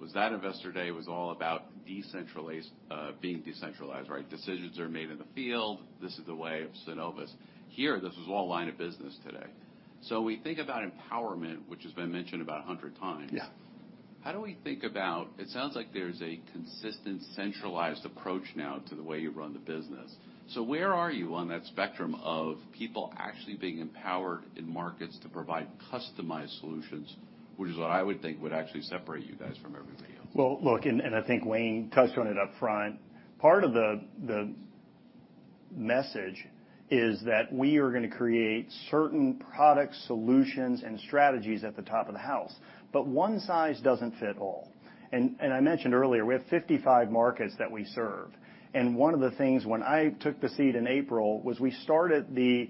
was that Investor Day was all about being decentralized, right? Decisions are made in the field. This is the way of Synovus. Here, this was all line of business today. When we think about empowerment, which has been mentioned about 100 times. Yeah It sounds like there's a consistent centralized approach now to the way you run the business. Where are you on that spectrum of people actually being empowered in markets to provide customized solutions, which is what I would think would actually separate you guys from everybody else? Well, look, I think Wayne touched on it up front. Part of the message is that we are gonna create certain product solutions and strategies at the top of the house. One size doesn't fit all. I mentioned earlier, we have 55 markets that we serve. One of the things when I took the seat in April was we started the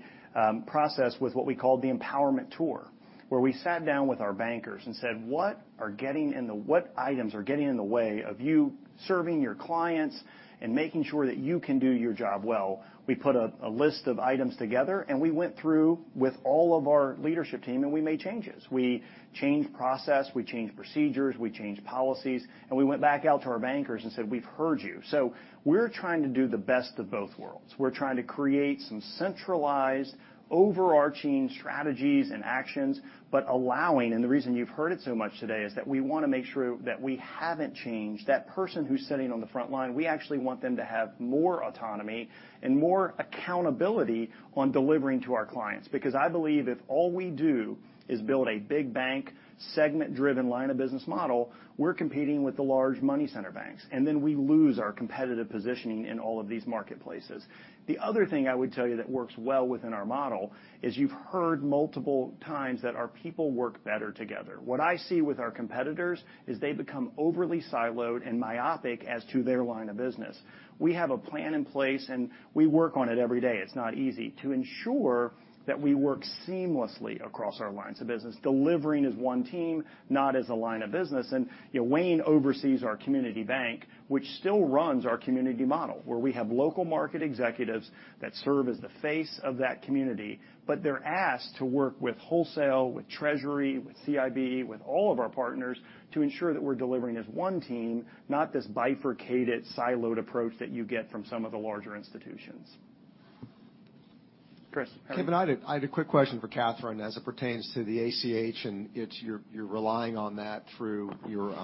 process with what we called the empowerment tour, where we sat down with our bankers and said, "What items are getting in the way of you serving your clients and making sure that you can do your job well?" We put a list of items together, and we went through with all of our leadership team, and we made changes. We changed process, we changed procedures, we changed policies, and we went back out to our bankers and said, "We've heard you." We're trying to do the best of both worlds. We're trying to create some centralized, overarching strategies and actions, but allowing, and the reason you've heard it so much today, is that we wanna make sure that we haven't changed. That person who's sitting on the front line, we actually want them to have more autonomy and more accountability on delivering to our clients. Because I believe if all we do is build a big bank, segment-driven line of business model, we're competing with the large money center banks, and then we lose our competitive positioning in all of these marketplaces. The other thing I would tell you that works well within our model is you've heard multiple times that our people work better together. What I see with our competitors is they become overly siloed and myopic as to their line of business. We have a plan in place, and we work on it every day, it's not easy, to ensure that we work seamlessly across our lines of business, delivering as one team, not as a line of business. You know, Wayne oversees our community bank, which still runs our community model, where we have local market executives that serve as the face of that community. They're asked to work with wholesale, with treasury, with CIB, with all of our partners to ensure that we're delivering as one team, not this bifurcated siloed approach that you get from some of the larger institutions. Chris. Kevin, I had a quick question for Katherine as it pertains to the ACH and it's you're relying on that through your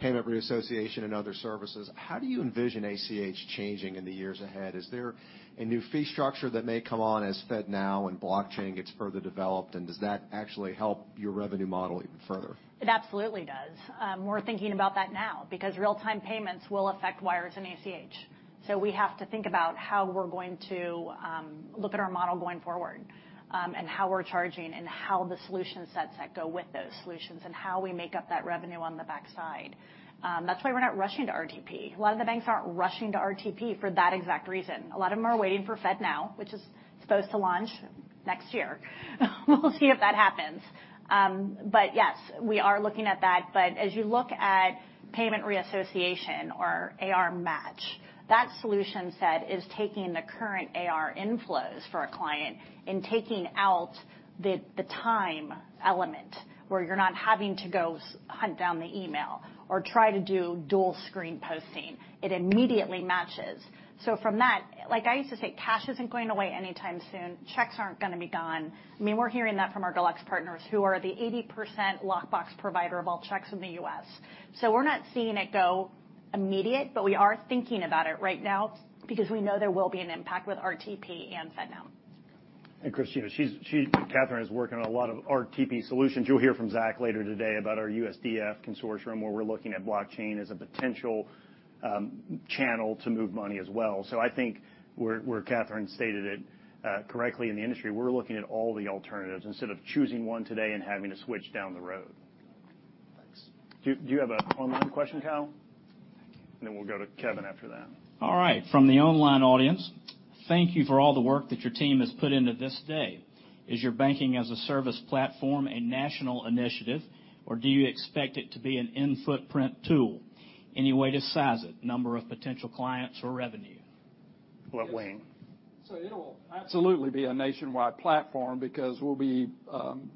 payment reassociation and other services. How do you envision ACH changing in the years ahead? Is there a new fee structure that may come on as FedNow and blockchain gets further developed, and does that actually help your revenue model even further? It absolutely does. We're thinking about that now because real-time payments will affect wires and ACH. We have to think about how we're going to look at our model going forward, and how we're charging and how the solution sets that go with those solutions and how we make up that revenue on the backside. That's why we're not rushing to RTP. A lot of the banks aren't rushing to RTP for that exact reason. A lot of them are waiting for FedNow, which is supposed to launch next year. We'll see if that happens. Yes, we are looking at that. As you look at payment reconciliation or AR match, that solution set is taking the current AR inflows for a client and taking out the time element where you're not having to go hunt down the email or try to do dual screen posting. It immediately matches. From that, like I used to say, cash isn't going away anytime soon. Checks aren't gonna be gone. I mean, we're hearing that from our Deluxe partners who are the 80% lockbox provider of all checks in the U.S. We're not seeing it go away immediately, but we are thinking about it right now because we know there will be an impact with RTP and FedNow. Chris, you know, Katherine is working on a lot of RTP solutions. You'll hear from Zack later today about our USDF consortium, where we're looking at blockchain as a potential channel to move money as well. I think where Katherine stated it correctly in the industry, we're looking at all the alternatives instead of choosing one today and having to switch down the road. Thanks. Do you have an online question, Cal? Then we'll go to Kevin after that. All right, from the online audience, thank you for all the work that your team has put into this day. Is your banking-as-a-service platform a national initiative, or do you expect it to be an in-footprint tool? Any way to size it, number of potential clients or revenue? We'll let Wayne. It'll absolutely be a nationwide platform because we'll be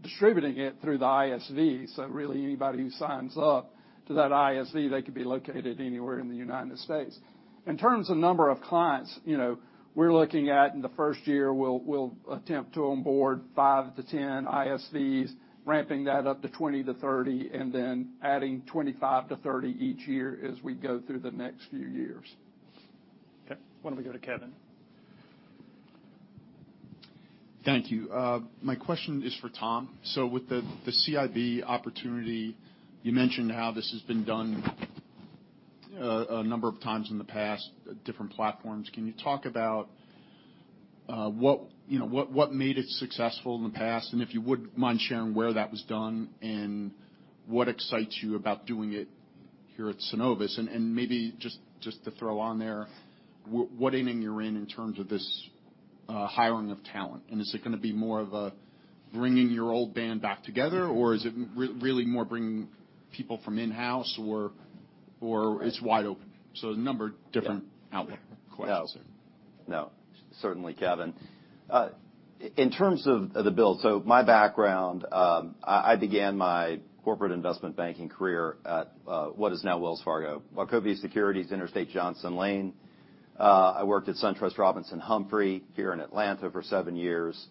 distributing it through the ISV. Really anybody who signs up to that ISV, they could be located anywhere in the United States. In terms of number of clients, we're looking at in the first year, we'll attempt to onboard 5-10 ISVs, ramping that up to 20-30 and then adding 25-30 each year as we go through the next few years. Okay. Why don't we go to Kevin? Thank you. My question is for Tom. With the CIB opportunity, you mentioned how this has been done a number of times in the past, different platforms. Can you talk about what, you know, what made it successful in the past? And if you wouldn't mind sharing where that was done and what excites you about doing it here at Synovus. And maybe just to throw on there, what inning you're in terms of this hiring of talent, and is it gonna be more of a bringing your old band back together, or is it really more bringing people from in-house or it's wide open? A number of different outlet questions there. No. Certainly, Kevin. In terms of the build, my background, I began my corporate investment banking career at what is now Wells Fargo, Wachovia Securities, Interstate Johnson Lane. I worked at SunTrust Robinson Humphrey here in Atlanta for seven years.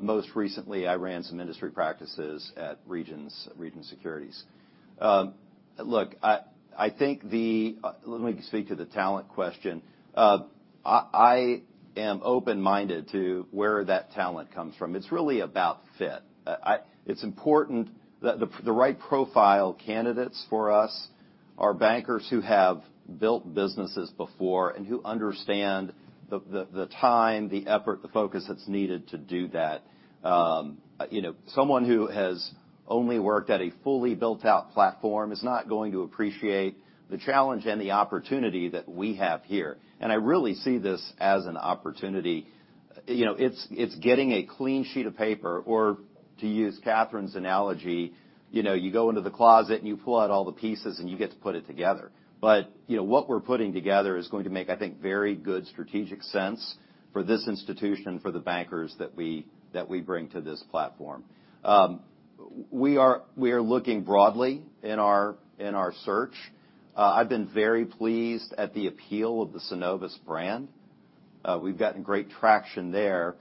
Most recently, I ran some industry practices at Regions Securities. Look, let me speak to the talent question. I am open-minded to where that talent comes from. It's really about fit. It's important that the right profile candidates for us are bankers who have built businesses before and who understand the time, the effort, the focus that's needed to do that. You know, someone who has only worked at a fully built-out platform is not going to appreciate the challenge and the opportunity that we have here. I really see this as an opportunity. You know, it's getting a clean sheet of paper, or to use Katherine's analogy, you know, you go into the closet and you pull out all the pieces, and you get to put it together. You know, what we're putting together is going to make, I think, very good strategic sense for this institution, for the bankers that we bring to this platform. We are looking broadly in our search. I've been very pleased at the appeal of the Synovus brand. We've gotten great traction there.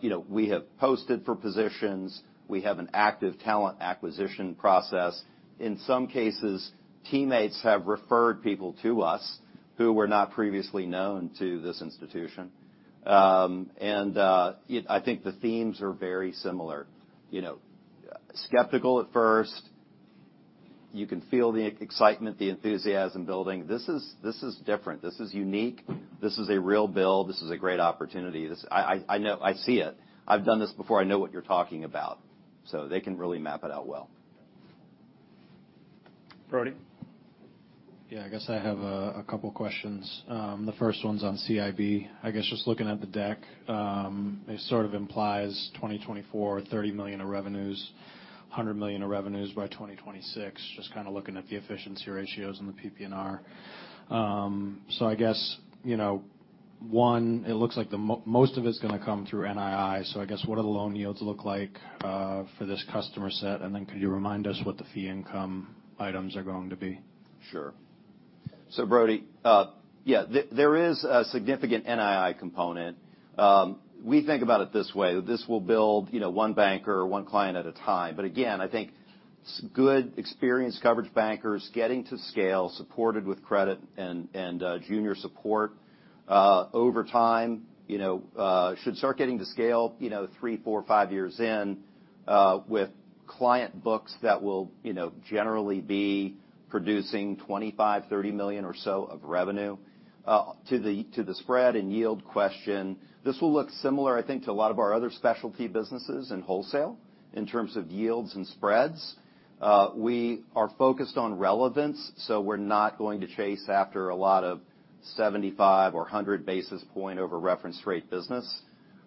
You know, we have posted for positions. We have an active talent acquisition process. In some cases, teammates have referred people to us who were not previously known to this institution. I think the themes are very similar. You know, skeptical at first. You can feel the excitement, the enthusiasm building. This is different. This is unique. This is a real build. This is a great opportunity. I know. I see it. I've done this before. I know what you're talking about. They can really map it out well. Brody. Yeah. I guess I have a couple questions. The first one's on CIB. I guess just looking at the deck, it sort of implies 2024, $30 million of revenues, $100 million of revenues by 2026, just kinda looking at the efficiency ratios and the PPNR. So I guess, you know, one, it looks like the most of it's gonna come through NII. So I guess what do the loan yields look like for this customer set? And then could you remind us what the fee income items are going to be? Sure. Brody, there is a significant NII component. We think about it this way, that this will build, you know, one banker or one client at a time. Again, I think good experienced coverage bankers getting to scale, supported with credit and junior support, over time, you know, should start getting to scale, you know, 3, 4, 5 years in, with client books that will, you know, generally be producing $25 million-$30 million or so of revenue. To the spread and yield question, this will look similar, I think, to a lot of our other specialty businesses in wholesale in terms of yields and spreads. We are focused on relevance, so we're not going to chase after a lot of 75 or 100 basis point over reference rate business,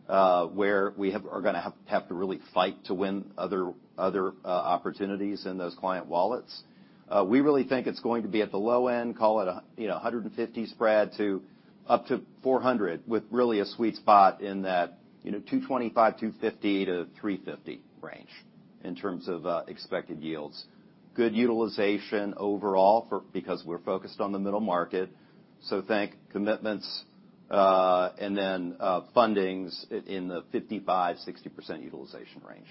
where we are gonna have to really fight to win other opportunities in those client wallets. We really think it's going to be at the low end, call it a, you know, a 150 spread to up to 400, with really a sweet spot in that, you know, 225, 250 to 350 range in terms of expected yields. Good utilization overall because we're focused on the middle market. Think commitments, and then fundings in the 55-60% utilization range.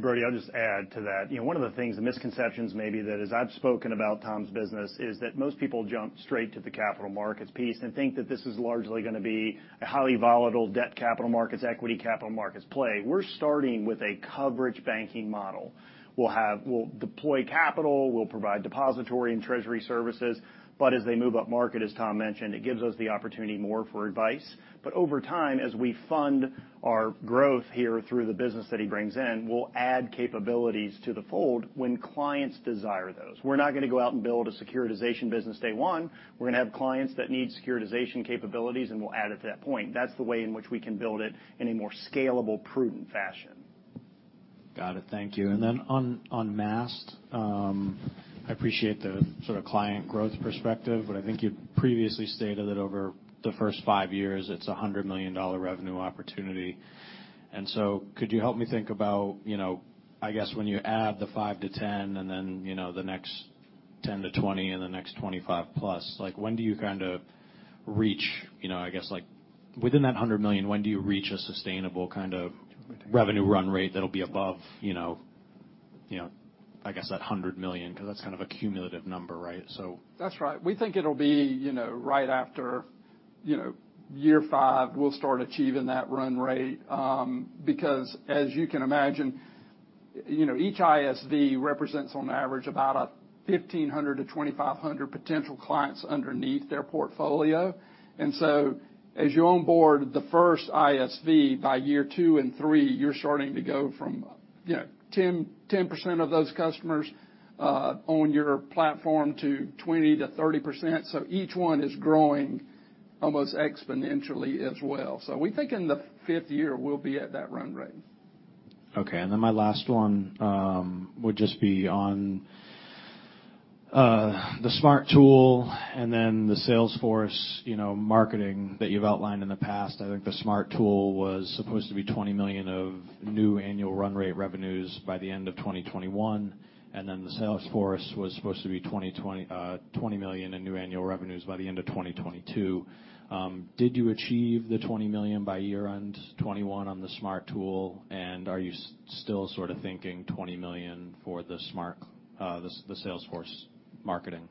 Brody, I'll just add to that. You know, one of the things, the misconceptions maybe that as I've spoken about Tom's business is that most people jump straight to the capital markets piece and think that this is largely gonna be a highly volatile debt capital markets, equity capital markets play. We're starting with a coverage banking model. We'll deploy capital, we'll provide depository and treasury services. As they move up market, as Tom mentioned, it gives us the opportunity more for advice. Over time, as we fund our growth here through the business that he brings in, we'll add capabilities to the fold when clients desire those. We're not gonna go out and build a securitization business day one. We're gonna have clients that need securitization capabilities, and we'll add it at that point. That's the way in which we can build it in a more scalable, prudent fashion. Got it. Thank you. On Maast, I appreciate the sort of client growth perspective, but I think you previously stated that over the first five years, it's a $100 million revenue opportunity. Could you help me think about, you know, I guess when you add the 5-10 and then, you know, the next 10-20 and the next 25+, like, when do you kind of reach, you know, I guess like, within that $100 million, when do you reach a sustainable kind of revenue run rate that'll be above, you know, I guess that $100 million? 'Cause that's kind of a cumulative number, right? That's right. We think it'll be, you know, right after, you know, year 5, we'll start achieving that run rate. Because as you can imagine, you know, each ISV represents on average about 1,500-2,500 potential clients underneath their portfolio. As you onboard the first ISV, by year 2 and 3, you're starting to go from, you know, 10% of those customers on your platform to 20%-30%. Each one is growing almost exponentially as well. We think in the 5th year, we'll be at that run rate. Okay. My last one would just be on. The SMART tool and then the sales force marketing that you've outlined in the past, I think the SMART tool was supposed to be $20 million of new annual run rate revenues by the end of 2021, and then the sales force was supposed to be $20 million in new annual revenues by the end of 2022. Did you achieve the $20 million by year-end 2021 on the SMART tool, and are you still sort of thinking $20 million for the SMART, the sales force marketing?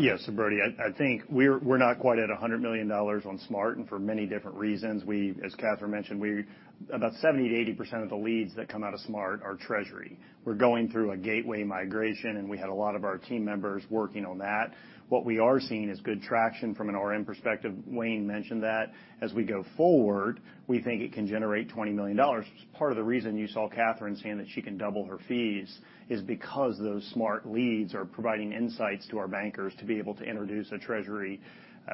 Yes, Brody, I think we're not quite at $100 million on SMART and for many different reasons. As Katherine mentioned, about 70%-80% of the leads that come out of SMART are treasury. We're going through a Gateway migration, and we had a lot of our team members working on that. What we are seeing is good traction from an RM perspective. Wayne mentioned that. As we go forward, we think it can generate $20 million. Part of the reason you saw Katherine saying that she can double her fees is because those SMART leads are providing insights to our bankers to be able to introduce a treasury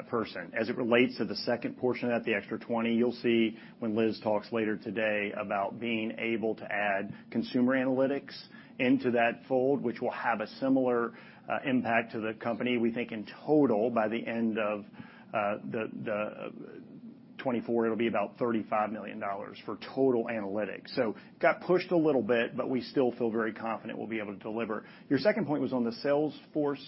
person. As it relates to the second portion of that, the extra 20, you'll see when Liz talks later today about being able to add consumer analytics into that fold, which will have a similar impact to the company. We think in total, by the end of the 2024, it'll be about $35 million for total analytics. Got pushed a little bit, but we still feel very confident we'll be able to deliver. Your second point was on the sales force?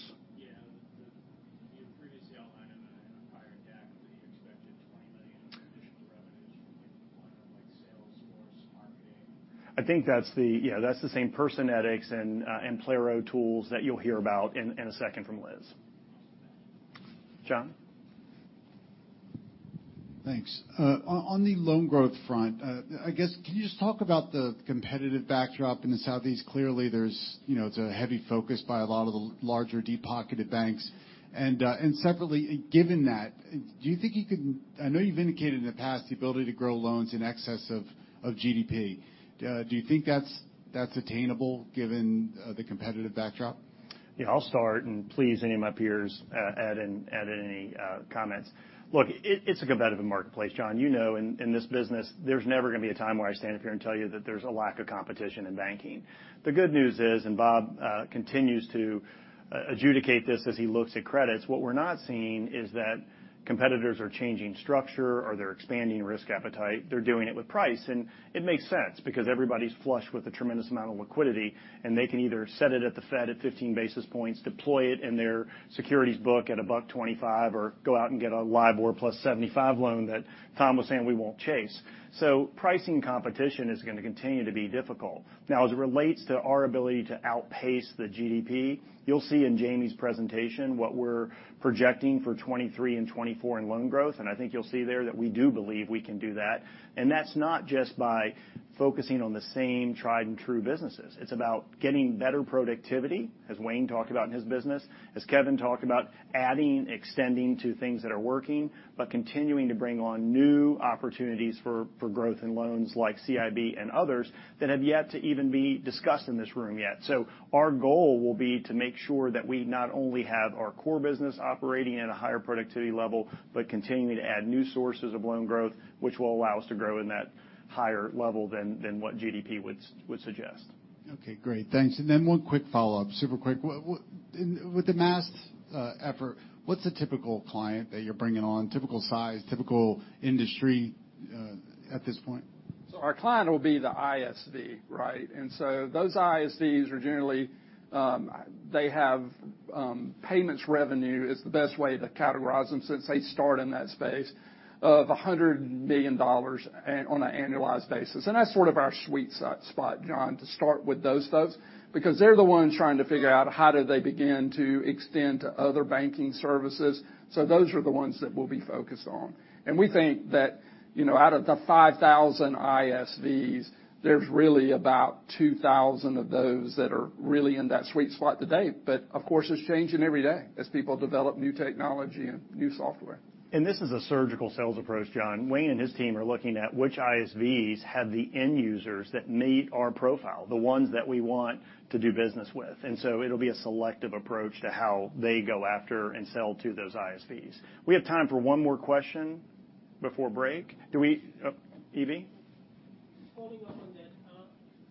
Yeah. You previously outlined in the prior deck that you expected $20 million in additional revenues from like Salesforce marketing. I think that's the, yeah, that's the same Personetics and Payro tools that you'll hear about in a second from Liz. John? Thanks. On the loan growth front, I guess, can you just talk about the competitive backdrop in the Southeast? Clearly, there's, you know, it's a heavy focus by a lot of the larger deep-pocketed banks. Secondly, given that, I know you've indicated in the past the ability to grow loans in excess of GDP. Do you think that's attainable given the competitive backdrop? Yeah, I'll start and please any of my peers, add in any comments. Look, it's a competitive marketplace, John. You know, in this business, there's never gonna be a time where I stand up here and tell you that there's a lack of competition in banking. The good news is, and Bob continues to adjudicate this as he looks at credits, what we're not seeing is that competitors are changing structure or they're expanding risk appetite. They're doing it with price. It makes sense because everybody's flush with a tremendous amount of liquidity, and they can either set it at the Fed at 15 basis points, deploy it in their securities book at a buck 1.25, or go out and get a LIBOR plus 75 loan that Tom was saying we won't chase. Pricing competition is gonna continue to be difficult. Now, as it relates to our ability to outpace the GDP, you'll see in Jamie's presentation what we're projecting for 2023 and 2024 in loan growth. I think you'll see there that we do believe we can do that. That's not just by focusing on the same tried and true businesses. It's about getting better productivity, as Wayne talked about in his business, as Kevin talked about adding, extending to things that are working, but continuing to bring on new opportunities for growth in loans like CIB and others that have yet to even be discussed in this room yet. Our goal will be to make sure that we not only have our core business operating at a higher productivity level, but continuing to add new sources of loan growth, which will allow us to grow in that higher level than what GDP would suggest. Okay. Great. Thanks. One quick follow-up, super quick. With the Maast effort, what's the typical client that you're bringing on, typical size, typical industry, at this point? Our client will be the ISV, right? Those ISVs are generally they have payments revenue is the best way to categorize them since they start in that space of $100 million on an annualized basis. That's sort of our sweet spot, John, to start with those folks, because they're the ones trying to figure out how do they begin to extend to other banking services. Those are the ones that we'll be focused on. We think that, you know, out of the 5,000 ISVs, there's really about 2,000 of those that are really in that sweet spot today. Of course, it's changing every day as people develop new technology and new software. This is a surgical sales approach, Jon. Wayne and his team are looking at which ISVs have the end users that meet our profile, the ones that we want to do business with. It'll be a selective approach to how they go after and sell to those ISVs. We have time for one more question before break. Oh, EB? Following up on that,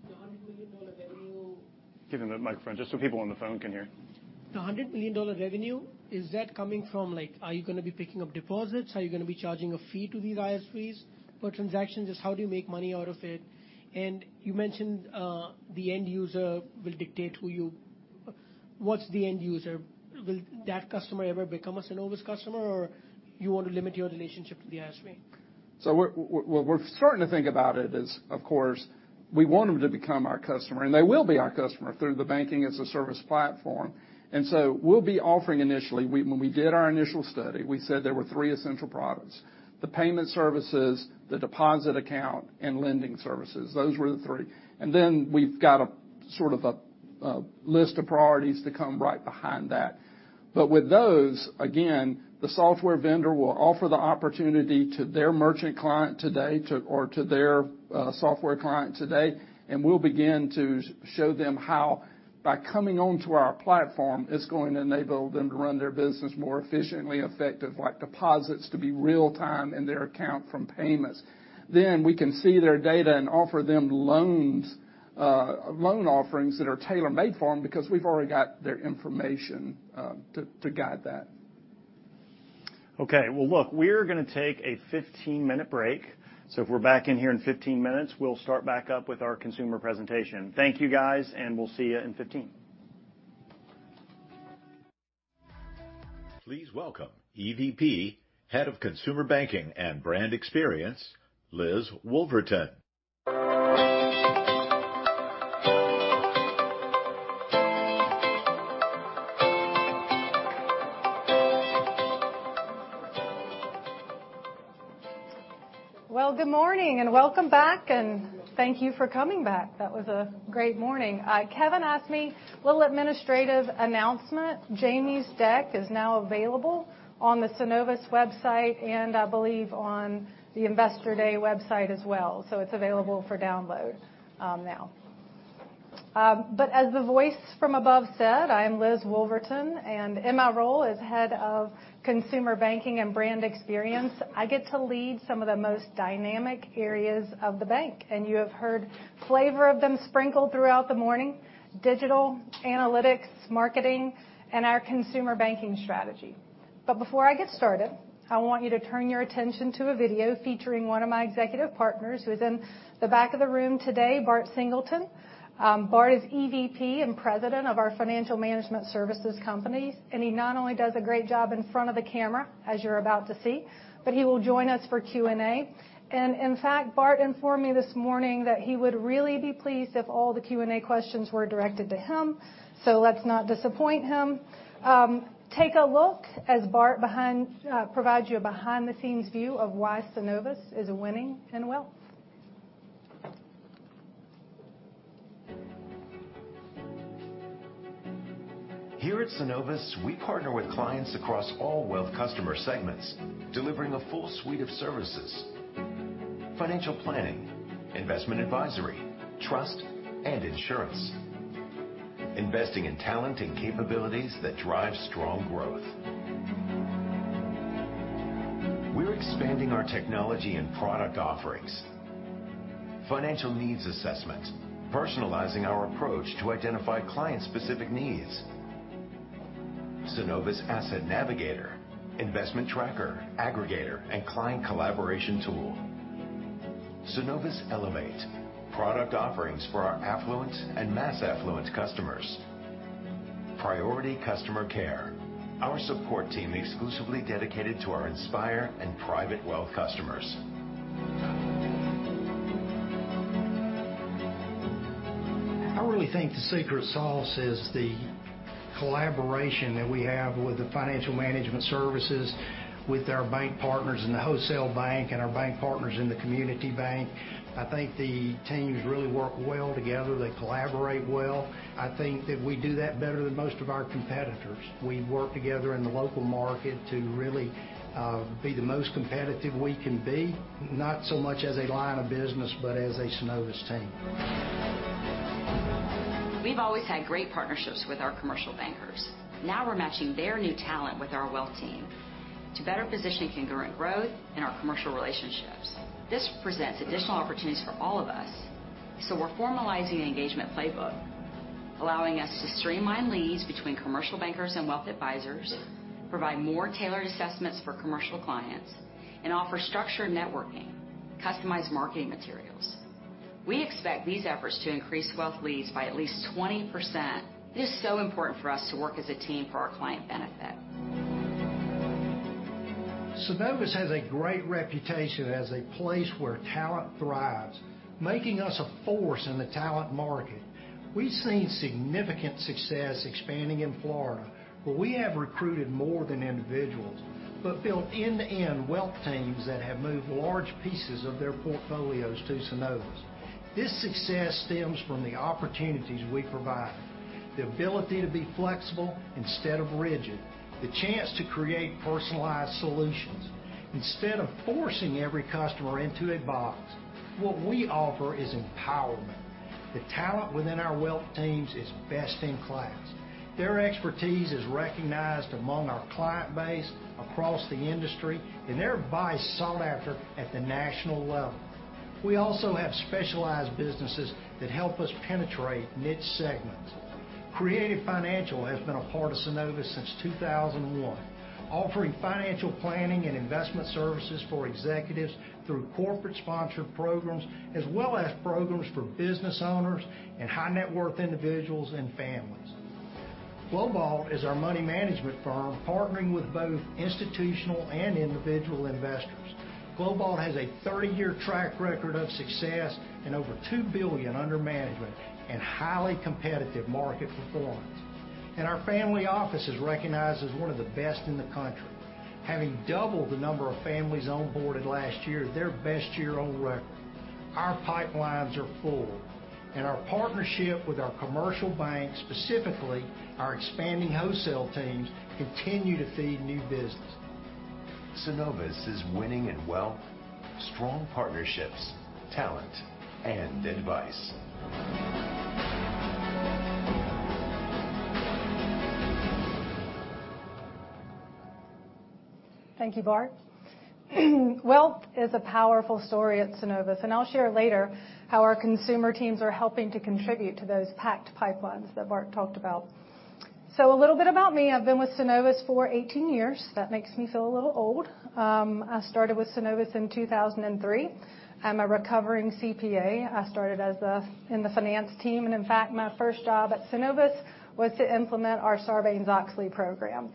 the $100 million annual- Give him the microphone just so people on the phone can hear. $100 million revenue, is that coming from, like, are you gonna be picking up deposits? Are you gonna be charging a fee to these ISVs for transactions? Just how do you make money out of it? You mentioned the end user will dictate who you? What's the end user? Will that customer ever become a Synovus customer, or you want to limit your relationship to the ISV? We're starting to think about it as, of course, we want them to become our customer, and they will be our customer through the banking-as-a-service platform. We'll be offering initially, when we did our initial study, we said there were three essential products, the payment services, the deposit account, and lending services. Those were the three. We've got a list of priorities to come right behind that. With those, again, the software vendor will offer the opportunity to their merchant client today or to their software client today, and we'll begin to show them how by coming onto our platform, it's going to enable them to run their business more efficiently, effectively, like deposits to be real time in their account from payments. We can see their data and offer them loans, loan offerings that are tailor-made for them because we've already got their information to guide that. Okay. Well, look, we're gonna take a 15-minute break. If we're back in here in 15 minutes, we'll start back up with our consumer presentation. Thank you, guys, and we'll see you in 15. Please welcome EVP, Head of Consumer Banking and Brand Experience, Liz Wolverton. Well, good morning and welcome back, and thank you for coming back. That was a great morning. Kevin asked me, a little administrative announcement. Jamie's deck is now available on the Synovus website, and I believe on the Investor Day website as well. It's available for download now. As the voice from above said, I am Liz Wolverton, and in my role as Head of Consumer Banking and Brand Experience, I get to lead some of the most dynamic areas of the bank. You have heard flavor of them sprinkled throughout the morning, digital, analytics, marketing, and our consumer banking strategy. Before I get started, I want you to turn your attention to a video featuring one of my executive partners who is in the back of the room today, Bart Singleton. Bart is EVP and President of our Financial Management Services company. He not only does a great job in front of the camera, as you're about to see, but he will join us for Q&A. In fact, Bart informed me this morning that he would really be pleased if all the Q&A questions were directed to him. Let's not disappoint him. Take a look as Bart provides you a behind-the-scenes view of why Synovus is winning in wealth. Here at Synovus, we partner with clients across all wealth customer segments, delivering a full suite of services, financial planning, investment advisory, trust and insurance. Investing in talent and capabilities that drive strong growth. We're expanding our technology and product offerings. Financial needs assessment, personalizing our approach to identify client-specific needs. Synovus Asset Navigator, investment tracker, aggregator, and client collaboration tool. Synovus Elevate, product offerings for our affluent and Maast affluent customers. Priority Customer Care, our support team exclusively dedicated to our Inspire and Private Wealth customers. I really think the secret sauce is the collaboration that we have with the Financial Management Services, with our bank partners in the Wholesale Bank and our bank partners in the Community Bank. I think the teams really work well together. They collaborate well. I think that we do that better than most of our competitors. We work together in the local market to really be the most competitive we can be, not so much as a line of business, but as a Synovus team. We've always had great partnerships with our commercial bankers. Now we're matching their new talent with our wealth team to better position congruent growth in our commercial relationships. This presents additional opportunities for all of us, so we're formalizing an engagement playbook, allowing us to streamline leads between commercial bankers and wealth advisors, provide more tailored assessments for commercial clients, and offer structured networking, customized marketing materials. We expect these efforts to increase wealth leads by at least 20%. It is so important for us to work as a team for our client benefit. Synovus has a great reputation as a place where talent thrives, making us a force in the talent market. We've seen significant success expanding in Florida, where we have recruited more than individuals, but built end-to-end wealth teams that have moved large pieces of their portfolios to Synovus. This success stems from the opportunities we provide, the ability to be flexible instead of rigid, the chance to create personalized solutions instead of forcing every customer into a box. What we offer is empowerment. The talent within our wealth teams is best in class. Their expertise is recognized among our client base across the industry, and their advice sought after at the national level. We also have specialized businesses that help us penetrate niche segments. Creative Financial has been a part of Synovus since 2001, offering financial planning and investment services for executives through corporate sponsored programs, as well as programs for business owners and high net worth individuals and families. Globalt is our money management firm, partnering with both institutional and individual investors. Globalt has a 30-year track record of success and over $2 billion under management and highly competitive market performance. Our family office is recognized as one of the best in the country, having doubled the number of families onboarded last year, their best year on record. Our pipelines are full, and our partnership with our commercial bank, specifically our expanding wholesale teams, continue to feed new business. Synovus is winning in wealth, strong partnerships, talent, and advice. Thank you, Bart. Wealth is a powerful story at Synovus, and I'll share later how our consumer teams are helping to contribute to those packed pipelines that Bart talked about. A little bit about me. I've been with Synovus for 18 years. That makes me feel a little old. I started with Synovus in 2003. I'm a recovering CPA. I started in the finance team, and in fact, my first job at Synovus was to implement our Sarbanes-Oxley program.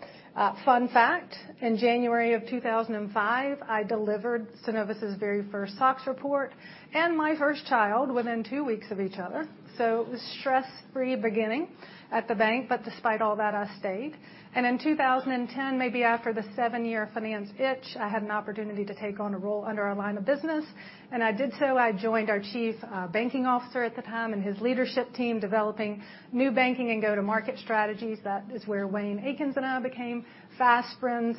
Fun fact, in January of 2005, I delivered Synovus' very first SOX report and my first child within two weeks of each other. It was a stress-free beginning at the bank, but despite all that, I stayed. In 2010, maybe after the seven-year finance itch, I had an opportunity to take on a role under our line of business, and I did so. I joined our Chief Banking Officer at the time and his leadership team, developing new banking and go-to-market strategies. That is where Wayne Akins and I became fast friends,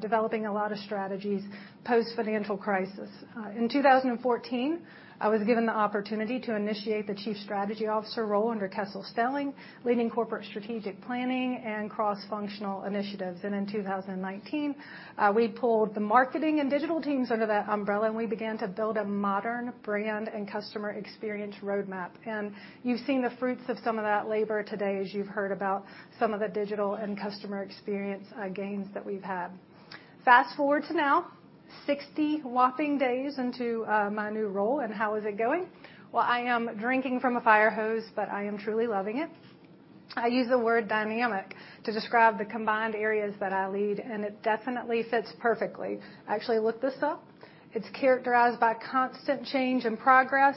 developing a lot of strategies post-financial crisis. In 2014, I was given the opportunity to initiate the Chief Strategy Officer role under Kessel Stelling, leading corporate strategic planning and cross-functional initiatives. In 2019, we pulled the marketing and digital teams under that umbrella, and we began to build a modern brand and customer experience roadmap. You've seen the fruits of some of that labor today as you've heard about some of the digital and customer experience, gains that we've had. Fast-forward to now, 60 whopping days into, my new role, and how is it going? Well, I am drinking from a fire hose, but I am truly loving it. I use the word dynamic to describe the combined areas that I lead, and it definitely fits perfectly. I actually looked this up. It's characterized by constant change and progress,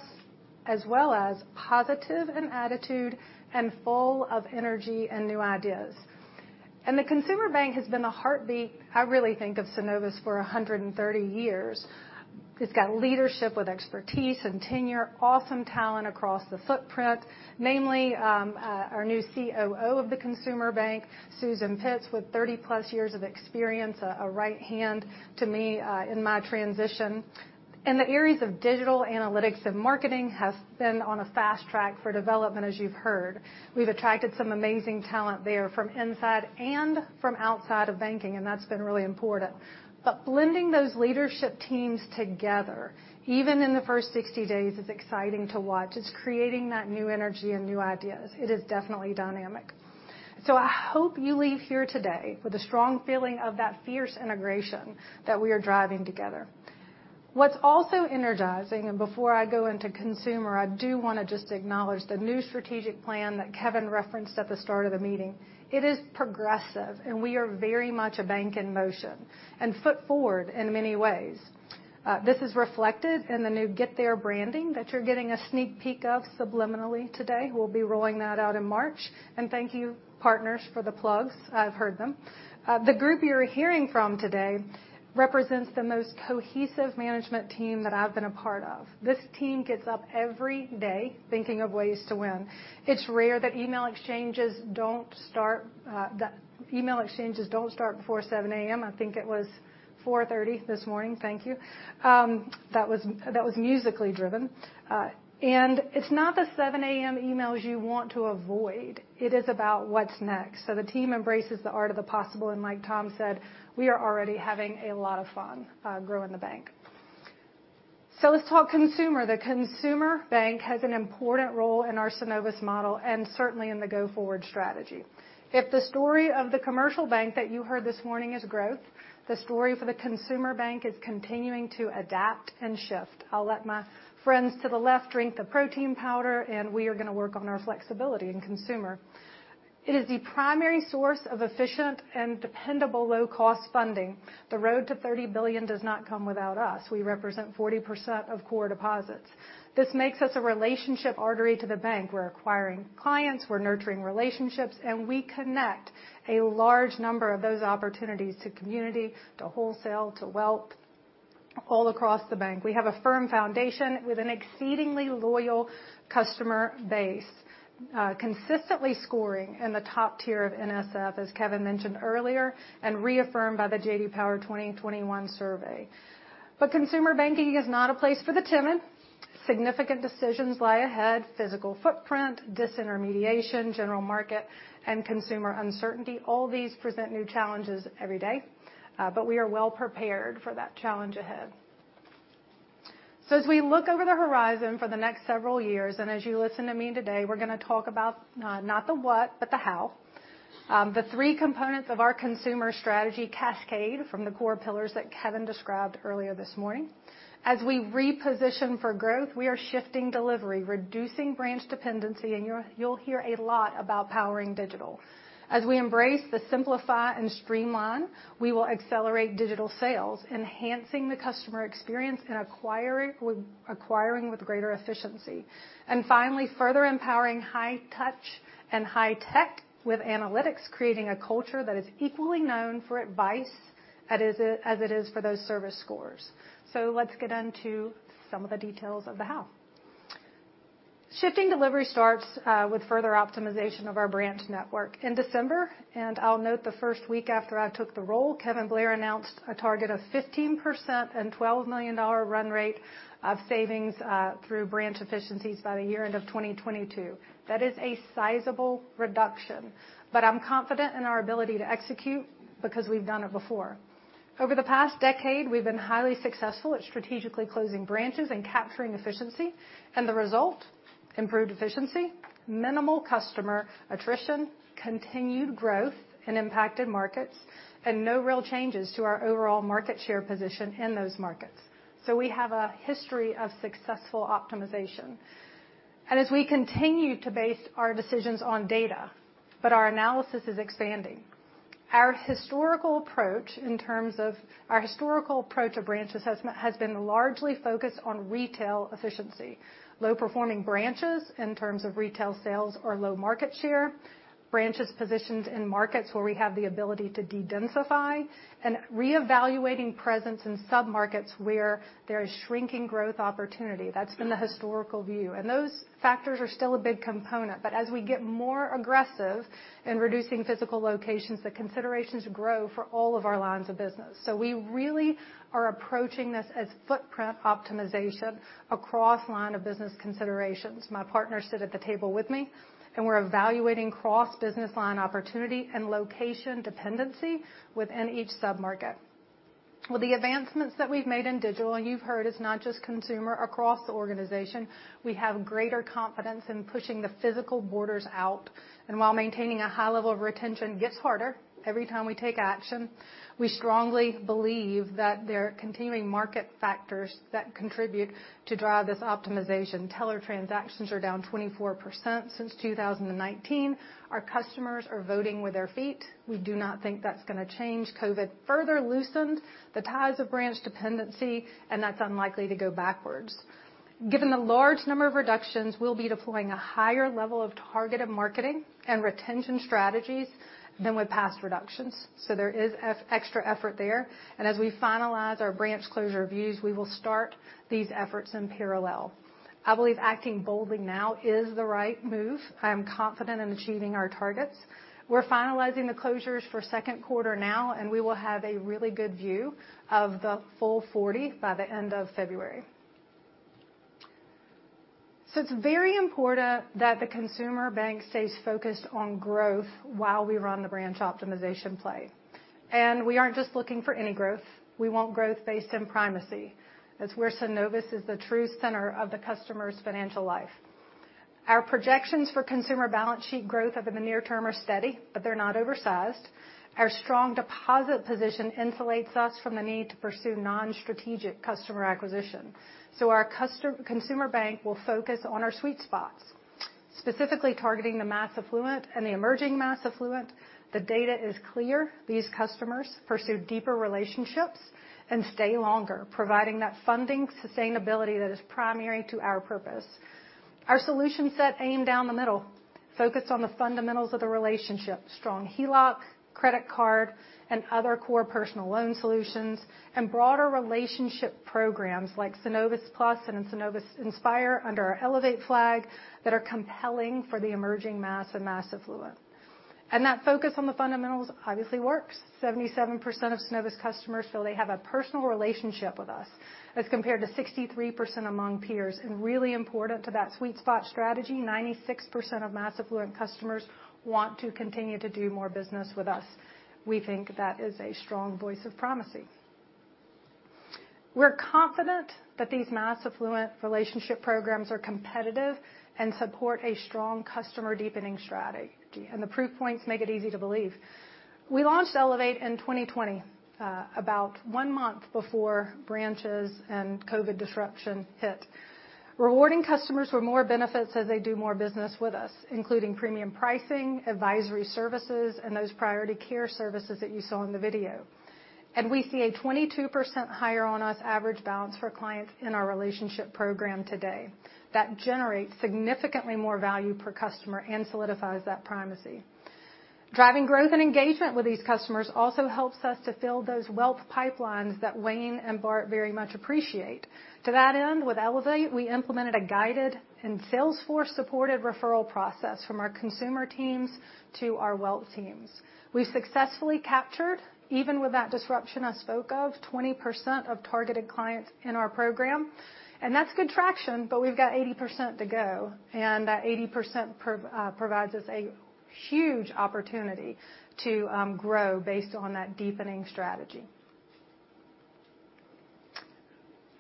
as well as positive in attitude and full of energy and new ideas. The consumer bank has been the heartbeat, I really think, of Synovus for 130 years. It's got leadership with expertise and tenure, awesome talent across the footprint. Namely, our new COO of the Consumer Banking, Susan Pitts, with 30-plus years of experience, a right hand to me, in my transition. The areas of digital analytics and marketing have been on a fast track for development, as you've heard. We've attracted some amazing talent there from inside and from outside of banking, and that's been really important. But blending those leadership teams together, even in the first 60 days, is exciting to watch. It's creating that new energy and new ideas. It is definitely dynamic. I hope you leave here today with a strong feeling of that fierce integration that we are driving together. What's also energizing, and before I go into consumer, I do wanna just acknowledge the new strategic plan that Kevin referenced at the start of the meeting. It is progressive, and we are very much a bank in motion and foot-forward in many ways. This is reflected in the new Get There branding that you're getting a sneak peek of subliminally today. We'll be rolling that out in March. Thank you, partners, for the plugs. I've heard them. The group you're hearing from today represents the most cohesive management team that I've been a part of. This team gets up every day thinking of ways to win. It's rare that email exchanges don't start before 7 A.M. I think it was 4:30 A.M. this morning. Thank you. That was musically driven. It's not the 7 A.M. emails you want to avoid. It is about what's next. The team embraces the art of the possible, and like Tom said, we are already having a lot of fun growing the bank. Let's talk consumer. The consumer bank has an important role in our Synovus model and certainly in the go-forward strategy. If the story of the commercial bank that you heard this morning is growth, the story for the consumer bank is continuing to adapt and shift. I'll let my friends to the left drink the protein powder, and we are gonna work on our flexibility in consumer. It is the primary source of efficient and dependable low-cost funding. The road to 30 billion does not come without us. We represent 40% of core deposits. This makes us a relationship artery to the bank. We're acquiring clients, we're nurturing relationships, and we connect a large number of those opportunities to community, to wholesale, to wealth, all across the bank. We have a firm foundation with an exceedingly loyal customer base, consistently scoring in the top tier of NPS, as Kevin mentioned earlier, and reaffirmed by the J.D. Power 2021 survey. Consumer banking is not a place for the timid. Significant decisions lie ahead, physical footprint, disintermediation, general market, and consumer uncertainty. All these present new challenges every day, but we are well prepared for that challenge ahead. As we look over the horizon for the next several years, and as you listen to me today, we're gonna talk about not the what, but the how. The three components of our consumer strategy cascade from the core pillars that Kevin described earlier this morning. As we reposition for growth, we are shifting delivery, reducing branch dependency, and you'll hear a lot about powering digital. As we embrace the simplify and streamline, we will accelerate digital sales, enhancing the customer experience and acquiring with greater efficiency. Further empowering high touch and high tech with analytics, creating a culture that is equally known for advice as it is for those service scores. Let's get onto some of the details of the how. Shifting delivery starts with further optimization of our branch network. In December, and I'll note the first week after I took the role, Kevin Blair announced a target of 15% and $12 million run rate of savings through branch efficiencies by the year end of 2022. That is a sizable reduction, but I'm confident in our ability to execute because we've done it before. Over the past decade, we've been highly successful at strategically closing branches and capturing efficiency. The result, improved efficiency, minimal customer attrition, continued growth in impacted markets, and no real changes to our overall market share position in those markets. We have a history of successful optimization. As we continue to base our decisions on data, but our analysis is expanding. Our historical approach of branch assessment has been largely focused on retail efficiency, low-performing branches in terms of retail sales or low market share, branches positioned in markets where we have the ability to de-densify, and reevaluating presence in submarkets where there is shrinking growth opportunity. That's been the historical view. Those factors are still a big component, but as we get more aggressive in reducing physical locations, the considerations grow for all of our lines of business. We really are approaching this as footprint optimization across line of business considerations. My partners sit at the table with me, and we're evaluating cross-business line opportunity and location dependency within each submarket. With the advancements that we've made in digital, and you've heard it's not just consumer, across the organization, we have greater confidence in pushing the physical borders out. While maintaining a high level of retention gets harder every time we take action, we strongly believe that there are continuing market factors that contribute to drive this optimization. Teller transactions are down 24% since 2019. Our customers are voting with their feet. We do not think that's gonna change. COVID further loosened the ties of branch dependency, and that's unlikely to go backwards. Given the large number of reductions, we'll be deploying a higher level of targeted marketing and retention strategies than with past reductions. There is extra effort there. As we finalize our branch closure reviews, we will start these efforts in parallel. I believe acting boldly now is the right move. I am confident in achieving our targets. We're finalizing the closures for second quarter now, and we will have a really good view of the full 40 by the end of February. It's very important that the consumer bank stays focused on growth while we run the branch optimization play. We aren't just looking for any growth. We want growth based in primacy. That's where Synovus is the true center of the customer's financial life. Our projections for consumer balance sheet growth over the near term are steady, but they're not oversized. Our strong deposit position insulates us from the need to pursue non-strategic customer acquisition. Our consumer bank will focus on our sweet spots, specifically targeting the mass affluent and the emerging mass affluent. The data is clear. These customers pursue deeper relationships and stay longer, providing that funding sustainability that is primary to our purpose. Our solution set aim down the middle, focus on the fundamentals of the relationship, strong HELOC, credit card, and other core personal loan solutions, and broader relationship programs like Synovus Plus and Synovus Inspire under our Elevate flag that are compelling for the emerging mass and mass affluent. That focus on the fundamentals obviously works. 77% of Synovus customers feel they have a personal relationship with us as compared to 63% among peers. Really important to that sweet spot strategy, 96% of mass affluent customers want to continue to do more business with us. We think that is a strong voice of primacy. We're confident that these mass affluent relationship programs are competitive and support a strong customer deepening strategy. The proof points make it easy to believe. We launched Elevate in 2020, about one month before branches and COVID disruption hit. Rewarding customers for more benefits as they do more business with us, including premium pricing, advisory services, and those Priority Customer Care services that you saw in the video. We see a 22% higher on-us average balance for clients in our relationship program today. That generates significantly more value per customer and solidifies that primacy. Driving growth and engagement with these customers also helps us to fill those wealth pipelines that Wayne and Bart very much appreciate. To that end, with Elevate, we implemented a guided and Salesforce-supported referral process from our consumer teams to our wealth teams. We successfully captured, even with that disruption I spoke of, 20% of targeted clients in our program. That's good traction, but we've got 80% to go, and that 80% provides us a huge opportunity to grow based on that deepening strategy.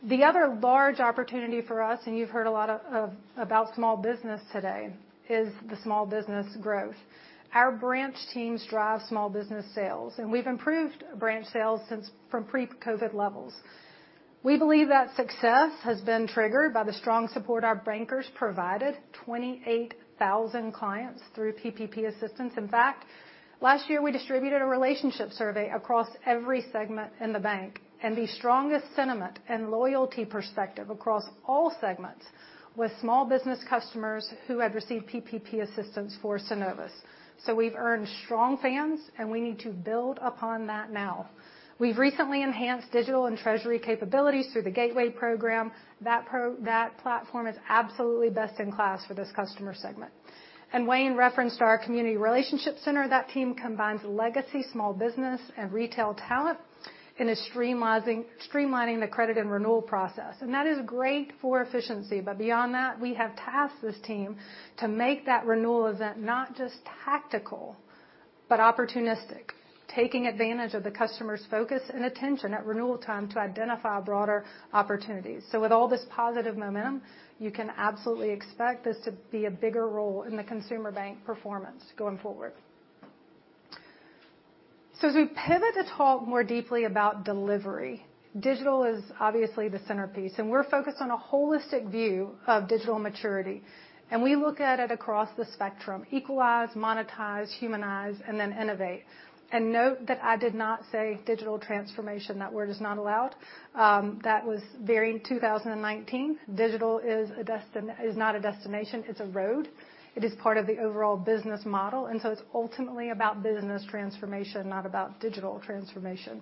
The other large opportunity for us, and you've heard a lot about small business today, is the small business growth. Our branch teams drive small business sales, and we've improved branch sales from pre-COVID levels. We believe that success has been triggered by the strong support our bankers provided 28,000 clients through PPP assistance. In fact, last year, we distributed a relationship survey across every segment in the bank, and the strongest sentiment and loyalty perspective across all segments was small business customers who had received PPP assistance for Synovus. We've earned strong fans, and we need to build upon that now. We've recently enhanced digital and treasury capabilities through the Gateway program. That platform is absolutely best in class for this customer segment. Wayne referenced our Community Relationships Center. That team combines legacy small business and retail talent and is streamlining the credit and renewal process. That is great for efficiency, but beyond that, we have tasked this team to make that renewal event not just tactical but opportunistic, taking advantage of the customer's focus and attention at renewal time to identify broader opportunities. With all this positive momentum, you can absolutely expect this to be a bigger role in the consumer bank performance going forward. As we pivot to talk more deeply about delivery, digital is obviously the centerpiece, and we're focused on a holistic view of digital maturity. We look at it across the spectrum, equalize, monetize, humanize, and then innovate. Note that I did not say digital transformation. That word is not allowed. That was very 2019. Digital is not a destination, it's a road. It is part of the overall business model, and so it's ultimately about business transformation, not about digital transformation.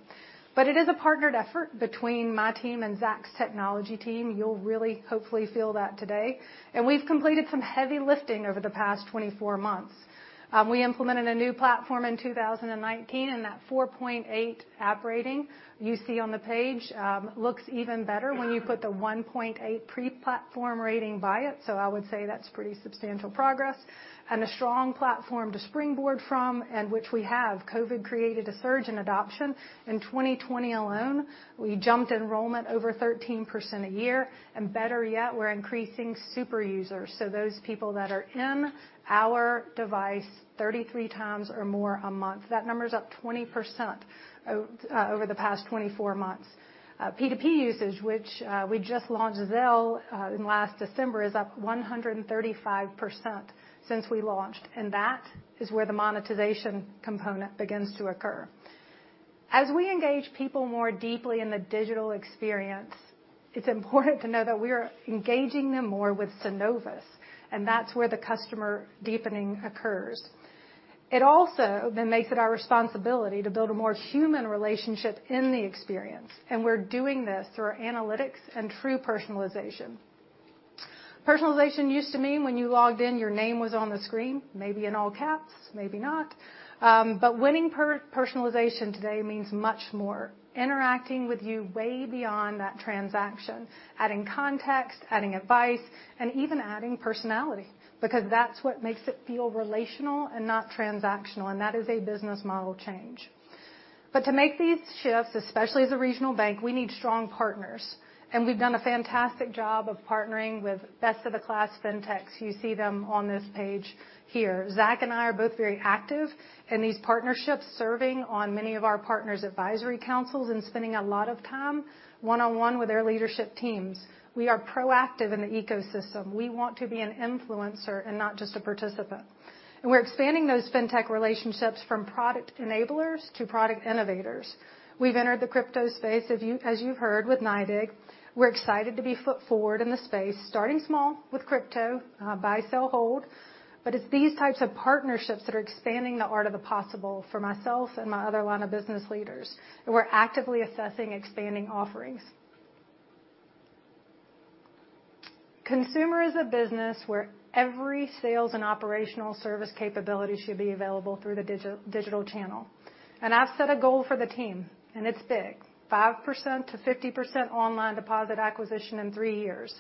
But it is a partnered effort between my team and Zack's technology team. You'll really hopefully feel that today. We've completed some heavy lifting over the past 24 months. We implemented a new platform in 2019, and that 4.8 app rating you see on the page looks even better when you put the 1.8 pre-platform rating by it. I would say that's pretty substantial progress and a strong platform to springboard from, which we have. COVID created a surge in adoption. In 2020 alone, we jumped enrollment over 13% a year. Better yet, we're increasing super users, so those people that are in our device 33 times or more a month. That number's up 20% over the past 24 months. P2P usage, which we just launched Zelle in late December, is up 135% since we launched, and that is where the monetization component begins to occur. As we engage people more deeply in the digital experience, it's important to know that we are engaging them more with Synovus, and that's where the customer deepening occurs. It makes it our responsibility to build a more human relationship in the experience, and we're doing this through our analytics and true personalization. Personalization used to mean when you logged in, your name was on the screen, maybe in all caps, maybe not. But winning personalization today means much more. Interacting with you way beyond that transaction. Adding context, adding advice, and even adding personality, because that's what makes it feel relational and not transactional, and that is a business model change. To make these shifts, especially as a regional bank, we need strong partners, and we've done a fantastic job of partnering with best of the class fintechs. You see them on this page here. Zack and I are both very active in these partnerships, serving on many of our partners' advisory councils and spending a lot of time one-on-one with their leadership teams. We are proactive in the ecosystem. We want to be an influencer and not just a participant. We're expanding those fintech relationships from product enablers to product innovators. We've entered the crypto space as you've heard, with NYDIG. We're excited to put our foot forward in the space, starting small with crypto, buy, sell, hold. It's these types of partnerships that are expanding the art of the possible for myself and my other line of business leaders, and we're actively assessing expanding offerings. Consumer is a business where every sales and operational service capability should be available through the digital channel. I've set a goal for the team, and it's big. 5% to 50% online deposit acquisition in three years.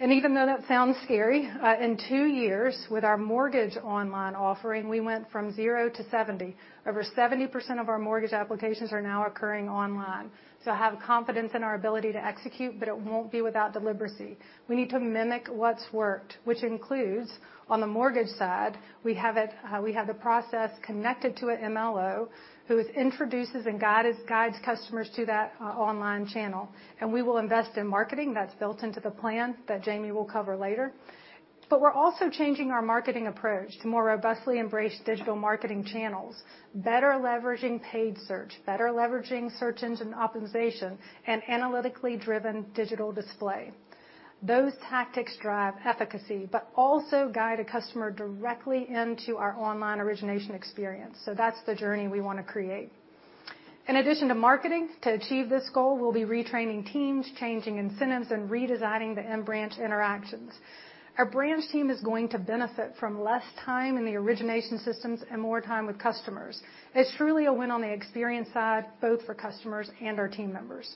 Even though that sounds scary, in two years, with our mortgage online offering, we went from 0 to 70. Over 70% of our mortgage applications are now occurring online. I have confidence in our ability to execute, but it won't be without deliberacy. We need to mimic what's worked, which includes, on the mortgage side, we have the process connected to an MLO who introduces and guides customers to that online channel. We will invest in marketing. That's built into the plan that Jamie will cover later. We're also changing our marketing approach to more robustly embrace digital marketing channels, better leveraging paid search, better leveraging search engine optimization, and analytically driven digital display. Those tactics drive efficacy but also guide a customer directly into our online origination experience. That's the journey we want to create. In addition to marketing, to achieve this goal, we'll be retraining teams, changing incentives, and redesigning the in-branch interactions. Our branch team is going to benefit from less time in the origination systems and more time with customers. It's truly a win on the experience side, both for customers and our team members.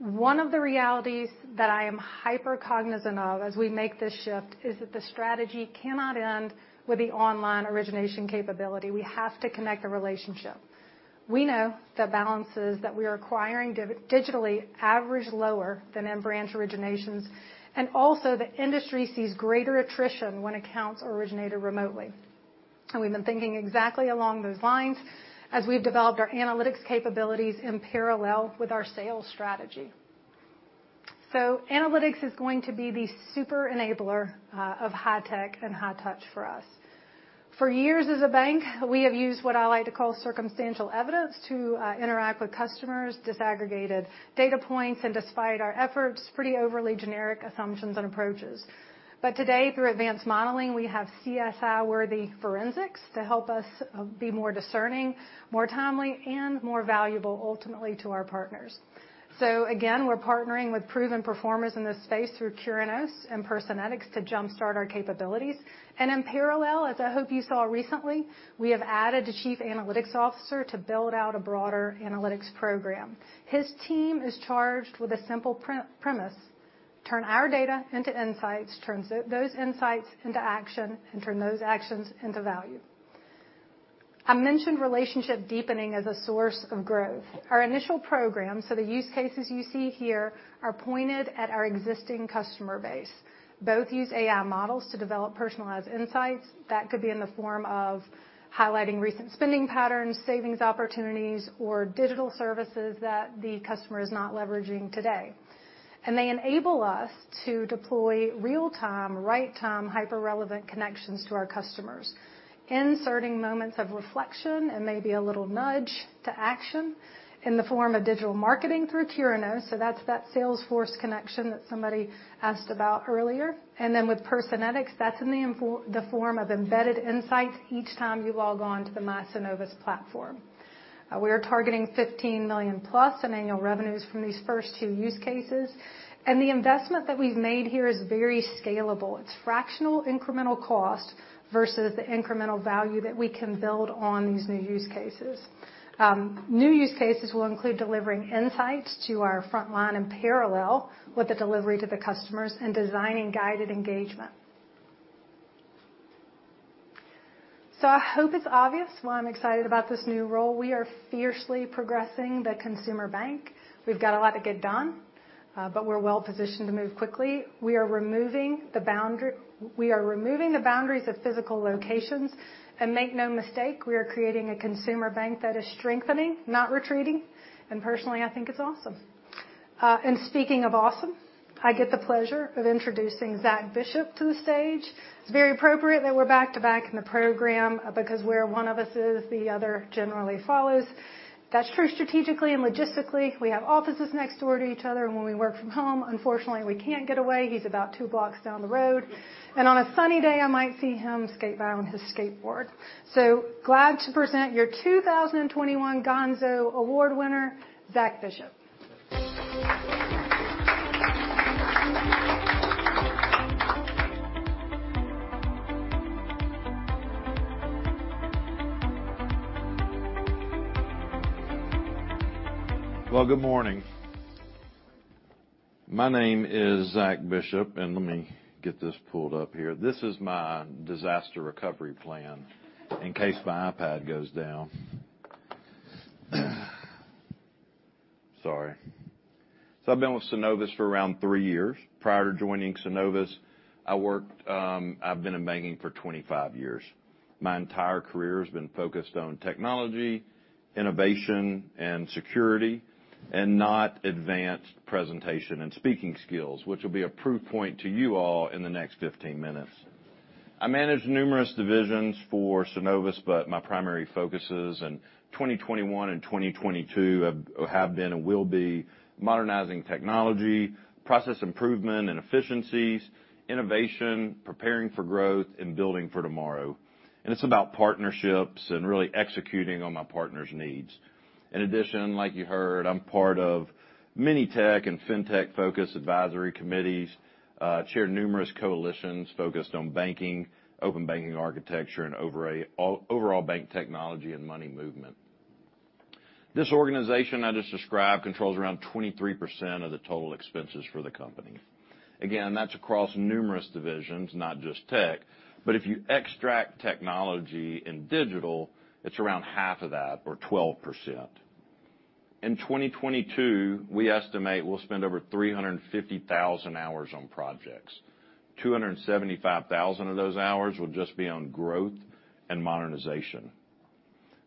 One of the realities that I am hyper cognizant of as we make this shift is that the strategy cannot end with the online origination capability. We have to connect the relationship. We know the balances that we are acquiring digitally average lower than in-branch originations, and also that industry sees greater attrition when accounts are originated remotely. We've been thinking exactly along those lines as we've developed our analytics capabilities in parallel with our sales strategy. Analytics is going to be the super enabler of high tech and high touch for us. For years as a bank, we have used what I like to call circumstantial evidence to interact with customers, disaggregated data points, and despite our efforts, pretty overly generic assumptions and approaches. Today, through advanced modeling, we have CSI-worthy forensics to help us be more discerning, more timely, and more valuable ultimately to our partners. We're partnering with proven performers in this space through Curinos and Personetics to jump-start our capabilities. In parallel, as I hope you saw recently, we have added a chief analytics officer to build out a broader analytics program. His team is charged with a simple premise. Turn our data into insights, turn those insights into action, and turn those actions into value. I mentioned relationship deepening as a source of growth. Our initial programs, so the use cases you see here, are pointed at our existing customer base. Both use AI models to develop personalized insights that could be in the form of highlighting recent spending patterns, savings opportunities, or digital services that the customer is not leveraging today. They enable us to deploy real-time, right-time, hyper-relevant connections to our customers, inserting moments of reflection and maybe a little nudge to action in the form of digital marketing through Tirano. That's that Salesforce connection that somebody asked about earlier. Then with Personetics, that's in the form of embedded insights each time you log on to the My Synovus platform. We are targeting $15 million-plus in annual revenues from these first two use cases. The investment that we've made here is very scalable. It's fractional incremental cost versus the incremental value that we can build on these new use cases. New use cases will include delivering insights to our front line in parallel with the delivery to the customers and designing guided engagement. I hope it's obvious why I'm excited about this new role. We are fiercely progressing the consumer bank. We've got a lot to get done, but we're well-positioned to move quickly. We are removing the boundaries of physical locations. Make no mistake, we are creating a consumer bank that is strengthening, not retreating. Personally, I think it's awesome. Speaking of awesome, I get the pleasure of introducing Zack Bishop to the stage. It's very appropriate that we're back-to-back in the program, because where one of us is, the other generally follows. That's true strategically and logistically. We have offices next door to each other, and when we work from home, unfortunately, we can't get away. He's about two blocks down the road. On a sunny day, I might see him skate by on his skateboard. Glad to present your 2021 Gonzo Award winner, Zack Bishop. Well, good morning. My name is Zack Bishop, and let me get this pulled up here. This is my disaster recovery plan in case my iPad goes down. Sorry. I've been with Synovus for around three years. Prior to joining Synovus, I've been in banking for 25 years. My entire career has been focused on technology, innovation, and security, and not advanced presentation and speaking skills, which will be a proof point to you all in the next 15 minutes. I manage numerous divisions for Synovus, but my primary focuses in 2021 and 2022 have been and will be modernizing technology, process improvement and efficiencies, innovation, preparing for growth, and building for tomorrow. It's about partnerships and really executing on my partners' needs. In addition, like you heard, I'm part of many tech and fintech-focused advisory committees. I chair numerous coalitions focused on banking, open banking architecture, and overall bank technology and money movement. This organization I just described controls around 23% of the total expenses for the company. Again, that's across numerous divisions, not just tech. But if you extract technology and digital, it's around half of that or 12%. In 2022, we estimate we'll spend over 350,000 hours on projects. 275,000 of those hours will just be on growth and modernization.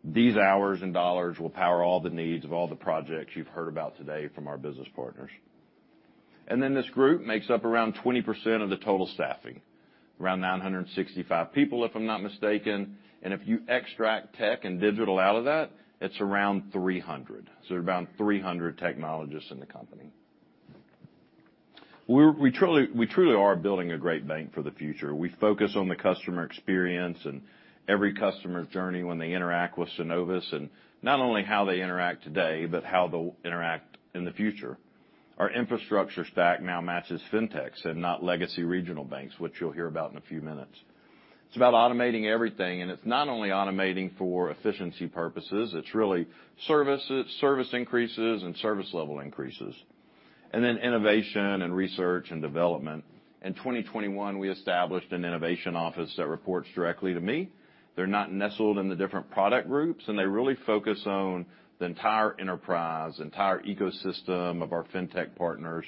These hours and dollars will power all the needs of all the projects you've heard about today from our business partners. This group makes up around 20% of the total staffing. Around 965 people, if I'm not mistaken. If you extract tech and digital out of that, it's around 300. Around 300 technologists in the company. We truly are building a great bank for the future. We focus on the customer experience and every customer's journey when they interact with Synovus, and not only how they interact today, but how they'll interact in the future. Our infrastructure stack now matches fintechs and not legacy regional banks, which you'll hear about in a few minutes. It's about automating everything, and it's not only automating for efficiency purposes, it's really services, service increases and service level increases, and then innovation and research and development. In 2021, we established an innovation office that reports directly to me. They're not nestled in the different product groups, and they really focus on the entire enterprise, entire ecosystem of our fintech partners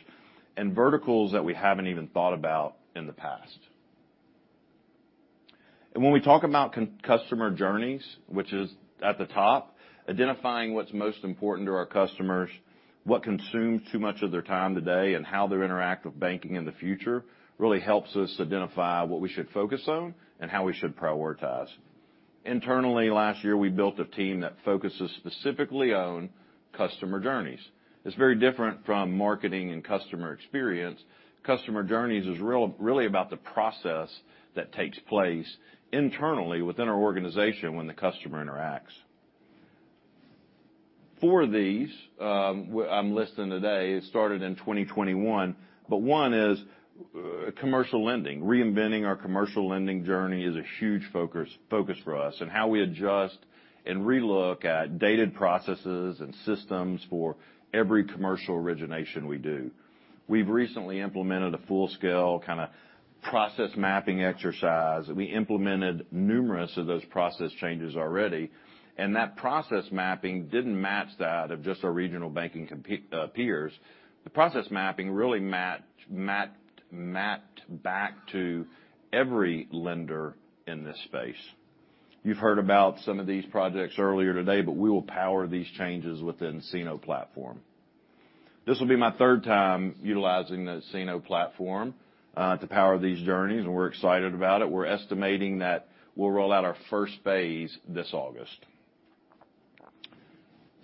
and verticals that we haven't even thought about in the past. When we talk about customer journeys, which is at the top, identifying what's most important to our customers, what consumes too much of their time today, and how they interact with banking in the future really helps us identify what we should focus on and how we should prioritize. Internally, last year, we built a team that focuses specifically on customer journeys. It's very different from marketing and customer experience. Customer journeys is really about the process that takes place internally within our organization when the customer interacts. Four of these I'm listing today started in 2021, but one is commercial lending. Reinventing our commercial lending journey is a huge focus for us, and how we adjust and relook at dated processes and systems for every commercial origination we do. We've recently implemented a full-scale kinda process mapping exercise. We implemented numerous of those process changes already, and that process mapping didn't match that of just our regional banking peers. The process mapping really matched back to every lender in this space. You've heard about some of these projects earlier today, but we will power these changes within nCino Platform. This will be my third time utilizing the nCino Platform to power these journeys, and we're excited about it. We're estimating that we'll roll out our first phase this August.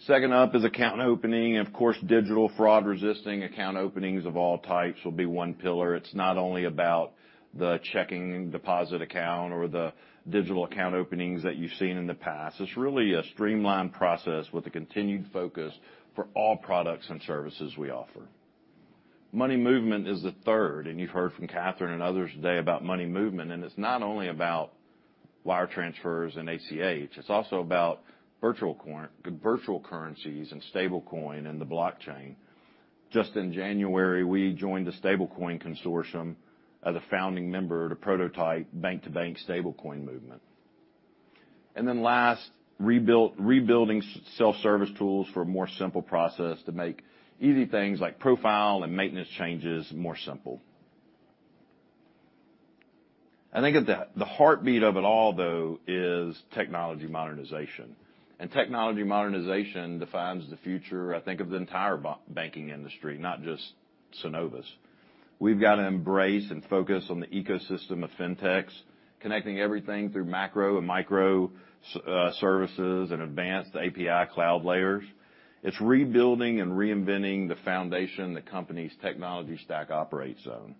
Second up is account opening. Of course, digital fraud resisting account openings of all types will be one pillar. It's not only about the checking and deposit account or the digital account openings that you've seen in the past. It's really a streamlined process with a continued focus for all products and services we offer. Money movement is the third, and you've heard from Katherine and others today about money movement, and it's not only about wire transfers and ACH, it's also about virtual currencies and stablecoin and the blockchain. Just in January, we joined the USDF Consortium as a founding member to prototype bank-to-bank stablecoin movement. Then last, rebuilding self-service tools for a more simple process to make easy things like profile and maintenance changes more simple. I think at the heartbeat of it all, though, is technology modernization. Technology modernization defines the future, I think, of the entire banking industry, not just Synovus. We've gotta embrace and focus on the ecosystem of fintechs, connecting everything through macro and micro services and advanced API cloud layers. It's rebuilding and reinventing the foundation the company's technology stack operates on.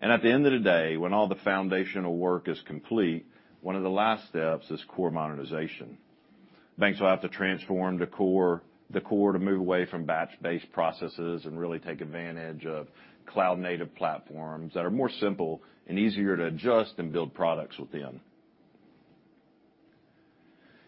At the end of the day, when all the foundational work is complete, one of the last steps is core modernization. Banks will have to transform the core, the core to move away from batch-based processes and really take advantage of cloud-native platforms that are more simple and easier to adjust and build products within.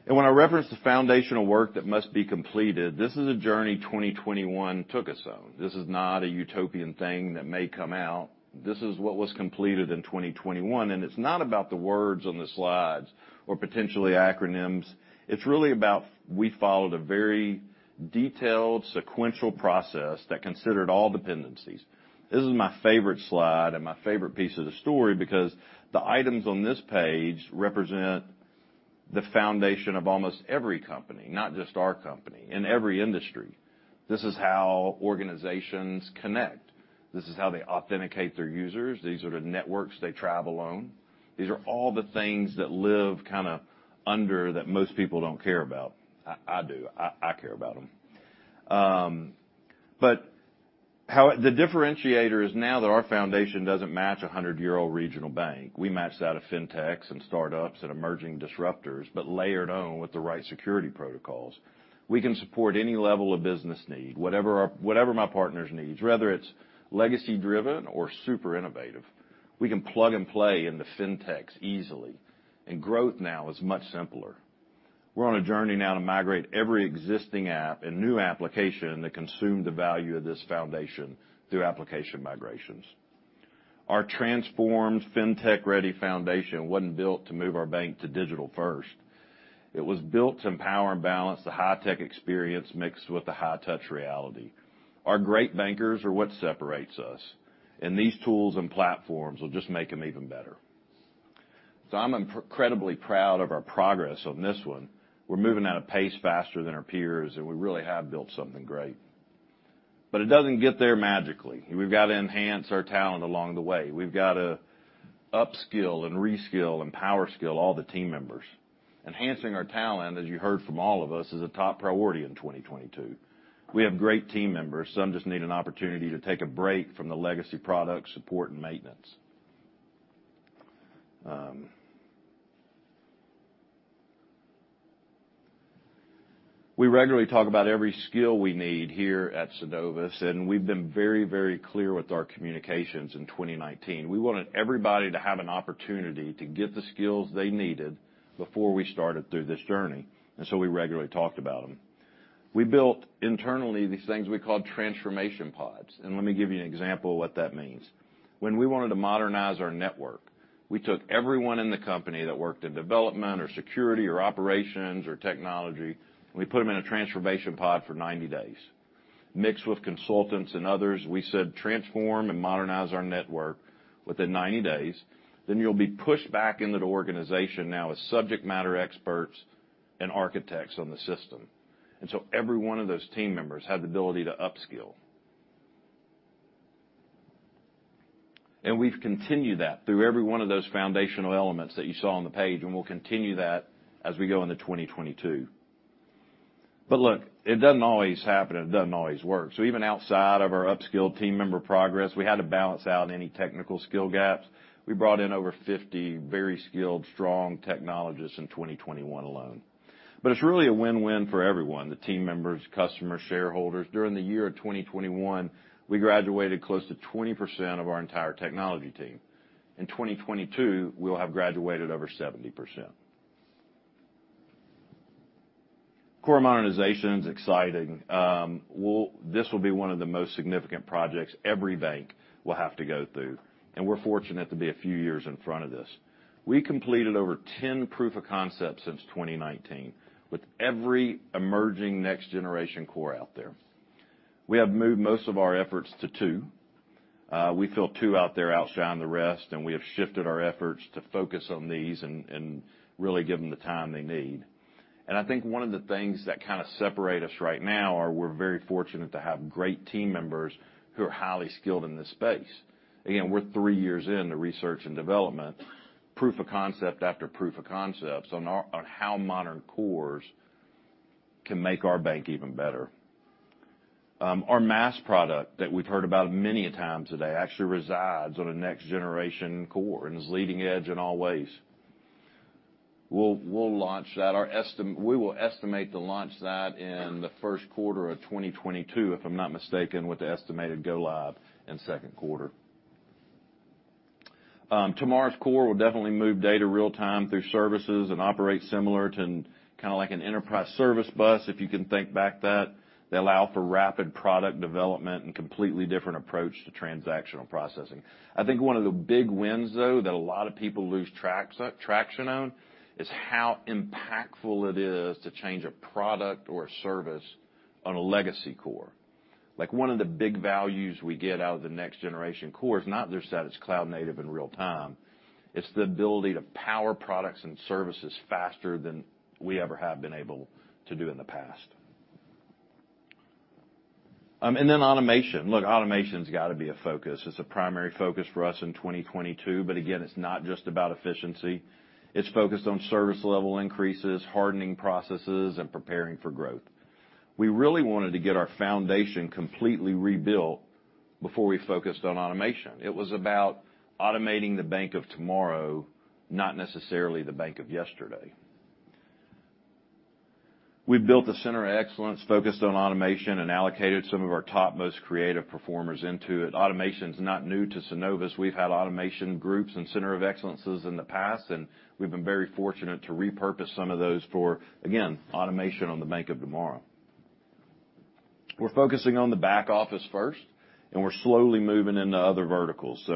When I reference the foundational work that must be completed, this is a journey 2021 took us on. This is not a utopian thing that may come out. This is what was completed in 2021, and it's not about the words on the slides or potentially acronyms. It's really about we followed a very detailed, sequential process that considered all dependencies. This is my favorite slide and my favorite piece of the story because the items on this page represent the foundation of almost every company, not just our company, in every industry. This is how organizations connect. This is how they authenticate their users. These are the networks they travel on. These are all the things that live kinda under that most people don't care about. I do. I care about 'em. The differentiator is now that our foundation doesn't match a hundred-year-old regional bank. We match that of fintechs and startups and emerging disruptors, but layered on with the right security protocols. We can support any level of business need, whatever my partners needs, whether it's legacy-driven or super innovative. We can plug and play in the fintechs easily, and growth now is much simpler. We're on a journey now to migrate every existing app and new application that consume the value of this foundation through application migrations. Our transformed fintech-ready foundation wasn't built to move our bank to digital first. It was built to empower and balance the high-tech experience mixed with the high-touch reality. Our great bankers are what separates us, and these tools and platforms will just make them even better. I'm incredibly proud of our progress on this one. We're moving at a pace faster than our peers, and we really have built something great. It doesn't get there magically. We've gotta enhance our talent along the way. We've gotta upskill and reskill and powerskill all the team members. Enhancing our talent, as you heard from all of us, is a top priority in 2022. We have great team members. Some just need an opportunity to take a break from the legacy product support and maintenance. We regularly talk about every skill we need here at Synovus, and we've been very, very clear with our communications in 2019. We wanted everybody to have an opportunity to get the skills they needed before we started through this journey, and so we regularly talked about 'em. We built internally these things we called transformation pods, and let me give you an example of what that means. When we wanted to modernize our network, we took everyone in the company that worked in development or security or operations or technology, and we put them in a transformation pod for 90 days. Mixed with consultants and others, we said, "Transform and modernize our network within 90 days, then you'll be pushed back into the organization now as subject matter experts and architects on the system." Every one of those team members had the ability to upskill. We've continued that through every one of those foundational elements that you saw on the page, and we'll continue that as we go into 2022. Look, it doesn't always happen, and it doesn't always work. Even outside of our upskilled team member progress, we had to balance out any technical skill gaps. We brought in over 50 very skilled, strong technologists in 2021 alone. It's really a win-win for everyone, the team members, customers, shareholders. During the year of 2021, we graduated close to 20% of our entire technology team. In 2022, we'll have graduated over 70%. Core modernization's exciting. This will be one of the most significant projects every bank will have to go through, and we're fortunate to be a few years in front of this. We completed over 10 proof of concepts since 2019, with every emerging next-generation core out there. We have moved most of our efforts to two. We feel two out there outshine the rest, and we have shifted our efforts to focus on these and really give them the time they need. I think one of the things that kinda separate us right now are we're very fortunate to have great team members who are highly skilled in this space. Again, we're three years in to research and development, proof of concept after proof of concept on how modern cores can make our bank even better. Our Maast product that we've heard about many a time today actually resides on a next generation core and is leading edge in all ways. We'll launch that. We will estimate to launch that in the first quarter of 2022, if I'm not mistaken, with the estimated go live in second quarter. Tomorrow's core will definitely move data real time through services and operate similar to kind of like an enterprise service bus, if you can think back that. They allow for rapid product development and completely different approach to transactional processing. I think one of the big wins, though, that a lot of people lose track of traction on is how impactful it is to change a product or a service on a legacy core. Like, one of the big values we get out of the next generation core is not just that it's cloud-native in real time, it's the ability to power products and services faster than we ever have been able to do in the past. Automation. Look, automation's gotta be a focus. It's a primary focus for us in 2022, but again, it's not just about efficiency. It's focused on service level increases, hardening processes, and preparing for growth. We really wanted to get our foundation completely rebuilt before we focused on automation. It was about automating the bank of tomorrow, not necessarily the bank of yesterday. We built a center of excellence focused on automation and allocated some of our topmost creative performers into it. Automation's not new to Synovus. We've had automation groups and centers of excellence in the past, and we've been very fortunate to repurpose some of those for, again, automation on the bank of tomorrow. We're focusing on the back office first, and we're slowly moving into other verticals.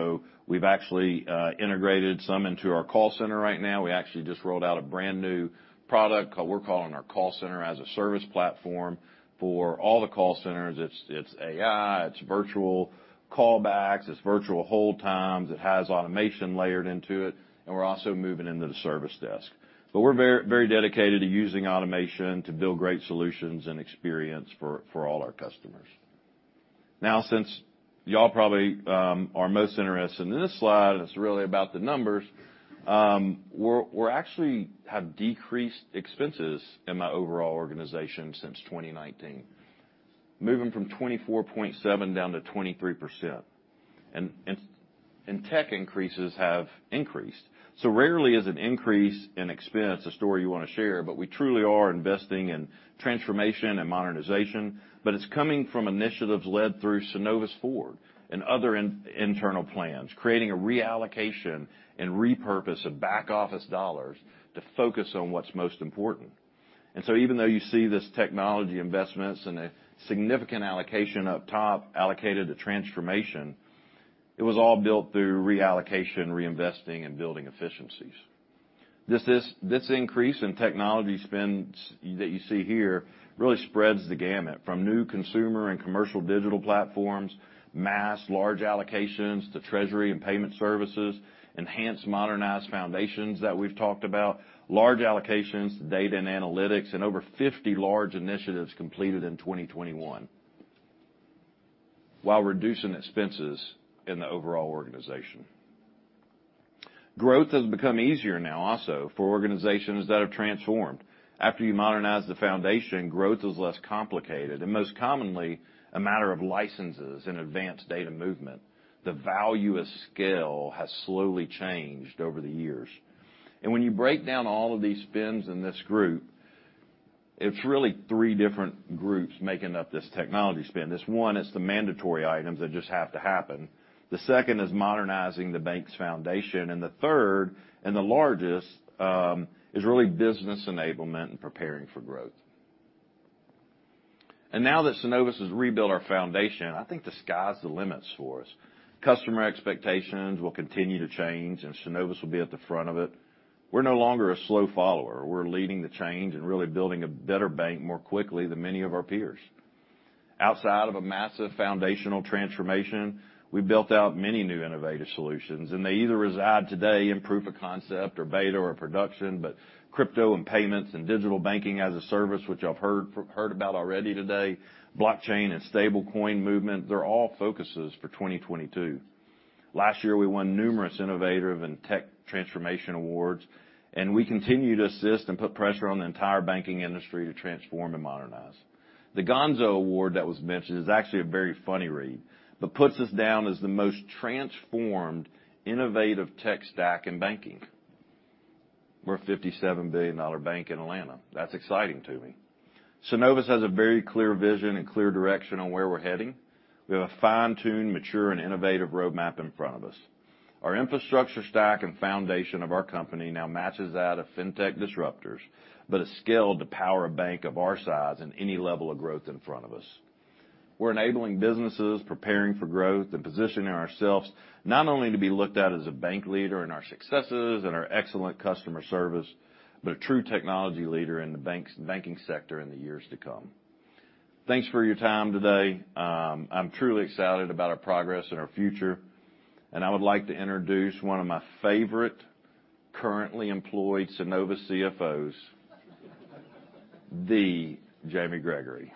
We've actually integrated some into our call center right now. We actually just rolled out a brand-new product we're calling our call center as a service platform for all the call centers. It's AI, it's virtual callbacks, it's virtual hold times, it has automation layered into it, and we're also moving into the service desk. We're very, very dedicated to using automation to build great solutions and experience for all our customers. Now, since y'all probably are most interested in this slide, and it's really about the numbers, we actually have decreased expenses in my overall organization since 2019, moving from 24.7% down to 23%. Tech expenses have increased. Rarely is an increase in expense a story you wanna share, but we truly are investing in transformation and modernization, but it's coming from initiatives led through Synovus Forward and other internal plans, creating a reallocation and repurpose of back-office dollars to focus on what's most important. Even though you see this technology investments and a significant allocation up top allocated to transformation, it was all built through reallocation, reinvesting, and building efficiencies. This increase in technology spend that you see here really spreads the gamut from new consumer and commercial digital platforms, Maast, large allocations to treasury and payment services, enhanced modernized foundations that we've talked about, large allocations, data and analytics, and over 50 large initiatives completed in 2021 while reducing expenses in the overall organization. Growth has become easier now also for organizations that have transformed. After you modernize the foundation, growth is less complicated, and most commonly, a matter of licenses and advanced data movement. The value of skill has slowly changed over the years. When you break down all of these spends in this group, it's really three different groups making up this technology spend. This one is the mandatory items that just have to happen. The second is modernizing the bank's foundation, and the third, and the largest, is really business enablement and preparing for growth. Now that Synovus has rebuilt our foundation, I think the sky's the limits for us. Customer expectations will continue to change, and Synovus will be at the front of it. We're no longer a slow follower. We're leading the change and really building a better bank more quickly than many of our peers. Outside of a massive foundational transformation, we built out many new innovative solutions, and they either reside today in proof of concept or beta or production, but crypto and payments and digital banking as a service, which y'all have heard about already today, blockchain and stablecoin movement, they're all focuses for 2022. Last year, we won numerous innovative and tech transformation awards, and we continue to assist and put pressure on the entire banking industry to transform and modernize. The Gonzo Award that was mentioned is actually a very funny read, but puts us down as the most transformed innovative tech stack in banking. We're a $57 billion bank in Atlanta. That's exciting to me. Synovus has a very clear vision and clear direction on where we're heading. We have a fine-tuned, mature, and innovative roadmap in front of us. Our infrastructure stack and foundation of our company now matches that of fintech disruptors, but is scaled to power a bank of our size and any level of growth in front of us. We're enabling businesses, preparing for growth, and positioning ourselves not only to be looked at as a bank leader in our successes and our excellent customer service, but a true technology leader in the banking sector in the years to come. Thanks for your time today. I'm truly excited about our progress and our future, and I would like to introduce one of my favorite currently employed Synovus CFOs, the Jamie Gregory.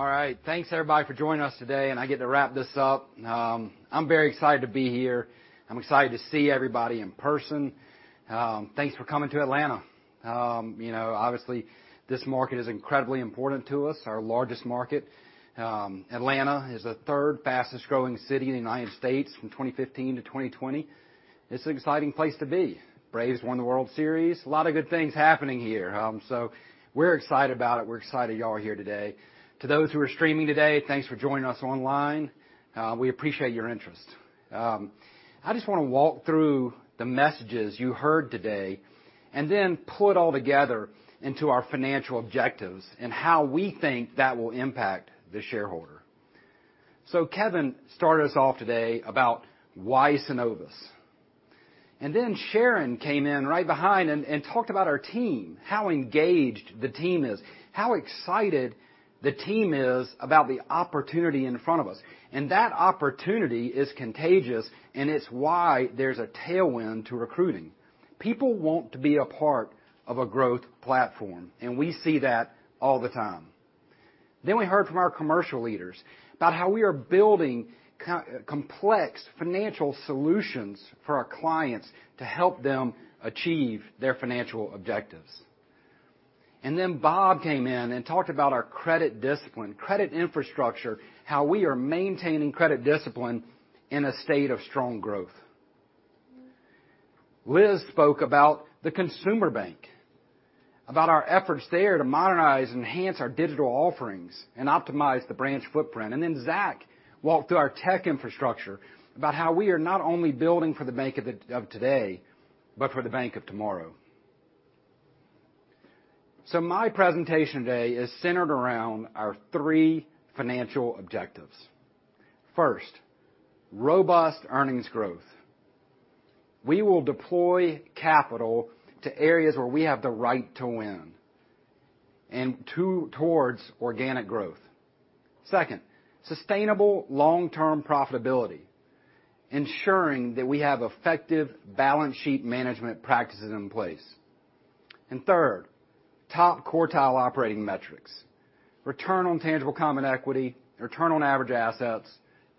All right. Thanks, everybody, for joining us today, and I get to wrap this up. I'm very excited to be here. I'm excited to see everybody in person. Thanks for coming to Atlanta. You know, obviously, this market is incredibly important to us, our largest market. Atlanta is the third fastest-growing city in the United States from 2015 to 2020. It's an exciting place to be. Braves won the World Series. A lot of good things happening here. We're excited about it. We're excited y'all are here today. To those who are streaming today, thanks for joining us online. We appreciate your interest. I just wanna walk through the messages you heard today and then pull it all together into our financial objectives and how we think that will impact the shareholder. Kevin started us off today about why Synovus. Sharon came in right behind and talked about our team, how engaged the team is, how excited the team is about the opportunity in front of us. That opportunity is contagious, and it's why there's a tailwind to recruiting. People want to be a part of a growth platform, and we see that all the time. We heard from our commercial leaders about how we are building complex financial solutions for our clients to help them achieve their financial objectives. Bob came in and talked about our credit discipline, credit infrastructure, how we are maintaining credit discipline in a state of strong growth. Liz spoke about the consumer bank, about our efforts there to modernize, enhance our digital offerings, and optimize the branch footprint. Then Zack walked through our tech infrastructure about how we are not only building for the bank of today, but for the bank of tomorrow. My presentation today is centered around our three financial objectives. First, robust earnings growth. We will deploy capital to areas where we have the right to win and towards organic growth. Second, sustainable long-term profitability, ensuring that we have effective balance sheet management practices in place. Third, top quartile operating metrics, return on tangible common equity, return on average assets,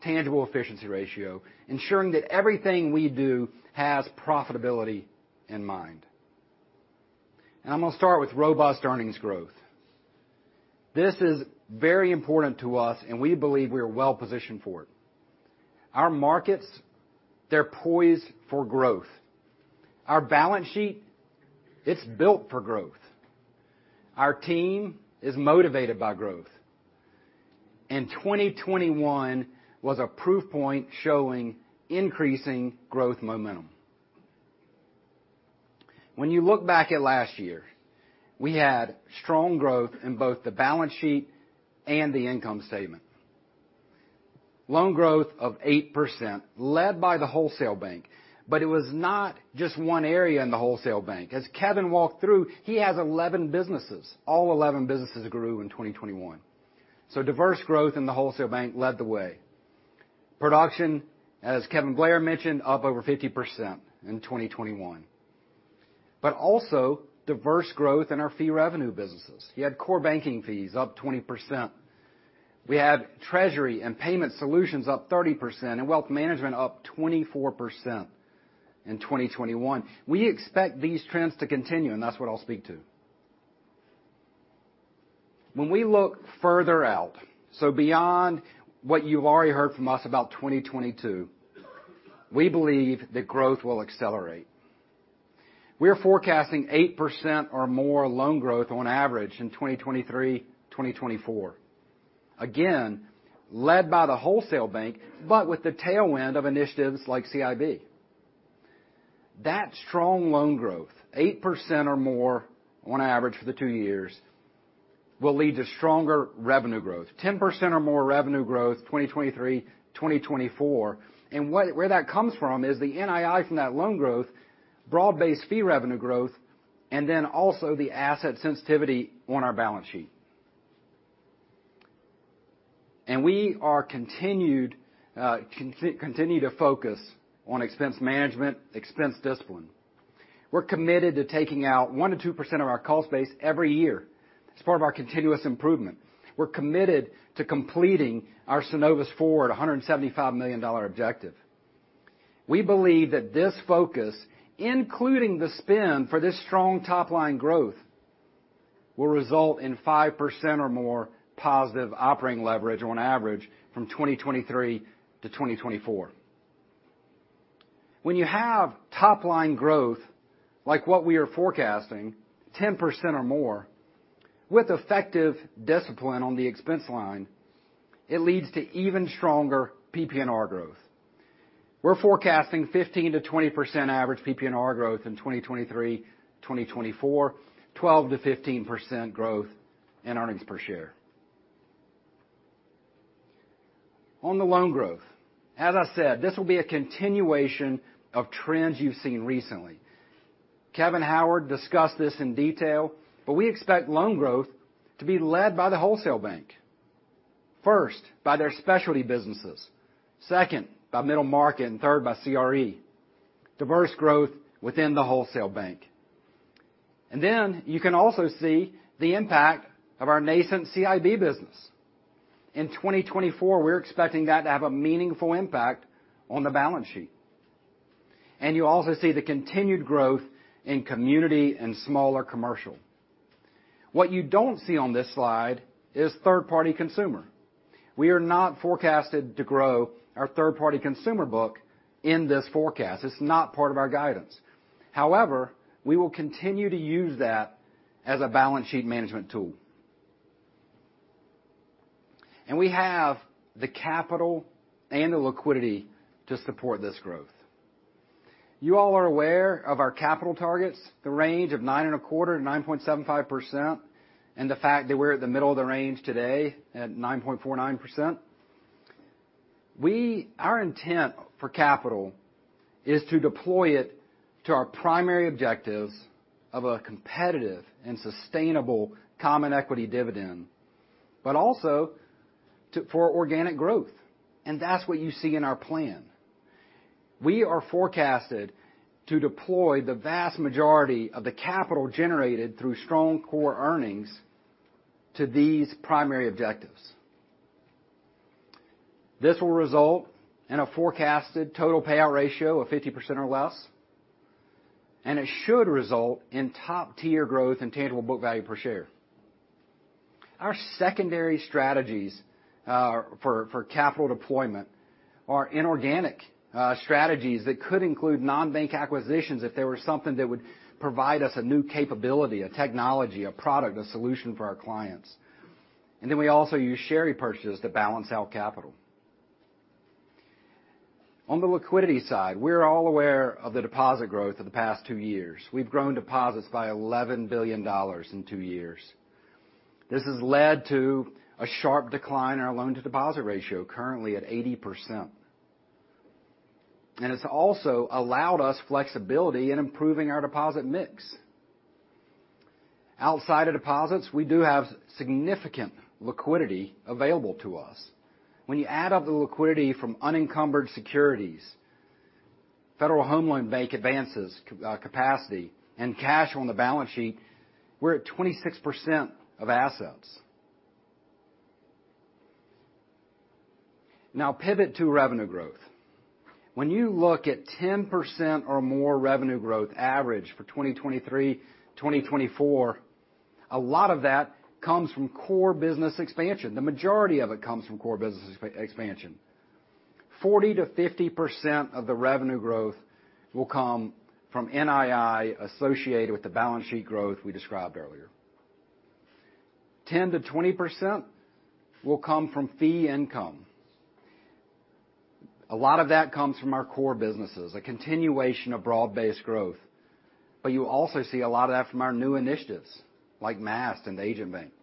tangible efficiency ratio, ensuring that everything we do has profitability in mind. I'm gonna start with robust earnings growth. This is very important to us, and we believe we are well positioned for it. Our markets, they're poised for growth. Our balance sheet, it's built for growth. Our team is motivated by growth. 2021 was a proof point showing increasing growth momentum. When you look back at last year, we had strong growth in both the balance sheet and the income statement. Loan growth of 8% led by the wholesale bank, but it was not just one area in the wholesale bank. As Kevin walked through, he has 11 businesses. All 11 businesses grew in 2021. Diverse growth in the wholesale bank led the way. Production, as Kevin Blair mentioned, up over 50% in 2021. Also diverse growth in our fee revenue businesses. You had core banking fees up 20%. We had Treasury and Payment Solutions up 30%, and wealth management up 24% in 2021. We expect these trends to continue, and that's what I'll speak to. When we look further out, so beyond what you've already heard from us about 2022, we believe that growth will accelerate. We're forecasting 8% or more loan growth on average in 2023, 2024, again, led by the wholesale bank, but with the tailwind of initiatives like CIB. That strong loan growth, 8% or more on average for the two years, will lead to stronger revenue growth, 10% or more revenue growth, 2023, 2024. Where that comes from is the NII from that loan growth, broad-based fee revenue growth, and then also the asset sensitivity on our balance sheet. We continue to focus on expense management, expense discipline. We're committed to taking out 1%-2% of our cost base every year as part of our continuous improvement. We're committed to completing our Synovus Forward $175 million objective. We believe that this focus, including the spend for this strong top line growth, will result in 5% or more positive operating leverage on average from 2023 to 2024. When you have top line growth like what we are forecasting, 10% or more, with effective discipline on the expense line, it leads to even stronger PPNR growth. We're forecasting 15%-20% average PPNR growth in 2023-2024, 12%-15% growth in earnings per share. On the loan growth, as I said, this will be a continuation of trends you've seen recently. Kevin Howard discussed this in detail, but we expect loan growth to be led by the wholesale bank. First, by their specialty businesses. Second, by middle market, and third by CRE. Diversified growth within the wholesale bank. Then you can also see the impact of our nascent CIB business. In 2024, we're expecting that to have a meaningful impact on the balance sheet. You also see the continued growth in community and smaller commercial. What you don't see on this slide is third-party consumer. We are not forecasted to grow our third-party consumer book in this forecast. It's not part of our guidance. However, we will continue to use that as a balance sheet management tool. We have the capital and the liquidity to support this growth. You all are aware of our capital targets, the range of 9.25%-9.75%, and the fact that we're at the middle of the range today at 9.49%.Our intent for capital is to deploy it to our primary objectives of a competitive and sustainable common equity dividend, but also to for organic growth. That's what you see in our plan. We are forecasted to deploy the vast majority of the capital generated through strong core earnings to these primary objectives. This will result in a forecasted total payout ratio of 50% or less, and it should result in top-tier growth and tangible book value per share. Our secondary strategies for capital deployment are inorganic strategies that could include non-bank acquisitions if there were something that would provide us a new capability, a technology, a product, a solution for our clients. We also use share repurchases to balance out capital. On the liquidity side, we're all aware of the deposit growth of the past two years. We've grown deposits by $11 billion in two years. This has led to a sharp decline in our loan-to-deposit ratio, currently at 80%. It's also allowed us flexibility in improving our deposit mix. Outside of deposits, we do have significant liquidity available to us. When you add up the liquidity from unencumbered securities, Federal Home Loan Bank advances, capacity, and cash on the balance sheet, we're at 26% of assets. Now pivot to revenue growth. When you look at 10% or more revenue growth average for 2023, 2024, a lot of that comes from core business expansion. The majority of it comes from core business expansion. 40%-50% of the revenue growth will come from NII associated with the balance sheet growth we described earlier. 10%-20% will come from fee income. A lot of that comes from our core businesses, a continuation of broad-based growth. You also see a lot of that from our new initiatives, like Maast and Agent Bank.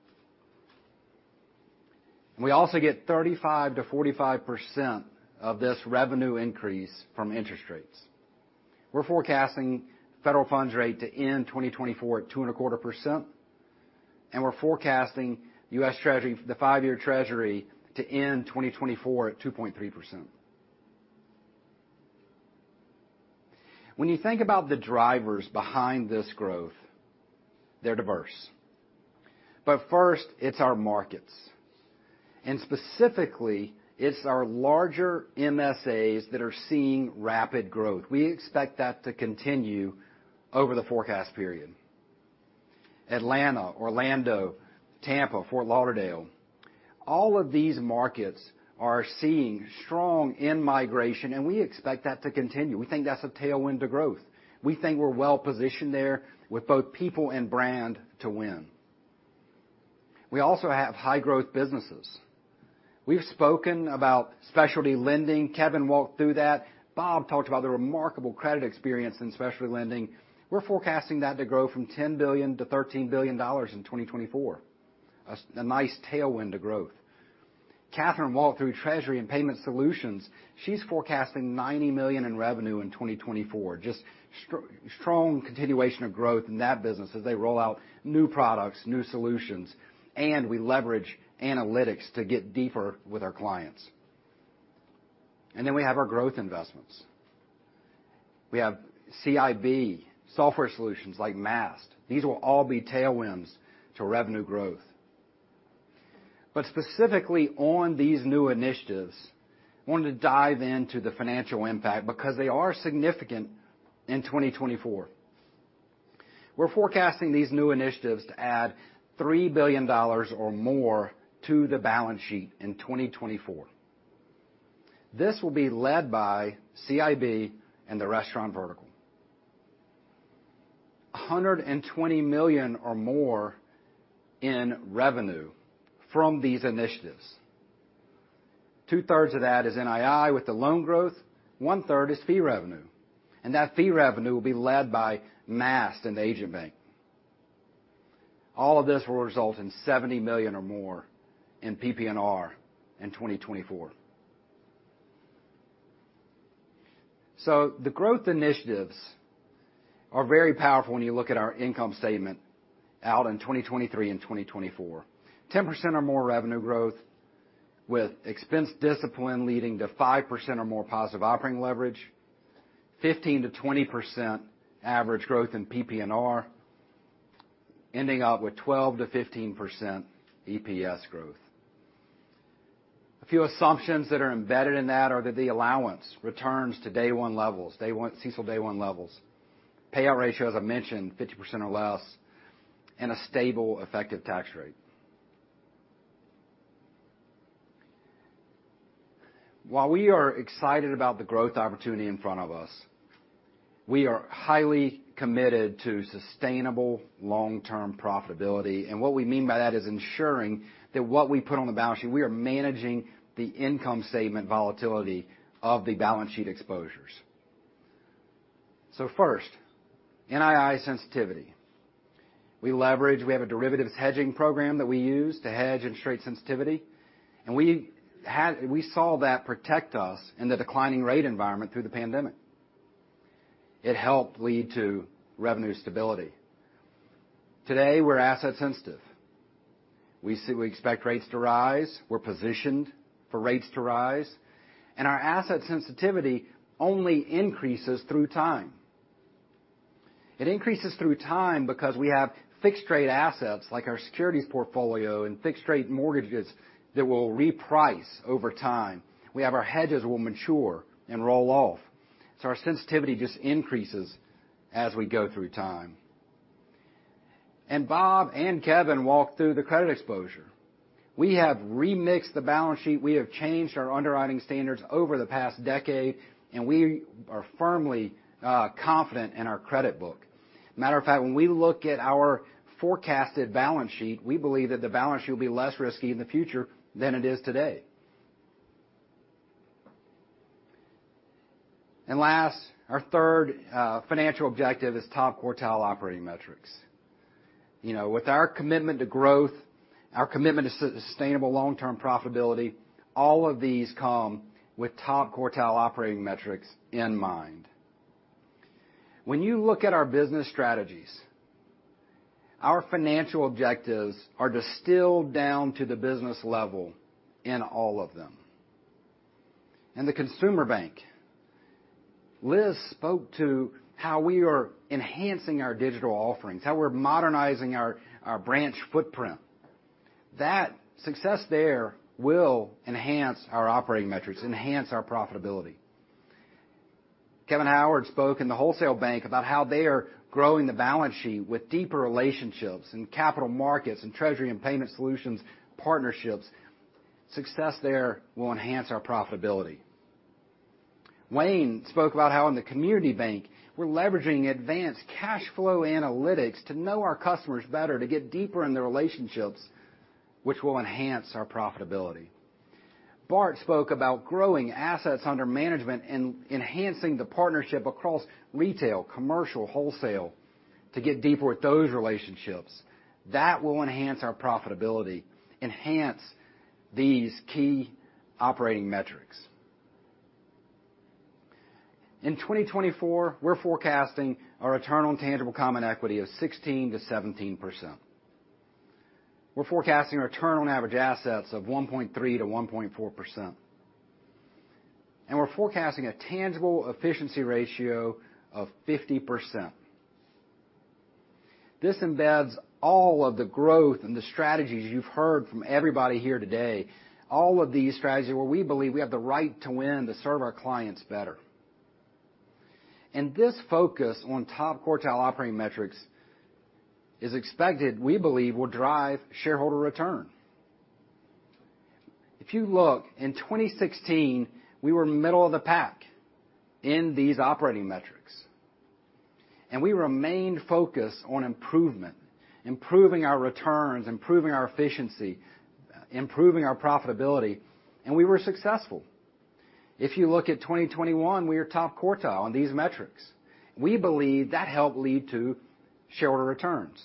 We also get 35%-45% of this revenue increase from interest rates. We're forecasting federal funds rate to end 2024 at 2.25%, and we're forecasting U.S. Treasury, the 5-year Treasury, to end 2024 at 2.3%. When you think about the drivers behind this growth, they're diverse. First, it's our markets. Specifically, it's our larger MSAs that are seeing rapid growth. We expect that to continue over the forecast period. Atlanta, Orlando, Tampa, Fort Lauderdale, all of these markets are seeing strong in-migration, and we expect that to continue. We think that's a tailwind to growth. We think we're well-positioned there with both people and brand to win. We also have high-growth businesses. We've spoken about specialty lending. Kevin walked through that. Bob talked about the remarkable credit experience in specialty lending. We're forecasting that to grow from $10 billion-$13 billion in 2024. As a nice tailwind to growth. Katherine walked through Treasury and Payment Solutions. She's forecasting $90 million in revenue in 2024. Just strong continuation of growth in that business as they roll out new products, new solutions, and we leverage analytics to get deeper with our clients. Then we have our growth investments. We have CIB, software solutions like Maast. These will all be tailwinds to revenue growth. Specifically on these new initiatives, I wanted to dive into the financial impact because they are significant in 2024. We're forecasting these new initiatives to add $3 billion or more to the balance sheet in 2024. This will be led by CIB and the restaurant vertical. $120 million or more in revenue from these initiatives. Two-thirds of that is NII with the loan growth, one-third is fee revenue, and that fee revenue will be led by Maast and Agent Bank. All of this will result in $70 million or more in PPNR in 2024. The growth initiatives are very powerful when you look at our income statement out in 2023 and 2024. 10% or more revenue growth with expense discipline leading to 5% or more positive operating leverage. 15%-20% average growth in PPNR, ending up with 12%-15% EPS growth. A few assumptions that are embedded in that are that the allowance returns to day one levels, CECL day one levels. Payout ratio, as I mentioned, 50% or less, and a stable effective tax rate. While we are excited about the growth opportunity in front of us, we are highly committed to sustainable long-term profitability. What we mean by that is ensuring that what we put on the balance sheet, we are managing the income statement volatility of the balance sheet exposures. First, NII sensitivity. We leverage, we have a derivatives hedging program that we use to hedge and trade sensitivity. We saw that protect us in the declining rate environment through the pandemic. It helped lead to revenue stability. Today, we're asset sensitive. We expect rates to rise. We're positioned for rates to rise, and our asset sensitivity only increases through time. It increases through time because we have fixed rate assets like our securities portfolio and fixed rate mortgages that will reprice over time. We have our hedges will mature and roll off. Our sensitivity just increases as we go through time. Bob and Kevin walked through the credit exposure. We have remixed the balance sheet, we have changed our underwriting standards over the past decade, and we are firmly confident in our credit book. Matter of fact, when we look at our forecasted balance sheet, we believe that the balance sheet will be less risky in the future than it is today. Last, our third financial objective is top quartile operating metrics. You know, with our commitment to growth, our commitment to sustainable long-term profitability, all of these come with top quartile operating metrics in mind. When you look at our business strategies, our financial objectives are distilled down to the business level in all of them. In the consumer bank, Liz spoke to how we are enhancing our digital offerings, how we're modernizing our branch footprint. That success there will enhance our operating metrics, enhance our profitability. Kevin Howard spoke in the wholesale bank about how they are growing the balance sheet with deeper relationships in capital markets and Treasury and Payment Solutions partnerships. Success there will enhance our profitability. Wayne spoke about how in the community bank, we're leveraging advanced cash flow analytics to know our customers better, to get deeper in their relationships, which will enhance our profitability. Bart spoke about growing assets under management and enhancing the partnership across retail, commercial, wholesale to get deeper with those relationships. That will enhance our profitability, enhance these key operating metrics. In 2024, we're forecasting our return on tangible common equity of 16%-17%. We're forecasting a return on average assets of 1.3%-1.4%. We're forecasting a tangible efficiency ratio of 50%. This embeds all of the growth and the strategies you've heard from everybody here today. All of these strategies where we believe we have the right to win to serve our clients better. This focus on top quartile operating metrics is expected, we believe, will drive shareholder return. If you look, in 2016, we were middle of the pack in these operating metrics, and we remained focused on improvement, improving our returns, improving our efficiency, improving our profitability, and we were successful. If you look at 2021, we are top quartile on these metrics. We believe that helped lead to shareholder returns.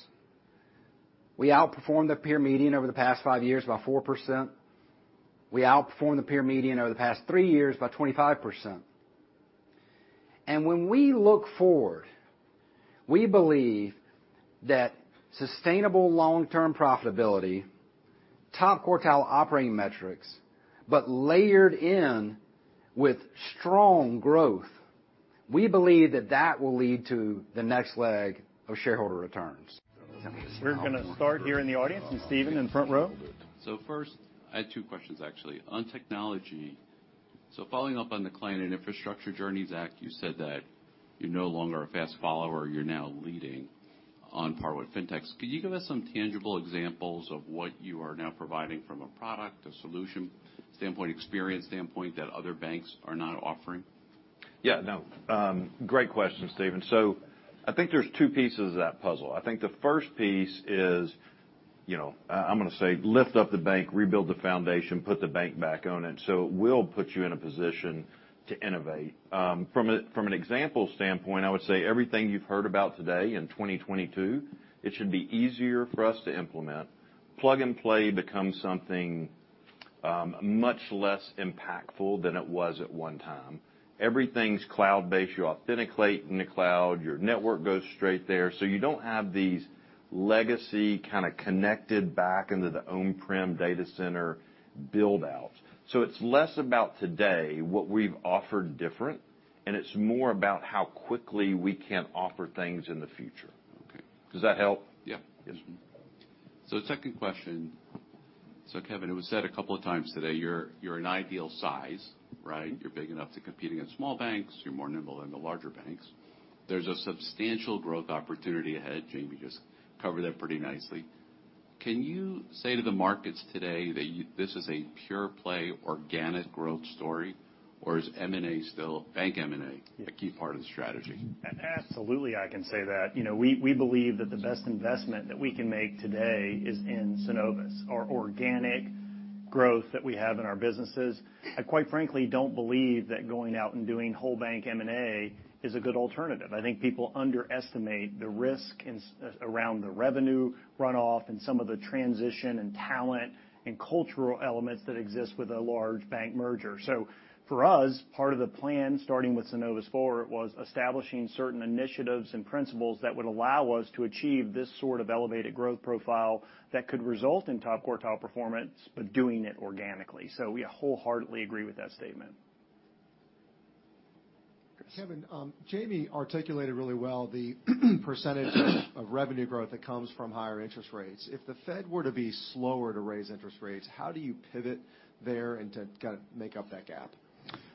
We outperformed the peer median over the past five years by 4%. We outperformed the peer median over the past three years by 25%. When we look forward, we believe that sustainable long-term profitability, top quartile operating metrics, but layered in with strong growth. We believe that will lead to the next leg of shareholder returns. We're gonna start here in the audience. Steven, front row. First, I had two questions, actually. On technology, so following up on the client and infrastructure journey, Zack, you said that you're no longer a fast follower, you're now leading on par with fintechs. Could you give us some tangible examples of what you are now providing from a product, a solution standpoint, experience standpoint, that other banks are not offering? Yeah, no. Great question, Steven. I think there's two pieces to that puzzle. I think the first piece is, you know, I'm gonna say lift up the bank, rebuild the foundation, put the bank back on it so it will put you in a position to innovate. From an example standpoint, I would say everything you've heard about today in 2022, it should be easier for us to implement. Plug and play becomes something much less impactful than it was at one time. Everything's cloud-based. You authenticate in the cloud, your network goes straight there. You don't have these legacy kinda connected back into the on-prem data center build-outs. It's less about today what we've offered different, and it's more about how quickly we can offer things in the future. Okay. Does that help? Yeah. Yes. Second question. Kevin, it was said a couple of times today, you're an ideal size, right? You're big enough to compete against small banks, you're more nimble than the larger banks. There's a substantial growth opportunity ahead. Jamie just covered that pretty nicely. Can you say to the markets today that this is a pure play, organic growth story, or is M&A still, bank M&A, a key part of the strategy? Absolutely, I can say that. You know, we believe that the best investment that we can make today is in Synovus. Our organic growth that we have in our businesses. I quite frankly don't believe that going out and doing whole bank M&A is a good alternative. I think people underestimate the risk in around the revenue runoff and some of the transition in talent and cultural elements that exist with a large bank merger. For us, part of the plan, starting with Synovus Forward, was establishing certain initiatives and principles that would allow us to achieve this sort of elevated growth profile that could result in top quartile performance, but doing it organically. We wholeheartedly agree with that statement. Chris. Kevin, Jamie articulated really well the percentage of revenue growth that comes from higher interest rates. If the Fed were to be slower to raise interest rates, how do you pivot there and to kind of make up that gap?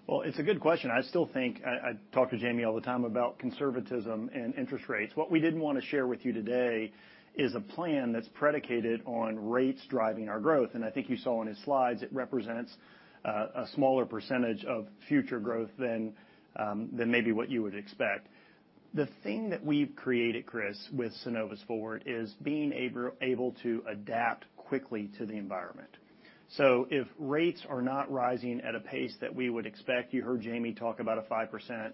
Well, it's a good question. I still think I talk to Jamie all the time about conservatism and interest rates. What we didn't wanna share with you today is a plan that's predicated on rates driving our growth. I think you saw in his slides, it represents a smaller percentage of future growth than maybe what you would expect. The thing that we've created, Chris, with Synovus Forward, is being able to adapt quickly to the environment. If rates are not rising at a pace that we would expect, you heard Jamie talk about a 5%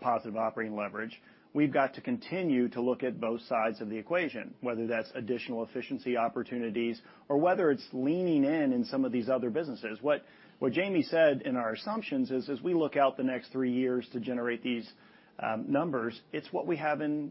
positive operating leverage, we've got to continue to look at both sides of the equation, whether that's additional efficiency opportunities or whether it's leaning in some of these other businesses. What Jamie said in our assumptions is, as we look out the next three years to generate these numbers, it's what we have in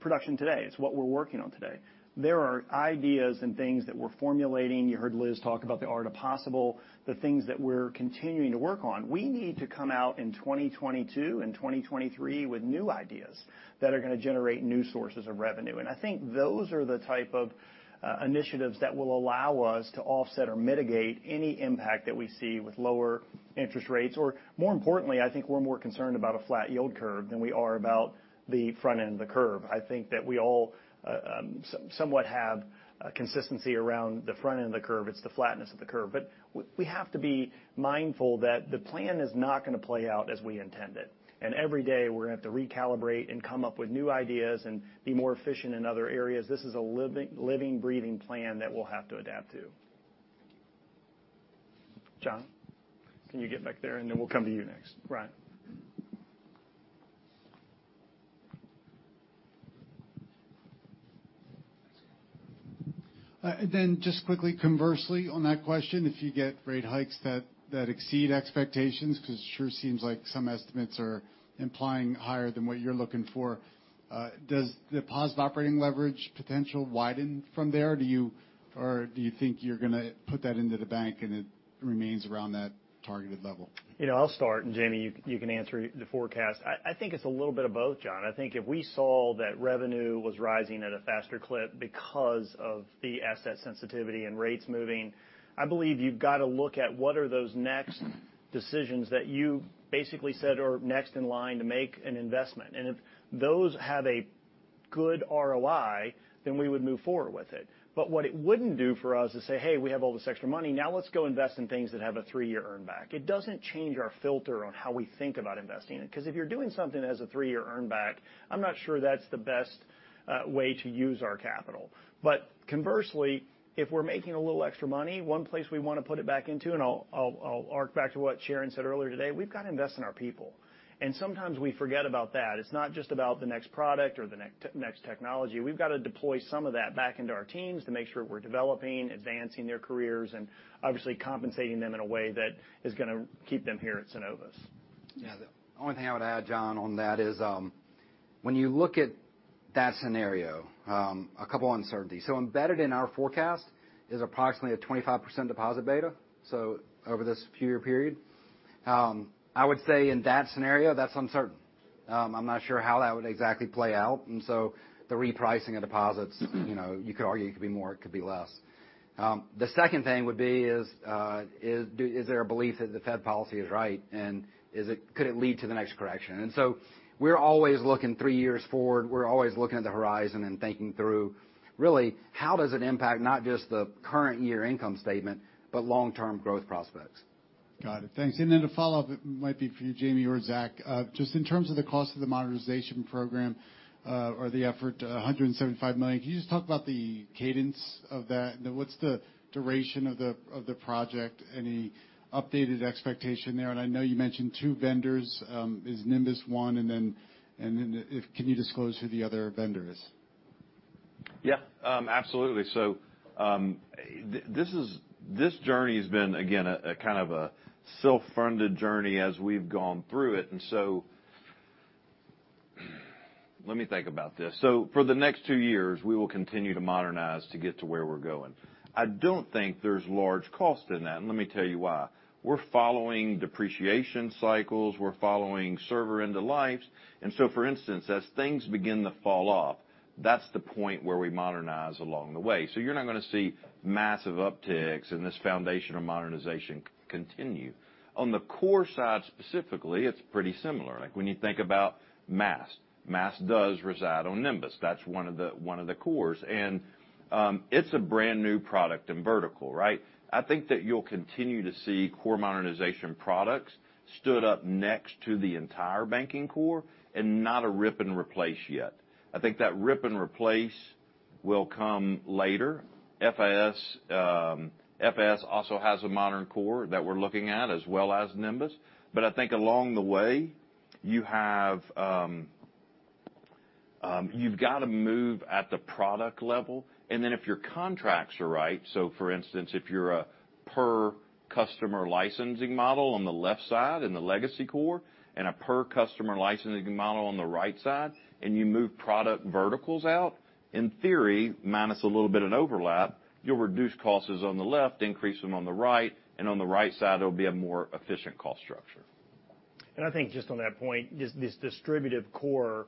production today. It's what we're working on today. There are ideas and things that we're formulating. You heard Liz talk about the art of possible, the things that we're continuing to work on. We need to come out in 2022 and 2023 with new ideas that are gonna generate new sources of revenue. I think those are the type of initiatives that will allow us to offset or mitigate any impact that we see with lower interest rates. More importantly, I think we're more concerned about a flat yield curve than we are about the front end of the curve. I think that we all somewhat have a consistency around the front end of the curve. It's the flatness of the curve. We have to be mindful that the plan is not gonna play out as we intend it. Every day, we're gonna have to recalibrate and come up with new ideas and be more efficient in other areas. This is a living breathing plan that we'll have to adapt to. John. Can you get back there? Then we'll come to you next. Brian. Just quickly, conversely on that question, if you get rate hikes that exceed expectations, 'cause it sure seems like some estimates are implying higher than what you're looking for, does the positive operating leverage potential widen from there? Or do you think you're gonna put that into the bank and it remains around that targeted level? You know, I'll start, and Jamie, you can answer the forecast. I think it's a little bit of both, John. I think if we saw that revenue was rising at a faster clip because of the asset sensitivity and rates moving, I believe you've gotta look at what are those next decisions that you basically said are next in line to make an investment. If those have a good ROI, then we would move forward with it. But what it wouldn't do for us is say, "Hey, we have all this extra money, now let's go invest in things that have a three-year earn back." It doesn't change our filter on how we think about investing. Because if you're doing something that has a three-year earn back, I'm not sure that's the best way to use our capital. Conversely, if we're making a little extra money, one place we wanna put it back into, and I'll arc back to what Sharon said earlier today, we've got to invest in our people. Sometimes we forget about that. It's not just about the next product or the next technology. We've got to deploy some of that back into our teams to make sure we're developing, advancing their careers, and obviously compensating them in a way that is gonna keep them here at Synovus. Yeah. The only thing I would add, John, on that is, when you look at that scenario, a couple uncertainties. Embedded in our forecast is approximately a 25% deposit beta, so over this few year period. I would say in that scenario, that's uncertain. I'm not sure how that would exactly play out. The repricing of deposits, you know, you could argue it could be more, it could be less. The second thing would be, is there a belief that the Fed policy is right, and could it lead to the next correction? We're always looking three years forward. We're always looking at the horizon and thinking through, really, how does it impact not just the current year income statement, but long-term growth prospects. Got it. Thanks. To follow up, it might be for you, Jamie or Zack. Just in terms of the cost of the modernization program, or the effort, $175 million. Can you just talk about the cadence of that? What's the duration of the project? Any updated expectation there? I know you mentioned two vendors. Is Nymbus one, and then if- can you disclose who the other vendor is? Yeah. Absolutely. This journey has been, again, a kind of self-funded journey as we've gone through it. Let me think about this. For the next two years, we will continue to modernize to get to where we're going. I don't think there's large cost in that, and let me tell you why. We're following depreciation cycles, we're following server end of lives. For instance, as things begin to fall off, that's the point where we modernize along the way. You're not gonna see massive upticks in this foundation of modernization continue. On the core side, specifically, it's pretty similar. Like when you think about Maast. Maast does reside on Nymbus. That's one of the cores. It's a brand-new product and vertical, right? I think that you'll continue to see core modernization products stood up next to the entire banking core and not a rip and replace yet. I think that rip and replace will come later. FIS. FIS also has a modern core that we're looking at as well as Nymbus. I think along the way, you have, you've got to move at the product level. Then if your contracts are right, so for instance, if you're a per customer licensing model on the left side in the legacy core and a per customer licensing model on the right side, and you move product verticals out, in theory, minus a little bit of overlap, you'll reduce costs on the left, increase them on the right, and on the right side, it'll be a more efficient cost structure. I think just on that point, just this distributive core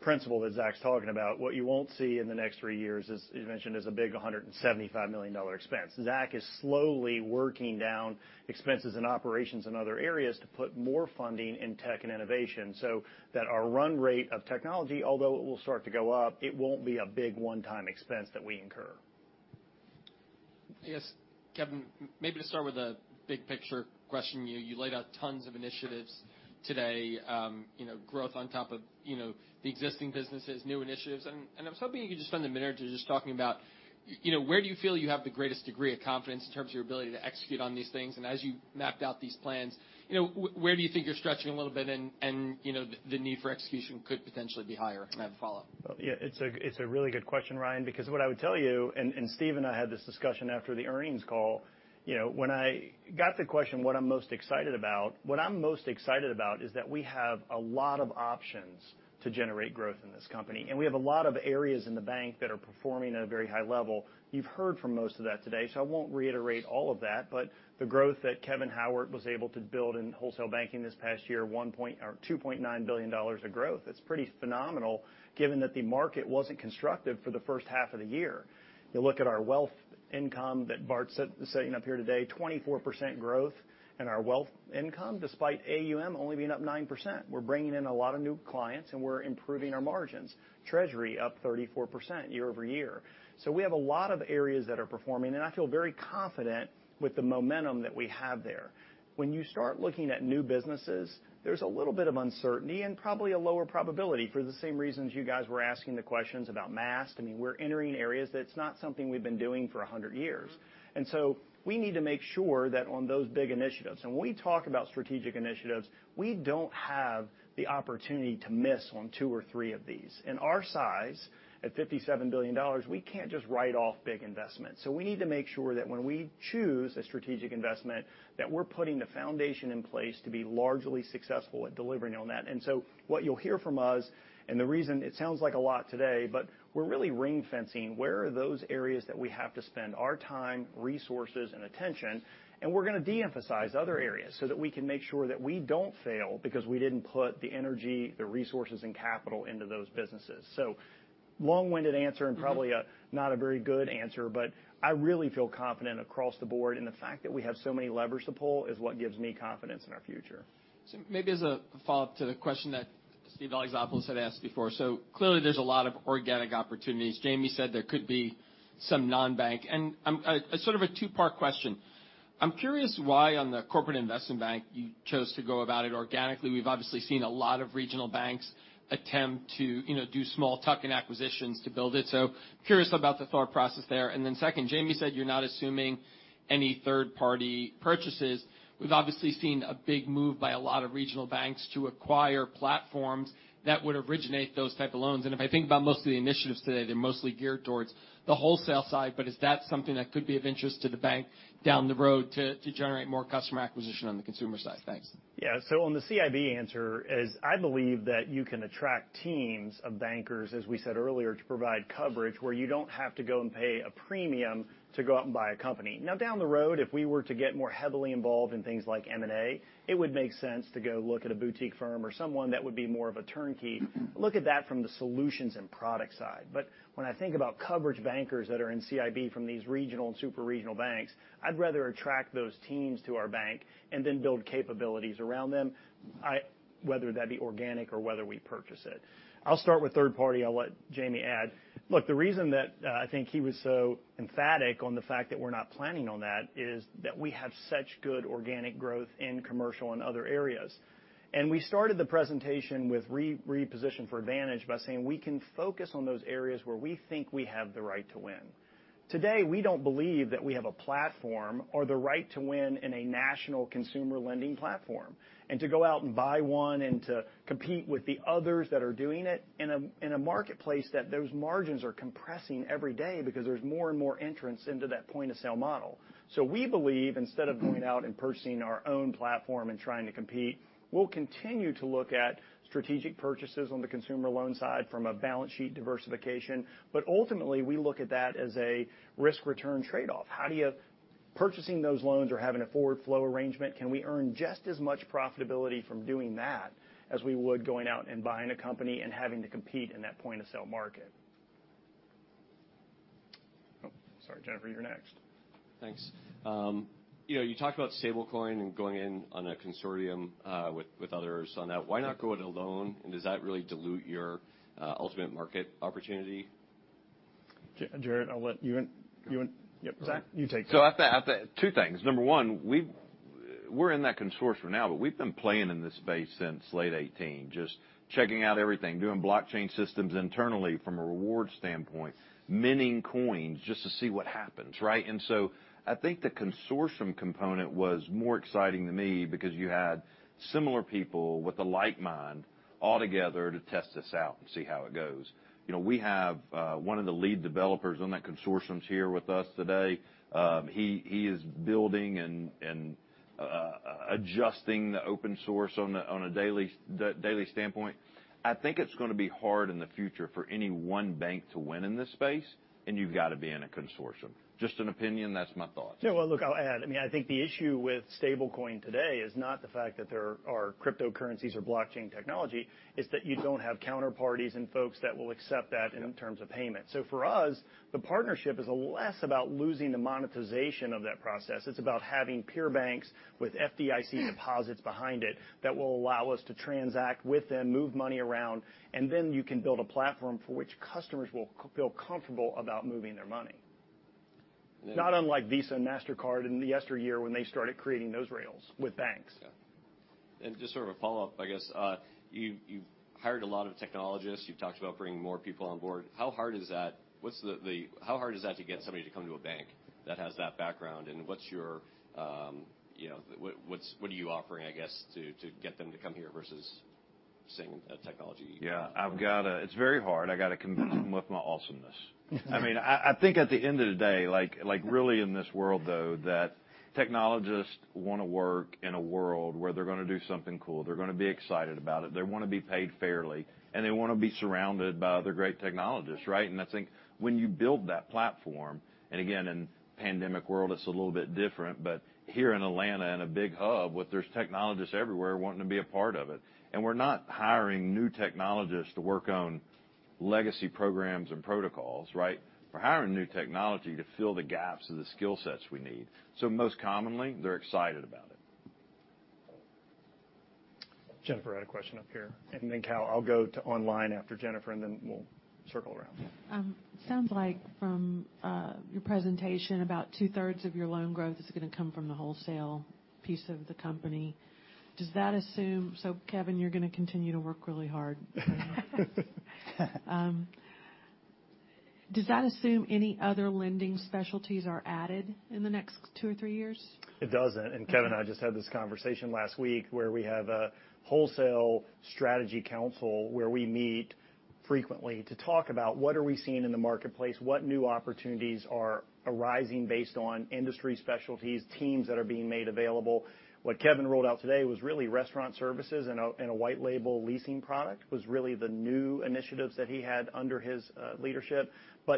principle that Zack's talking about, what you won't see in the next three years, as mentioned, is a big $175 million expense. Zack is slowly working down expenses and operations in other areas to put more funding in tech and innovation so that our run rate of technology, although it will start to go up, it won't be a big one-time expense that we incur. Yes. Kevin, maybe to start with a big picture question. You laid out tons of initiatives today, you know, growth on top of, you know, the existing businesses, new initiatives. I was hoping you could just spend a minute just talking about, you know, where do you feel you have the greatest degree of confidence in terms of your ability to execute on these things? As you mapped out these plans, you know, where do you think you're stretching a little bit and, you know, the need for execution could potentially be higher? I have a follow-up. Yeah, it's a really good question, Brian, because what I would tell you, and Steven and I had this discussion after the earnings call. You know, when I got the question, what I'm most excited about is that we have a lot of options to generate growth in this company, and we have a lot of areas in the bank that are performing at a very high level. You've heard from most of that today, so I won't reiterate all of that. The growth that Kevin Howard was able to build in wholesale banking this past year, $1 billion or $2.9 billion of growth. It's pretty phenomenal given that the market wasn't constructive for the first half of the year. You look at our wealth income that Bart said is sitting up here today, 24% growth in our wealth income, despite AUM only being up 9%. We're bringing in a lot of new clients, and we're improving our margins. Treasury up 34% year-over-year. We have a lot of areas that are performing, and I feel very confident with the momentum that we have there. When you start looking at new businesses, there's a little bit of uncertainty and probably a lower probability for the same reasons you guys were asking the questions about Maast. I mean, we're entering areas that's not something we've been doing for 100 years. We need to make sure that on those big initiatives, and when we talk about strategic initiatives, we don't have the opportunity to miss on 2 or 3 of these. In our size, at $57 billion, we can't just write off big investments. We need to make sure that when we choose a strategic investment, that we're putting the foundation in place to be largely successful at delivering on that. What you'll hear from us, and the reason it sounds like a lot today, but we're really ring-fencing where are those areas that we have to spend our time, resources, and attention, and we're gonna de-emphasize other areas so that we can make sure that we don't fail because we didn't put the energy, the resources, and capital into those businesses. Long-winded answer and probably not a very good answer, but I really feel confident across the board, and the fact that we have so many levers to pull is what gives me confidence in our future. Maybe as a follow-up to the question that Steven Alexopoulos had asked before. Clearly, there's a lot of organic opportunities. Jamie said there could be some non-bank. Sort of a two-part question. I'm curious why on the corporate investment bank, you chose to go about it organically. We've obviously seen a lot of regional banks attempt to, you know, do small tuck-in acquisitions to build it. Curious about the thought process there. Second, Jamie said, you're not assuming any third-party purchases. We've obviously seen a big move by a lot of regional banks to acquire platforms that would originate those type of loans. If I think about most of the initiatives today, they're mostly geared towards the wholesale side. Is that something that could be of interest to the bank down the road to generate more customer acquisition on the consumer side? Thanks. Yeah. On the CIB answer is I believe that you can attract teams of bankers, as we said earlier, to provide coverage where you don't have to go and pay a premium to go out and buy a company. Now, down the road, if we were to get more heavily involved in things like M&A, it would make sense to go look at a boutique firm or someone that would be more of a turnkey, look at that from the solutions and product side. When I think about coverage bankers that are in CIB from these regional and super-regional banks, I'd rather attract those teams to our bank and then build capabilities around them. Whether that be organic or whether we purchase it. I'll start with third party, I'll let Jamie add. Look, the reason that I think he was so emphatic on the fact that we're not planning on that is that we have such good organic growth in commercial and other areas. We started the presentation with reposition for advantage by saying we can focus on those areas where we think we have the right to win. Today, we don't believe that we have a platform or the right to win in a national consumer lending platform, and to go out and buy one and to compete with the others that are doing it in a marketplace that those margins are compressing every day because there's more and more entrants into that point of sale model. We believe instead of going out and purchasing our own platform and trying to compete, we'll continue to look at strategic purchases on the consumer loan side from a balance sheet diversification. Ultimately, we look at that as a risk-return trade-off. Purchasing those loans or having a forward flow arrangement, can we earn just as much profitability from doing that as we would going out and buying a company and having to compete in that point of sale market? Oh, sorry, Jennifer, you're next. Thanks. You know, you talked about stablecoin and going in on a consortium with others on that. Why not go it alone? Does that really dilute your ultimate market opportunity? Jared, I'll let you in. You in. Yep. Zack, you take this. Two things. Number 1, we're in that consortium now, but we've been playing in this space since late 2018, just checking out everything, doing blockchain systems internally from a reward standpoint, mining coins just to see what happens, right? I think the consortium component was more exciting to me because you had similar people with a like mind all together to test this out and see how it goes. You know, we have one of the lead developers on that consortium here with us today. He is building and adjusting the open source on a daily basis. I think it's gonna be hard in the future for any one bank to win in this space, and you've got to be in a consortium. Just an opinion, that's my thoughts. Yeah, well, look, I'll add. I mean, I think the issue with stablecoin today is not the fact that there are cryptocurrencies or blockchain technology, it's that you don't have counterparties and folks that will accept that in terms of payment. For us, the partnership is less about losing the monetization of that process. It's about having peer banks with FDIC deposits behind it that will allow us to transact with them, move money around, and then you can build a platform for which customers will feel comfortable about moving their money. Yeah. Not unlike Visa and Mastercard in yesteryear when they started creating those rails with banks. Yeah. Just sort of a follow-up, I guess. You've hired a lot of technologists. You've talked about bringing more people on board. How hard is that? How hard is that to get somebody to come to a bank that has that background? What's your, you know, what are you offering, I guess, to get them to come here versus staying with a technology company? Yeah. I've got to. It's very hard. I got to convince them with my awesomeness. I mean, I think at the end of the day, like really in this world, though, that technologists wanna work in a world where they're gonna do something cool, they're gonna be excited about it, they wanna be paid fairly, and they wanna be surrounded by other great technologists, right? I think when you build that platform, and again, in pandemic world, it's a little bit different. Here in Atlanta, in a big hub, with there's technologists everywhere wanting to be a part of it. We're not hiring new technologists to work on legacy programs and protocols, right? We're hiring new technology to fill the gaps in the skill sets we need. Most commonly, they're excited about it. Jennifer had a question up here. Cal, I'll go to online after Jennifer, and then we'll circle around. Yeah. Sounds like from your presentation, about two-thirds of your loan growth is gonna come from the wholesale piece of the company. Does that assume Kevin, you're gonna continue to work really hard. Does that assume any other lending specialties are added in the next two or three years? It doesn't. Okay. Kevin and I just had this conversation last week where we have a wholesale strategy council where we meet frequently to talk about what are we seeing in the marketplace, what new opportunities are arising based on industry specialties, teams that are being made available. What Kevin rolled out today was really restaurant services and a white label leasing product, the new initiatives that he had under his leadership.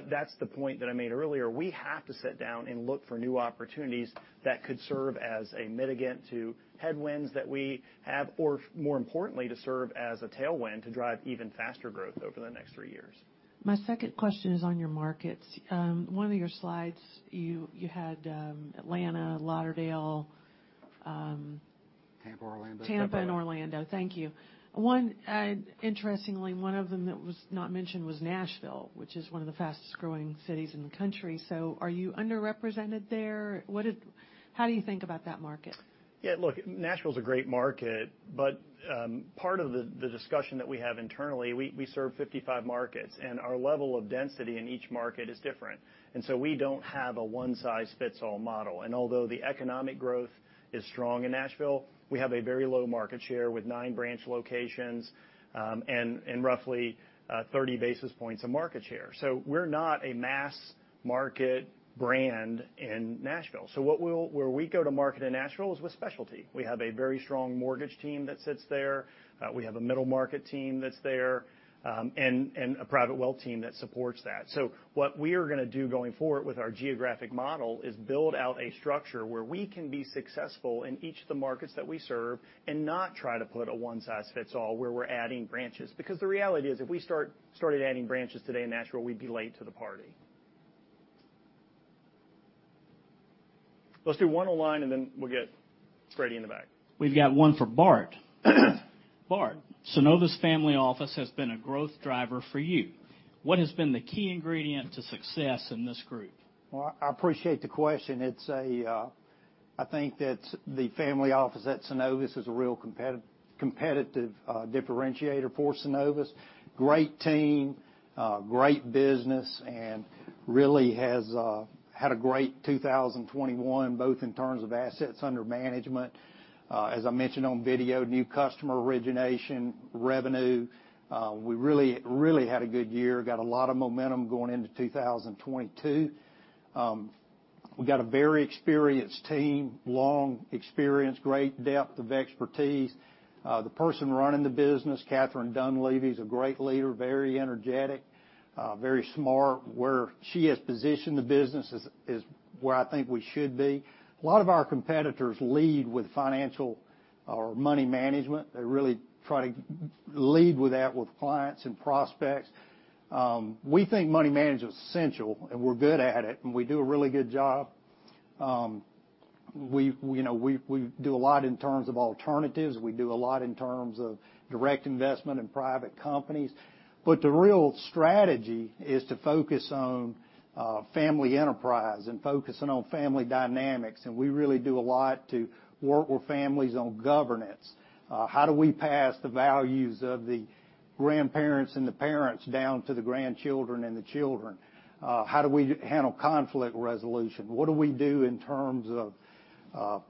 That's the point that I made earlier. We have to sit down and look for new opportunities that could serve as a mitigant to headwinds that we have, or, more importantly, to serve as a tailwind to drive even faster growth over the next three years. My second question is on your markets. One of your slides, you had Atlanta, Fort Lauderdale. Tampa, Orlando. Tampa and Orlando. Thank you. One, interestingly, one of them that was not mentioned was Nashville, which is one of the fastest-growing cities in the country. So are you underrepresented there? How do you think about that market? Yeah, look, Nashville's a great market, but part of the discussion that we have internally, we serve 55 markets, and our level of density in each market is different. We don't have a one-size-fits-all model. Although the economic growth is strong in Nashville, we have a very low market share with 9 branch locations, and roughly 30 basis points of market share. We're not a Maast market brand in Nashville. Where we go to market in Nashville is with specialty. We have a very strong mortgage team that sits there. We have a middle market team that's there, and a private wealth team that supports that. What we are gonna do going forward with our geographic model is build out a structure where we can be successful in each of the markets that we serve and not try to put a one-size-fits-all where we're adding branches. Because the reality is, if we started adding branches today in Nashville, we'd be late to the party. Let's do one online, and then we'll get Brody in the back. We've got one for Bart. Bart, Synovus Family Office has been a growth driver for you. What has been the key ingredient to success in this group? Well, I appreciate the question. It's a—I think that the family office at Synovus is a real competitive differentiator for Synovus. Great team, great business, and really has had a great 2021, both in terms of assets under management, as I mentioned on video, new customer origination, revenue. We really had a good year, got a lot of momentum going into 2022. We got a very experienced team, long experience, great depth of expertise. The person running the business, Katherine Dunlevie, is a great leader, very energetic, very smart. Where she has positioned the business is where I think we should be. A lot of our competitors lead with financial or money management. They really try to lead with that with clients and prospects. We think money management is essential, and we're good at it, and we do a really good job. You know, we do a lot in terms of alternatives. We do a lot in terms of direct investment in private companies. The real strategy is to focus on family enterprise and focusing on family dynamics, and we really do a lot to work with families on governance. How do we pass the values of the grandparents and the parents down to the grandchildren and the children? How do we handle conflict resolution? What do we do in terms of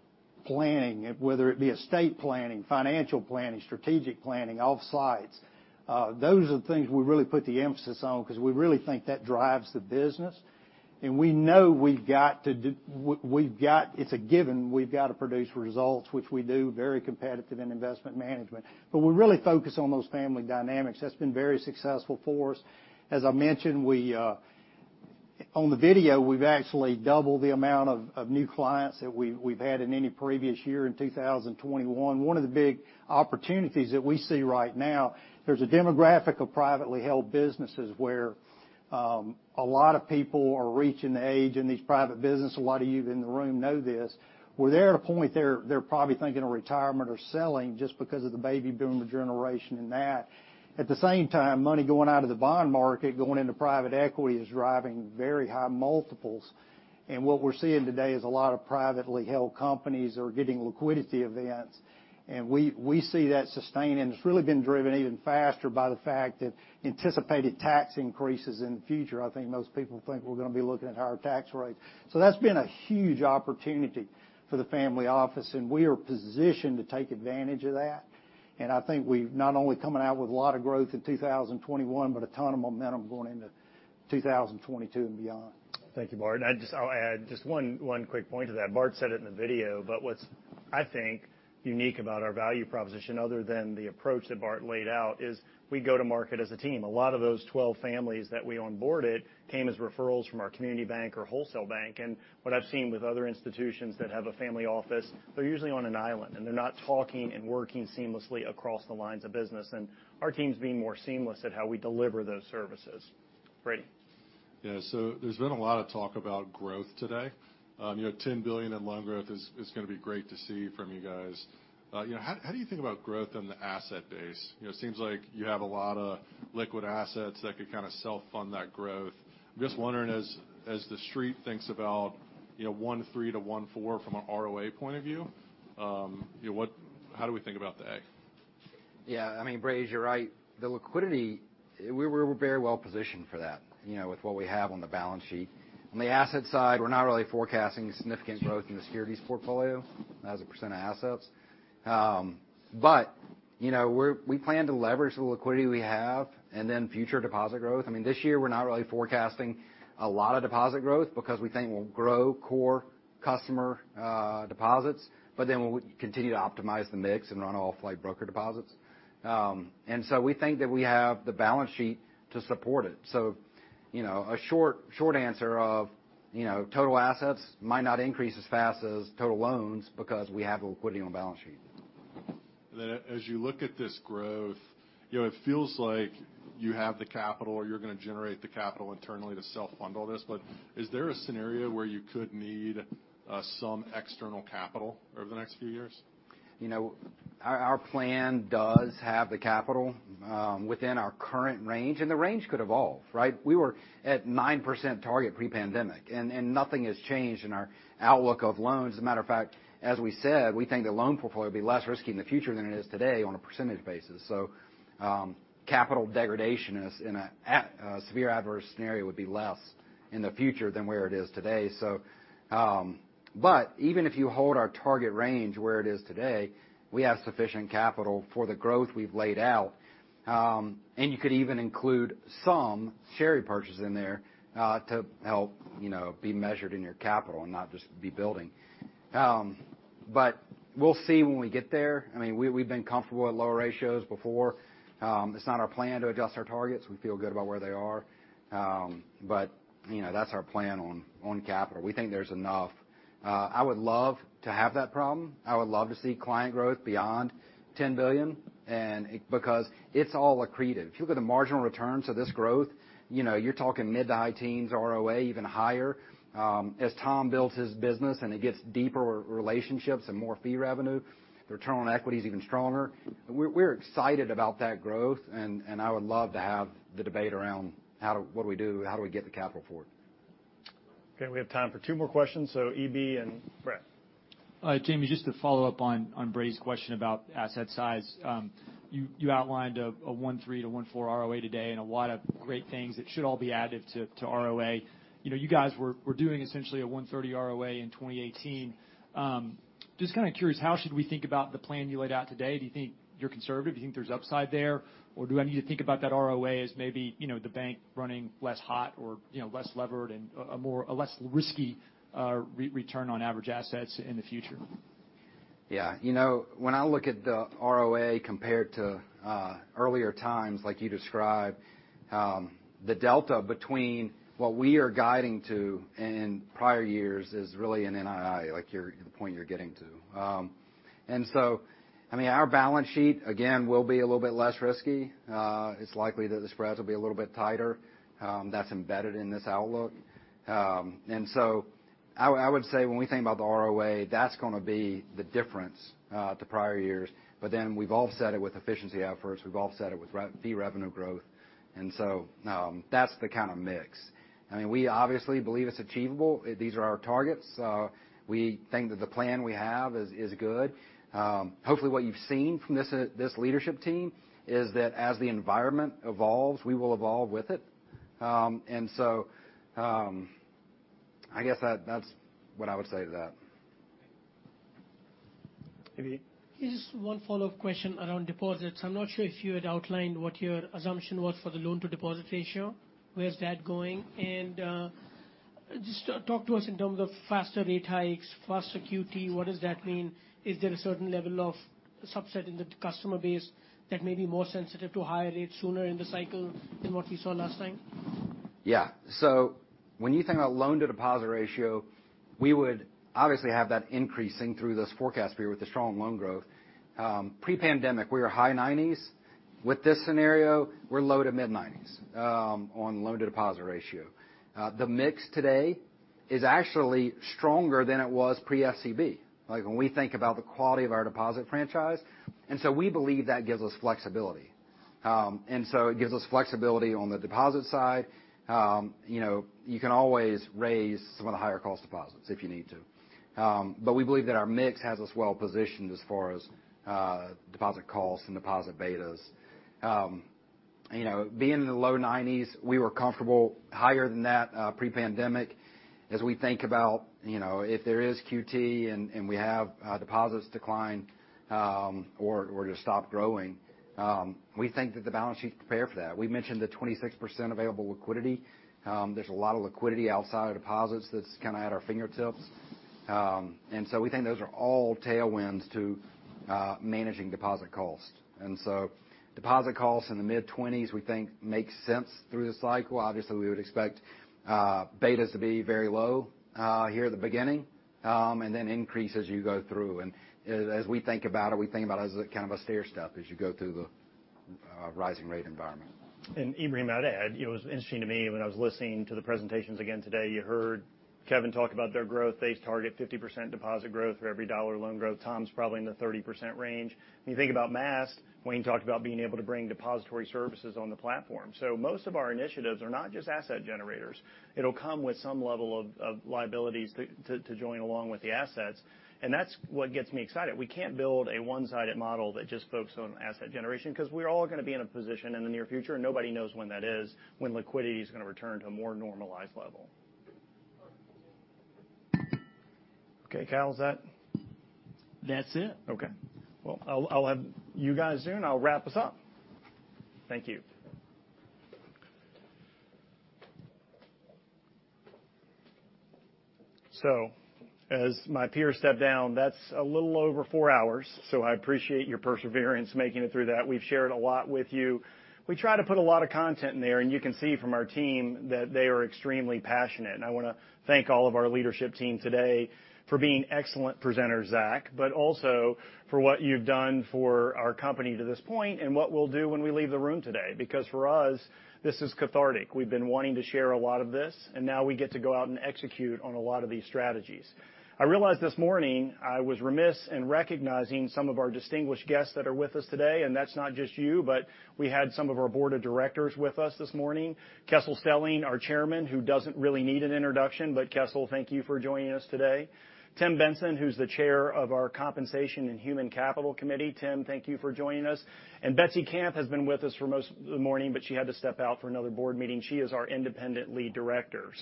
planning, whether it be estate planning, financial planning, strategic planning, offsites? Those are the things we really put the emphasis on because we really think that drives the business. We know we've got to produce results, which we do very competitively in investment management. We really focus on those family dynamics. That's been very successful for us. As I mentioned on the video, we've actually doubled the amount of new clients that we've had in any previous year in 2021. One of the big opportunities that we see right now, there's a demographic of privately held businesses where a lot of people are reaching the age in these private businesses, a lot of you in the room know this, where they're at a point they're probably thinking of retirement or selling just because of the baby boomer generation and that. At the same time, money going out of the bond market, going into private equity is driving very high multiples. What we're seeing today is a lot of privately held companies are getting liquidity events. We see that sustain, and it's really been driven even faster by the fact that anticipated tax increases in the future, I think most people think we're gonna be looking at higher tax rates. That's been a huge opportunity for the Family Office, and we are positioned to take advantage of that. I think we've not only coming out with a lot of growth in 2021, but a ton of momentum going into 2022 and beyond. Thank you, Bart. I'll add just one quick point to that. Bart said it in the video, but what's, I think, unique about our value proposition other than the approach that Bart laid out is we go to market as a team. A lot of those 12 families that we onboarded came as referrals from our community bank or wholesale bank. What I've seen with other institutions that have a family office, they're usually on an island, and they're not talking and working seamlessly across the lines of business. Our team's being more seamless at how we deliver those services. Brody. There's been a lot of talk about growth today. You know, $10 billion in loan growth is gonna be great to see from you guys. You know, how do you think about growth on the asset base? You know, it seems like you have a lot of liquid assets that could kind of self-fund that growth. I'm just wondering, as The Street thinks about, you know, 1.3%-1.4% from an ROA point of view, you know, how do we think about the A? Yeah. I mean, Brody, as you're right, the liquidity, we're very well positioned for that, you know, with what we have on the balance sheet. On the asset side, we're not really forecasting significant growth in the securities portfolio as a percent of assets. But, you know, we plan to leverage the liquidity we have and then future deposit growth. I mean, this year, we're not really forecasting a lot of deposit growth because we think we'll grow core customer deposits, but then we'll continue to optimize the mix and run off like broker deposits. And so we think that we have the balance sheet to support it. You know, a short answer of, you know, total assets might not increase as fast as total loans because we have liquidity on the balance sheet. As you look at this growth, you know, it feels like you have the capital or you're gonna generate the capital internally to self-fund all this. Is there a scenario where you could need some external capital over the next few years? You know, our plan does have the capital within our current range, and the range could evolve, right? We were at 9% target pre-pandemic, and nothing has changed in our outlook of loans. As a matter of fact, as we said, we think the loan portfolio will be less risky in the future than it is today on a percentage basis. Capital degradation in a severe adverse scenario would be less in the future than where it is today. Even if you hold our target range where it is today, we have sufficient capital for the growth we've laid out. You could even include some share repurchase in there to help, you know, be measured in your capital and not just be building. We'll see when we get there. I mean, we've been comfortable at lower ratios before. It's not our plan to adjust our targets. We feel good about where they are. You know, that's our plan on capital. We think there's enough. I would love to have that problem. I would love to see client growth beyond $10 billion, and because it's all accretive. If you look at the marginal returns of this growth, you know, you're talking mid to high teens ROA, even higher. As Tom builds his business, and it gets deeper relationships and more fee revenue, the return on equity is even stronger. We're excited about that growth, and I would love to have the debate around how do we get the capital for it? Okay, we have time for two more questions, so EB and Brett. Jamie, just to follow up on Brody's question about asset size. You outlined a 1.3%-1.4% ROA today and a lot of great things that should all be additive to ROA. You know, you guys were doing essentially a 1.3% ROA in 2018. Just kind of curious, how should we think about the plan you laid out today? Do you think you're conservative? Do you think there's upside there? Or do I need to think about that ROA as maybe, you know, the bank running less hot or, you know, less levered and a more less risky return on average assets in the future? Yeah. You know, when I look at the ROA compared to earlier times, like you described, the delta between what we are guiding to in prior years is really an NII, like your, the point you're getting to. I mean, our balance sheet, again, will be a little bit less risky. It's likely that the spreads will be a little bit tighter, that's embedded in this outlook. I would say when we think about the ROA, that's gonna be the difference to prior years. We've offset it with efficiency efforts. We've offset it with non-fee revenue growth. That's the kind of mix. I mean, we obviously believe it's achievable. These are our targets. We think that the plan we have is good. Hopefully, what you've seen from this leadership team is that as the environment evolves, we will evolve with it. I guess that's what I would say to that. EB? Just one follow-up question around deposits. I'm not sure if you had outlined what your assumption was for the loan-to-deposit ratio. Where's that going? Just talk to us in terms of faster rate hikes, faster QT. What does that mean? Is there a certain level of subset in the customer base that may be more sensitive to higher rates sooner in the cycle than what we saw last time? Yeah. When you think about loan-to-deposit ratio, we would obviously have that increasing through this forecast period with the strong loan growth. Pre-pandemic, we were high 90s. With this scenario, we're low to mid-90s on loan-to-deposit ratio. The mix today is actually stronger than it was pre-FCB, like when we think about the quality of our deposit franchise. We believe that gives us flexibility. It gives us flexibility on the deposit side. You know, you can always raise some of the higher cost deposits if you need to. But we believe that our mix has us well positioned as far as deposit costs and deposit betas. You know, being in the low 90s, we were comfortable higher than that pre-pandemic. As we think about, you know, if there is QT and we have deposits decline or just stop growing, we think that the balance sheet's prepared for that. We mentioned the 26% available liquidity. There's a lot of liquidity outside of deposits that's kind of at our fingertips. We think those are all tailwinds to managing deposit costs. Deposit costs in the mid-20s, we think makes sense through the cycle. Obviously, we would expect betas to be very low here at the beginning and then increase as you go through. We think about it as a kind of a stair step as you go through the rising rate environment. Ebrahim, I'd add, it was interesting to me when I was listening to the presentations again today. You heard Kevin talk about their growth. They target 50% deposit growth for every dollar loan growth. Tom's probably in the 30% range. When you think about Maast, Wayne talked about being able to bring depository services on the platform. Most of our initiatives are not just asset generators. It'll come with some level of liabilities to join along with the assets, and that's what gets me excited. We can't build a one-sided model that just focuses on asset generation because we're all gonna be in a position in the near future, and nobody knows when that is, when liquidity is gonna return to a more normalized level. Okay, Cal, is that? That's it. Okay. Well, I'll have you guys soon. I'll wrap us up. Thank you. As my peers step down, that's a little over four hours, so I appreciate your perseverance making it through that. We've shared a lot with you. We try to put a lot of content in there, and you can see from our team that they are extremely passionate. I wanna thank all of our leadership team today for being excellent presenters, Zack, but also for what you've done for our company to this point and what we'll do when we leave the room today. Because for us, this is cathartic. We've been wanting to share a lot of this, and now we get to go out and execute on a lot of these strategies. I realized this morning I was remiss in recognizing some of our distinguished guests that are with us today, and that's not just you, but we had some of our board of directors with us this morning. Kessel Stelling, our Chairman, who doesn't really need an introduction, but Kessel, thank you for joining us today. Tim Benson, who's the Chair of our Compensation and Human Capital Committee. Tim, thank you for joining us. Betsy Camp has been with us for most of the morning, but she had to step out for another board meeting. She is our Independent Lead Director.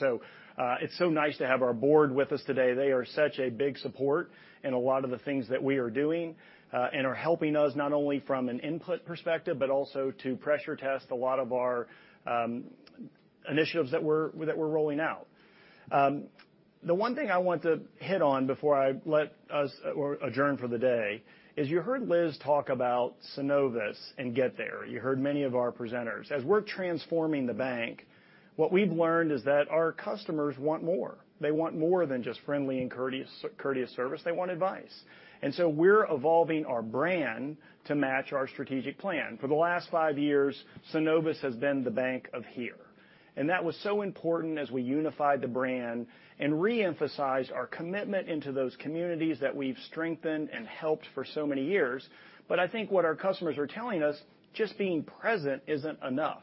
It's so nice to have our board with us today. They are such a big support in a lot of the things that we are doing, and are helping us not only from an input perspective, but also to pressure test a lot of our initiatives that we're rolling out. The one thing I want to hit on before I let us adjourn for the day is you heard Liz talk about Synovus and Get There. You heard many of our presenters. As we're transforming the bank, what we've learned is that our customers want more. They want more than just friendly and courteous service, they want advice. We're evolving our brand to match our strategic plan. For the last five years, Synovus has been the bank of here. That was so important as we unified the brand and re-emphasized our commitment into those communities that we've strengthened and helped for so many years. I think what our customers are telling us, just being present isn't enough.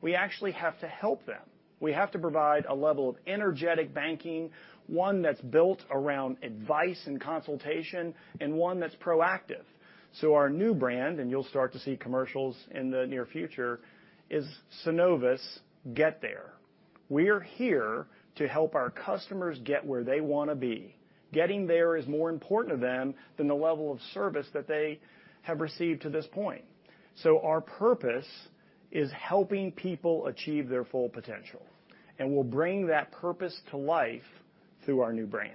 We actually have to help them. We have to provide a level of energetic banking, one that's built around advice and consultation, and one that's proactive. Our new brand, and you'll start to see commercials in the near future, is Synovus Get There. We are here to help our customers get where they wanna be. Getting there is more important to them than the level of service that they have received to this point. Our purpose is helping people achieve their full potential, and we'll bring that purpose to life through our new brand.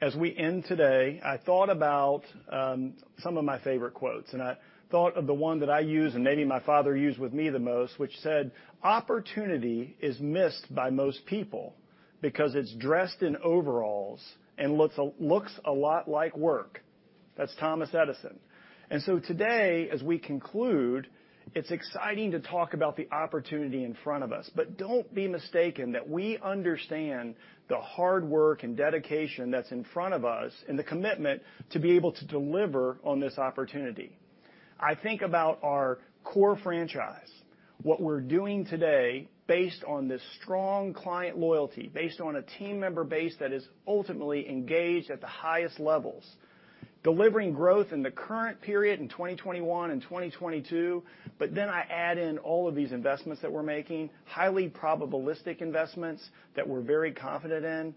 As we end today, I thought about some of my favorite quotes. I thought of the one that I use and maybe my father used with me the most, which said, "Opportunity is missed by most people because it's dressed in overalls and looks a lot like work." That's Thomas Edison. Today, as we conclude, it's exciting to talk about the opportunity in front of us. Don't be mistaken that we understand the hard work and dedication that's in front of us and the commitment to be able to deliver on this opportunity. I think about our core franchise. What we're doing today based on the strong client loyalty, based on a team member base that is ultimately engaged at the highest levels. Delivering growth in the current period in 2021 and 2022, but then I add in all of these investments that we're making, highly probabilistic investments that we're very confident in.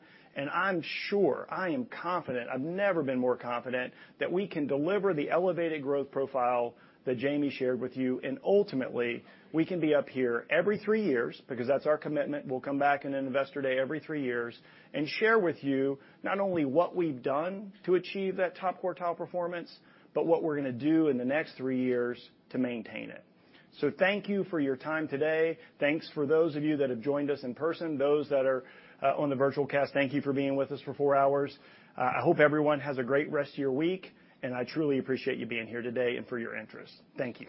I'm sure, I am confident, I've never been more confident, that we can deliver the elevated growth profile that Jamie shared with you. Ultimately, we can be up here every three years, because that's our commitment, we'll come back in an investor day every three years, and share with you not only what we've done to achieve that top quartile performance, but what we're gonna do in the next three years to maintain it. Thank you for your time today. Thanks for those of you that have joined us in person. Those that are on the virtual cast, thank you for being with us for four hours. I hope everyone has a great rest of your week, and I truly appreciate you being here today and for your interest. Thank you.